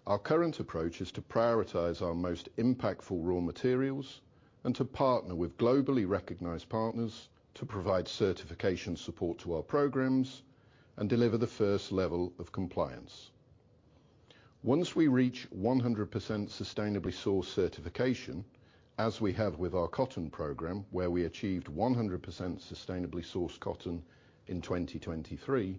our current approach is to prioritize our most impactful raw materials and to partner with globally recognized partners to provide certification support to our programs and deliver the first level of compliance. Once we reach 100% sustainably sourced certification, as we have with our cotton program, where we achieved 100% sustainably sourced cotton in 2023,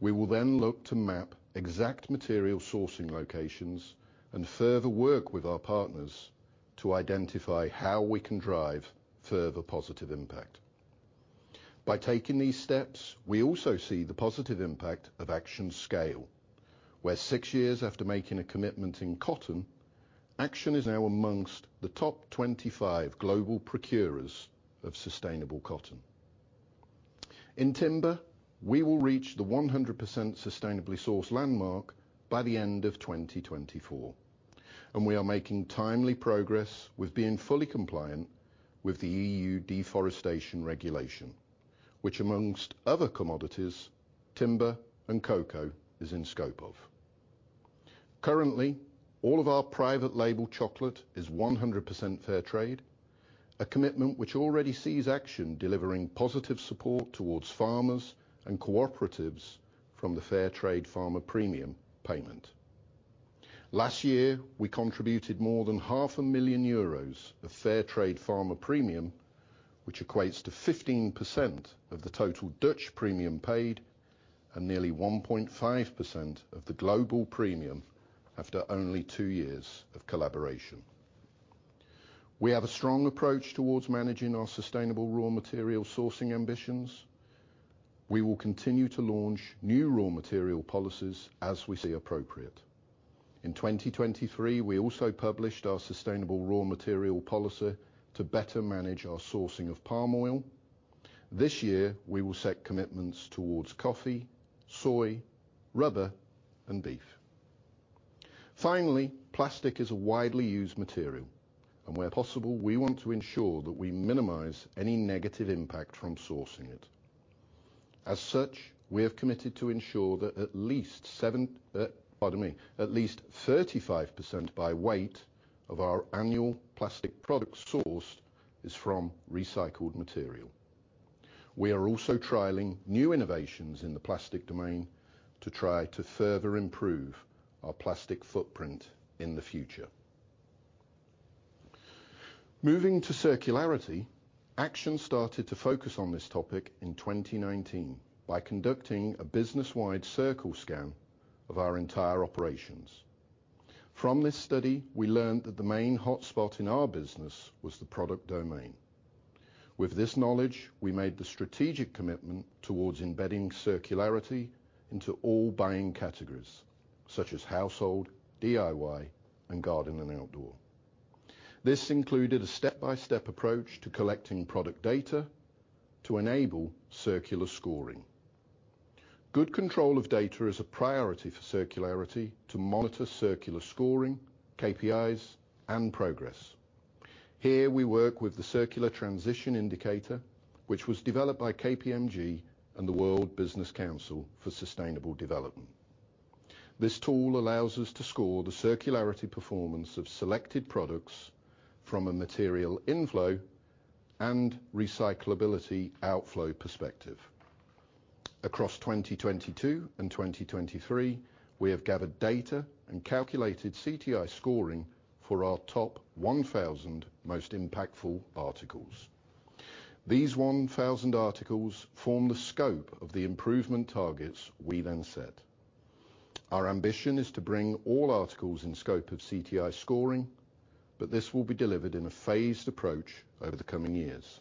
we will then look to map exact material sourcing locations and further work with our partners to identify how we can drive further positive impact. By taking these steps, we also see the positive impact of Action's scale, where six years after making a commitment in cotton, Action is now among the top 25 global procurers of sustainable cotton. In timber, we will reach the 100% sustainably sourced landmark by the end of 2024, and we are making timely progress with being fully compliant with the EU Deforestation Regulation, which, among other commodities, timber and cocoa is in scope of. Currently, all of our private label chocolate is 100% Fairtrade, a commitment which already sees Action delivering positive support towards farmers and cooperatives from the Fairtrade farmer premium payment. Last year, we contributed more than 500,000 euros of Fairtrade farmer premium, which equates to 15% of the total Dutch premium paid and nearly 1.5% of the global premium after only two years of collaboration. We have a strong approach towards managing our sustainable raw material sourcing ambitions. We will continue to launch new raw material policies as we see appropriate. In 2023, we also published our sustainable raw material policy to better manage our sourcing of palm oil. This year, we will set commitments towards coffee, soy, rubber, and beef. Finally, plastic is a widely used material, and where possible, we want to ensure that we minimize any negative impact from sourcing it. As such, we have committed to ensure that at least 35% by weight of our annual plastic products sourced is from recycled material. We are also trialing new innovations in the plastic domain to try to further improve our plastic footprint in the future. Moving to circularity, Action started to focus on this topic in 2019 by conducting a business-wide circularity scan of our entire operations. From this study, we learned that the main hotspot in our business was the product domain. With this knowledge, we made the strategic commitment towards embedding circularity into all buying categories, such as household, DIY, and garden and outdoor. This included a step-by-step approach to collecting product data to enable circular scoring. Good control of data is a priority for circularity to monitor circular scoring, KPIs, and progress. Here, we work with the Circular Transition Indicator, which was developed by KPMG and the World Business Council for Sustainable Development. This tool allows us to score the circularity performance of selected products from a material inflow and recyclability outflow perspective. Across 2022 and 2023, we have gathered data and calculated CTI scoring for our top 1,000 most impactful articles. These 1,000 articles form the scope of the improvement targets we then set. Our ambition is to bring all articles in scope of CTI scoring, but this will be delivered in a phased approach over the coming years.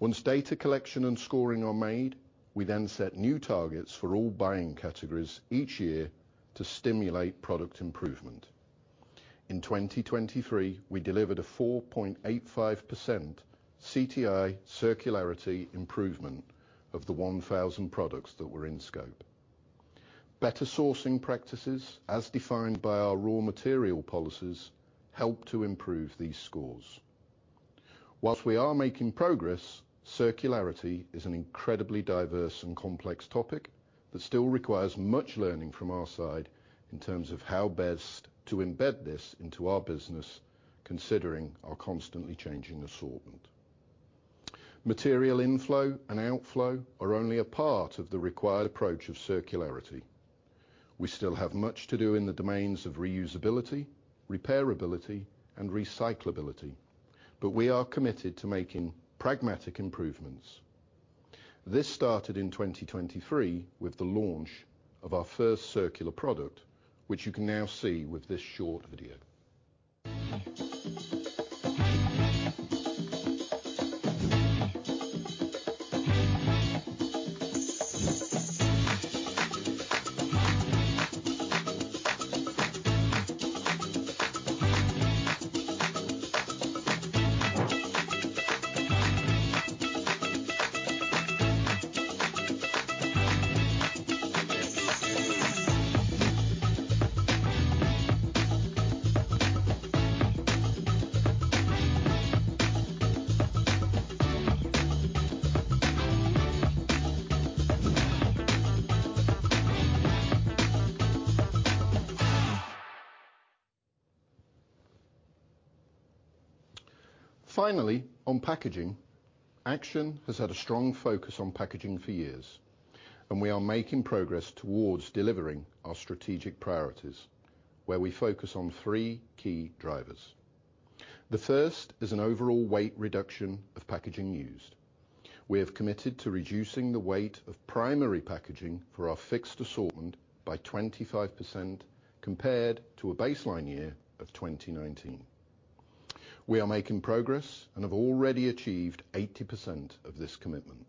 Once data collection and scoring are made, we then set new targets for all buying categories each year to stimulate product improvement. In 2023, we delivered a 4.85% CTI circularity improvement of the 1,000 products that were in scope. Better sourcing practices, as defined by our raw material policies, help to improve these scores. While we are making progress, circularity is an incredibly diverse and complex topic that still requires much learning from our side in terms of how best to embed this into our business, considering our constantly changing assortment. Material inflow and outflow are only a part of the required approach of circularity. We still have much to do in the domains of reusability, repairability, and recyclability, but we are committed to making pragmatic improvements. This started in 2023 with the launch of our first circular product, which you can now see with this short video. Finally, on packaging, Action has had a strong focus on packaging for years, and we are making progress towards delivering our strategic priorities, where we focus on three key drivers. The first is an overall weight reduction of packaging used. We have committed to reducing the weight of primary packaging for our fixed assortment by 25% compared to a baseline year of 2019. We are making progress and have already achieved 80% of this commitment.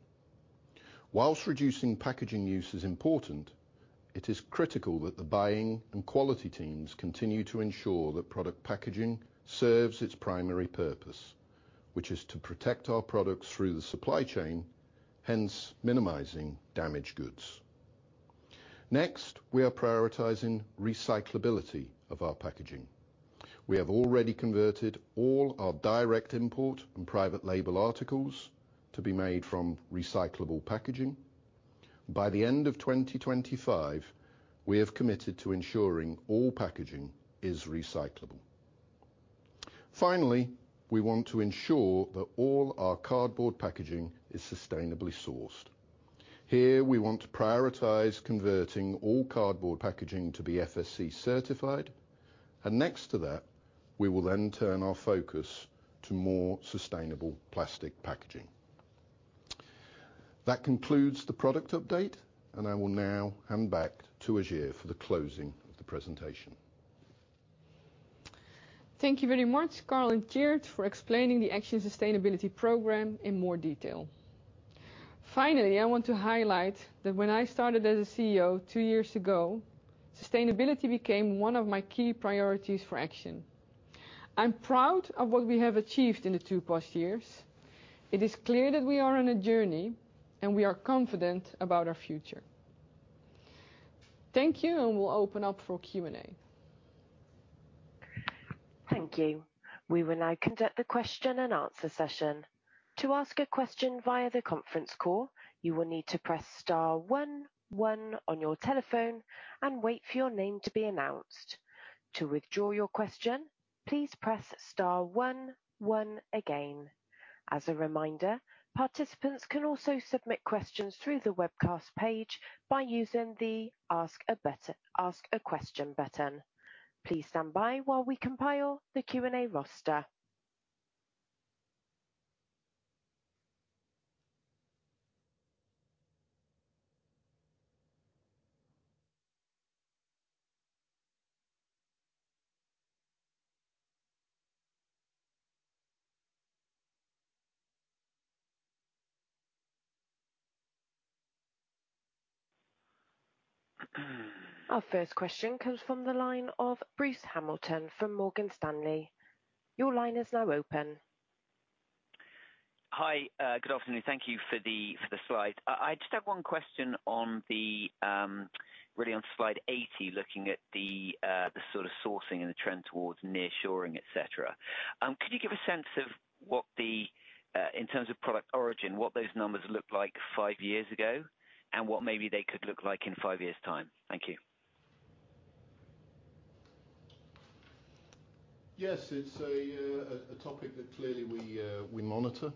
While reducing packaging use is important, it is critical that the buying and quality teams continue to ensure that product packaging serves its primary purpose, which is to protect our products through the supply chain, hence minimizing damaged goods. Next, we are prioritizing recyclability of our packaging. We have already converted all our direct import and private label articles to be made from recyclable packaging. By the end of 2025, we have committed to ensuring all packaging is recyclable. Finally, we want to ensure that all our cardboard packaging is sustainably sourced. Here, we want to prioritize converting all cardboard packaging to be FSC certified, and next to that, we will then turn our focus to more sustainable plastic packaging. That concludes the product update, and I will now hand back to Hajir for the closing of the presentation. Thank you very much, Karl and Tjeerd, for explaining the Action Sustainability Programme in more detail. Finally, I want to highlight that when I started as a CEO two years ago, sustainability became one of my key priorities for Action. I'm proud of what we have achieved in the past two years. It is clear that we are on a journey, and we are confident about our future. Thank you, and we'll open up for Q&A. Thank you. We will now conduct the question and answer session. To ask a question via the conference call, you will need to press star one, one on your telephone and wait for your name to be announced. To withdraw your question, please press star one, one again. As a reminder, participants can also submit questions through the webcast page by using the Ask a Question button. Please stand by while we compile the Q&A roster. Our first question comes from the line of Bruce Hamilton from Morgan Stanley. Your line is now open. Hi, good afternoon. Thank you for the slide. I just have one question on the, really on slide 80, looking at the sort of sourcing and the trend towards nearshoring, etc. Could you give a sense of what the, in terms of product origin, what those numbers looked like five years ago and what maybe they could look like in five years' time? Thank you. Yes, it's a topic that clearly we monitor.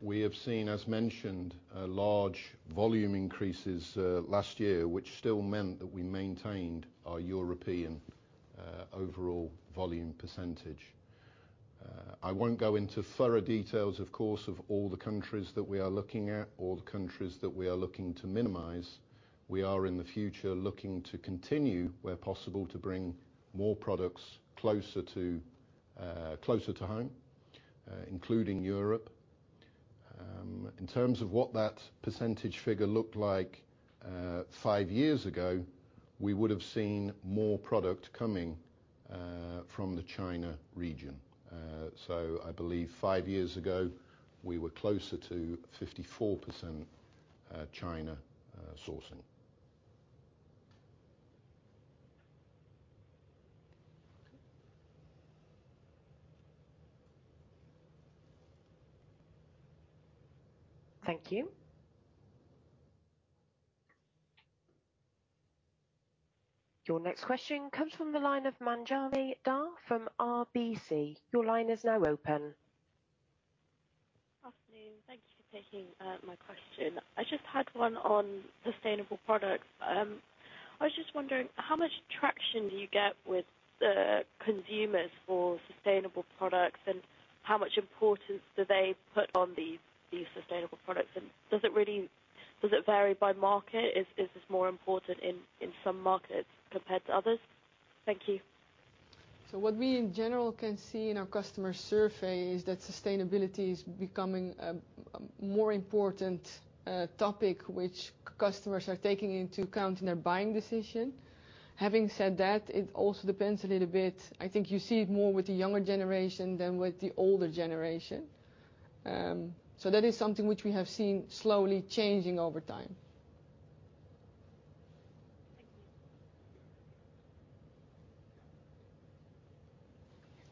We have seen, as mentioned, a large volume increases, last year, which still meant that we maintained our European, overall volume percentage. I won't go into further details, of course, of all the countries that we are looking at or the countries that we are looking to minimize. We are, in the future, looking to continue, where possible, to bring more products closer to home, including Europe. In terms of what that percentage figure looked like, five years ago, we would have seen more product coming from the China region. So I believe five years ago, we were closer to 54%, China, sourcing. Thank you. Your next question comes from the line of Manjari Dhar from RBC. Your line is now open. Good afternoon. Thank you for taking my question. I just had one on sustainable products. I was just wondering, how much traction do you get with the consumers for sustainable products, and how much importance do they put on these, these sustainable products? And does it really vary by market? Is this more important in some markets compared to others? Thank you. So what we, in general, can see in our customer survey is that sustainability is becoming a more important topic, which customers are taking into account in their buying decision. Having said that, it also depends a little bit. I think you see it more with the younger generation than with the older generation. So that is something which we have seen slowly changing over time.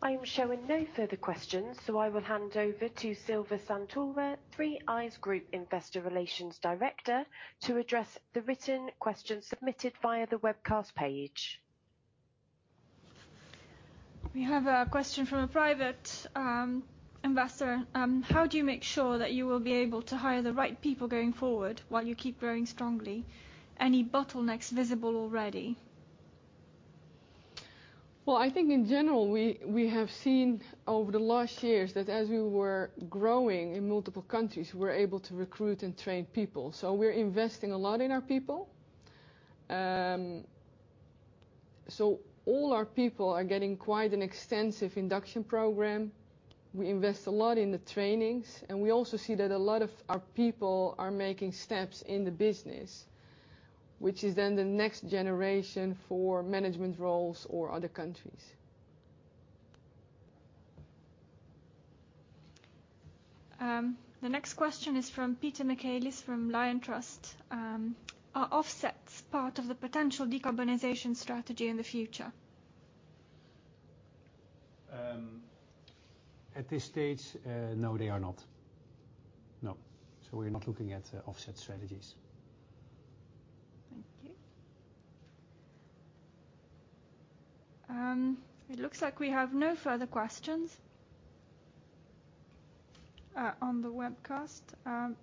Thank you. I am showing no further questions, so I will hand over to Silvia Santoro, 3i's Group Investor Relations Director, to address the written question submitted via the webcast page. We have a question from a private investor. How do you make sure that you will be able to hire the right people going forward while you keep growing strongly? Any bottlenecks visible already? Well, I think, in general, we have seen over the last years that as we were growing in multiple countries, we were able to recruit and train people. So we're investing a lot in our people. So all our people are getting quite an extensive induction program. We invest a lot in the trainings, and we also see that a lot of our people are making steps in the business, which is then the next generation for management roles or other countries. The next question is from Peter Michaelis from Liontrust. Are offsets part of the potential decarbonization strategy in the future? At this stage, no, they are not. No. So we're not looking at offset strategies. Thank you. It looks like we have no further questions on the webcast.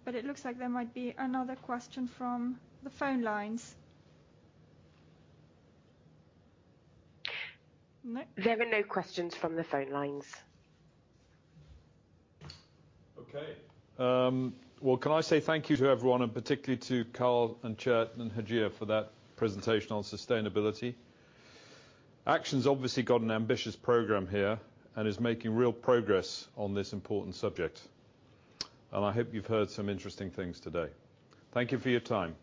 But it looks like there might be another question from the phone lines. No? There are no questions from the phone lines. Okay. Well, can I say thank you to everyone, and particularly to Karl and Tjeerd and Hajir for that presentation on sustainability. Action's obviously got an ambitious program here and is making real progress on this important subject. I hope you've heard some interesting things today. Thank you for your time.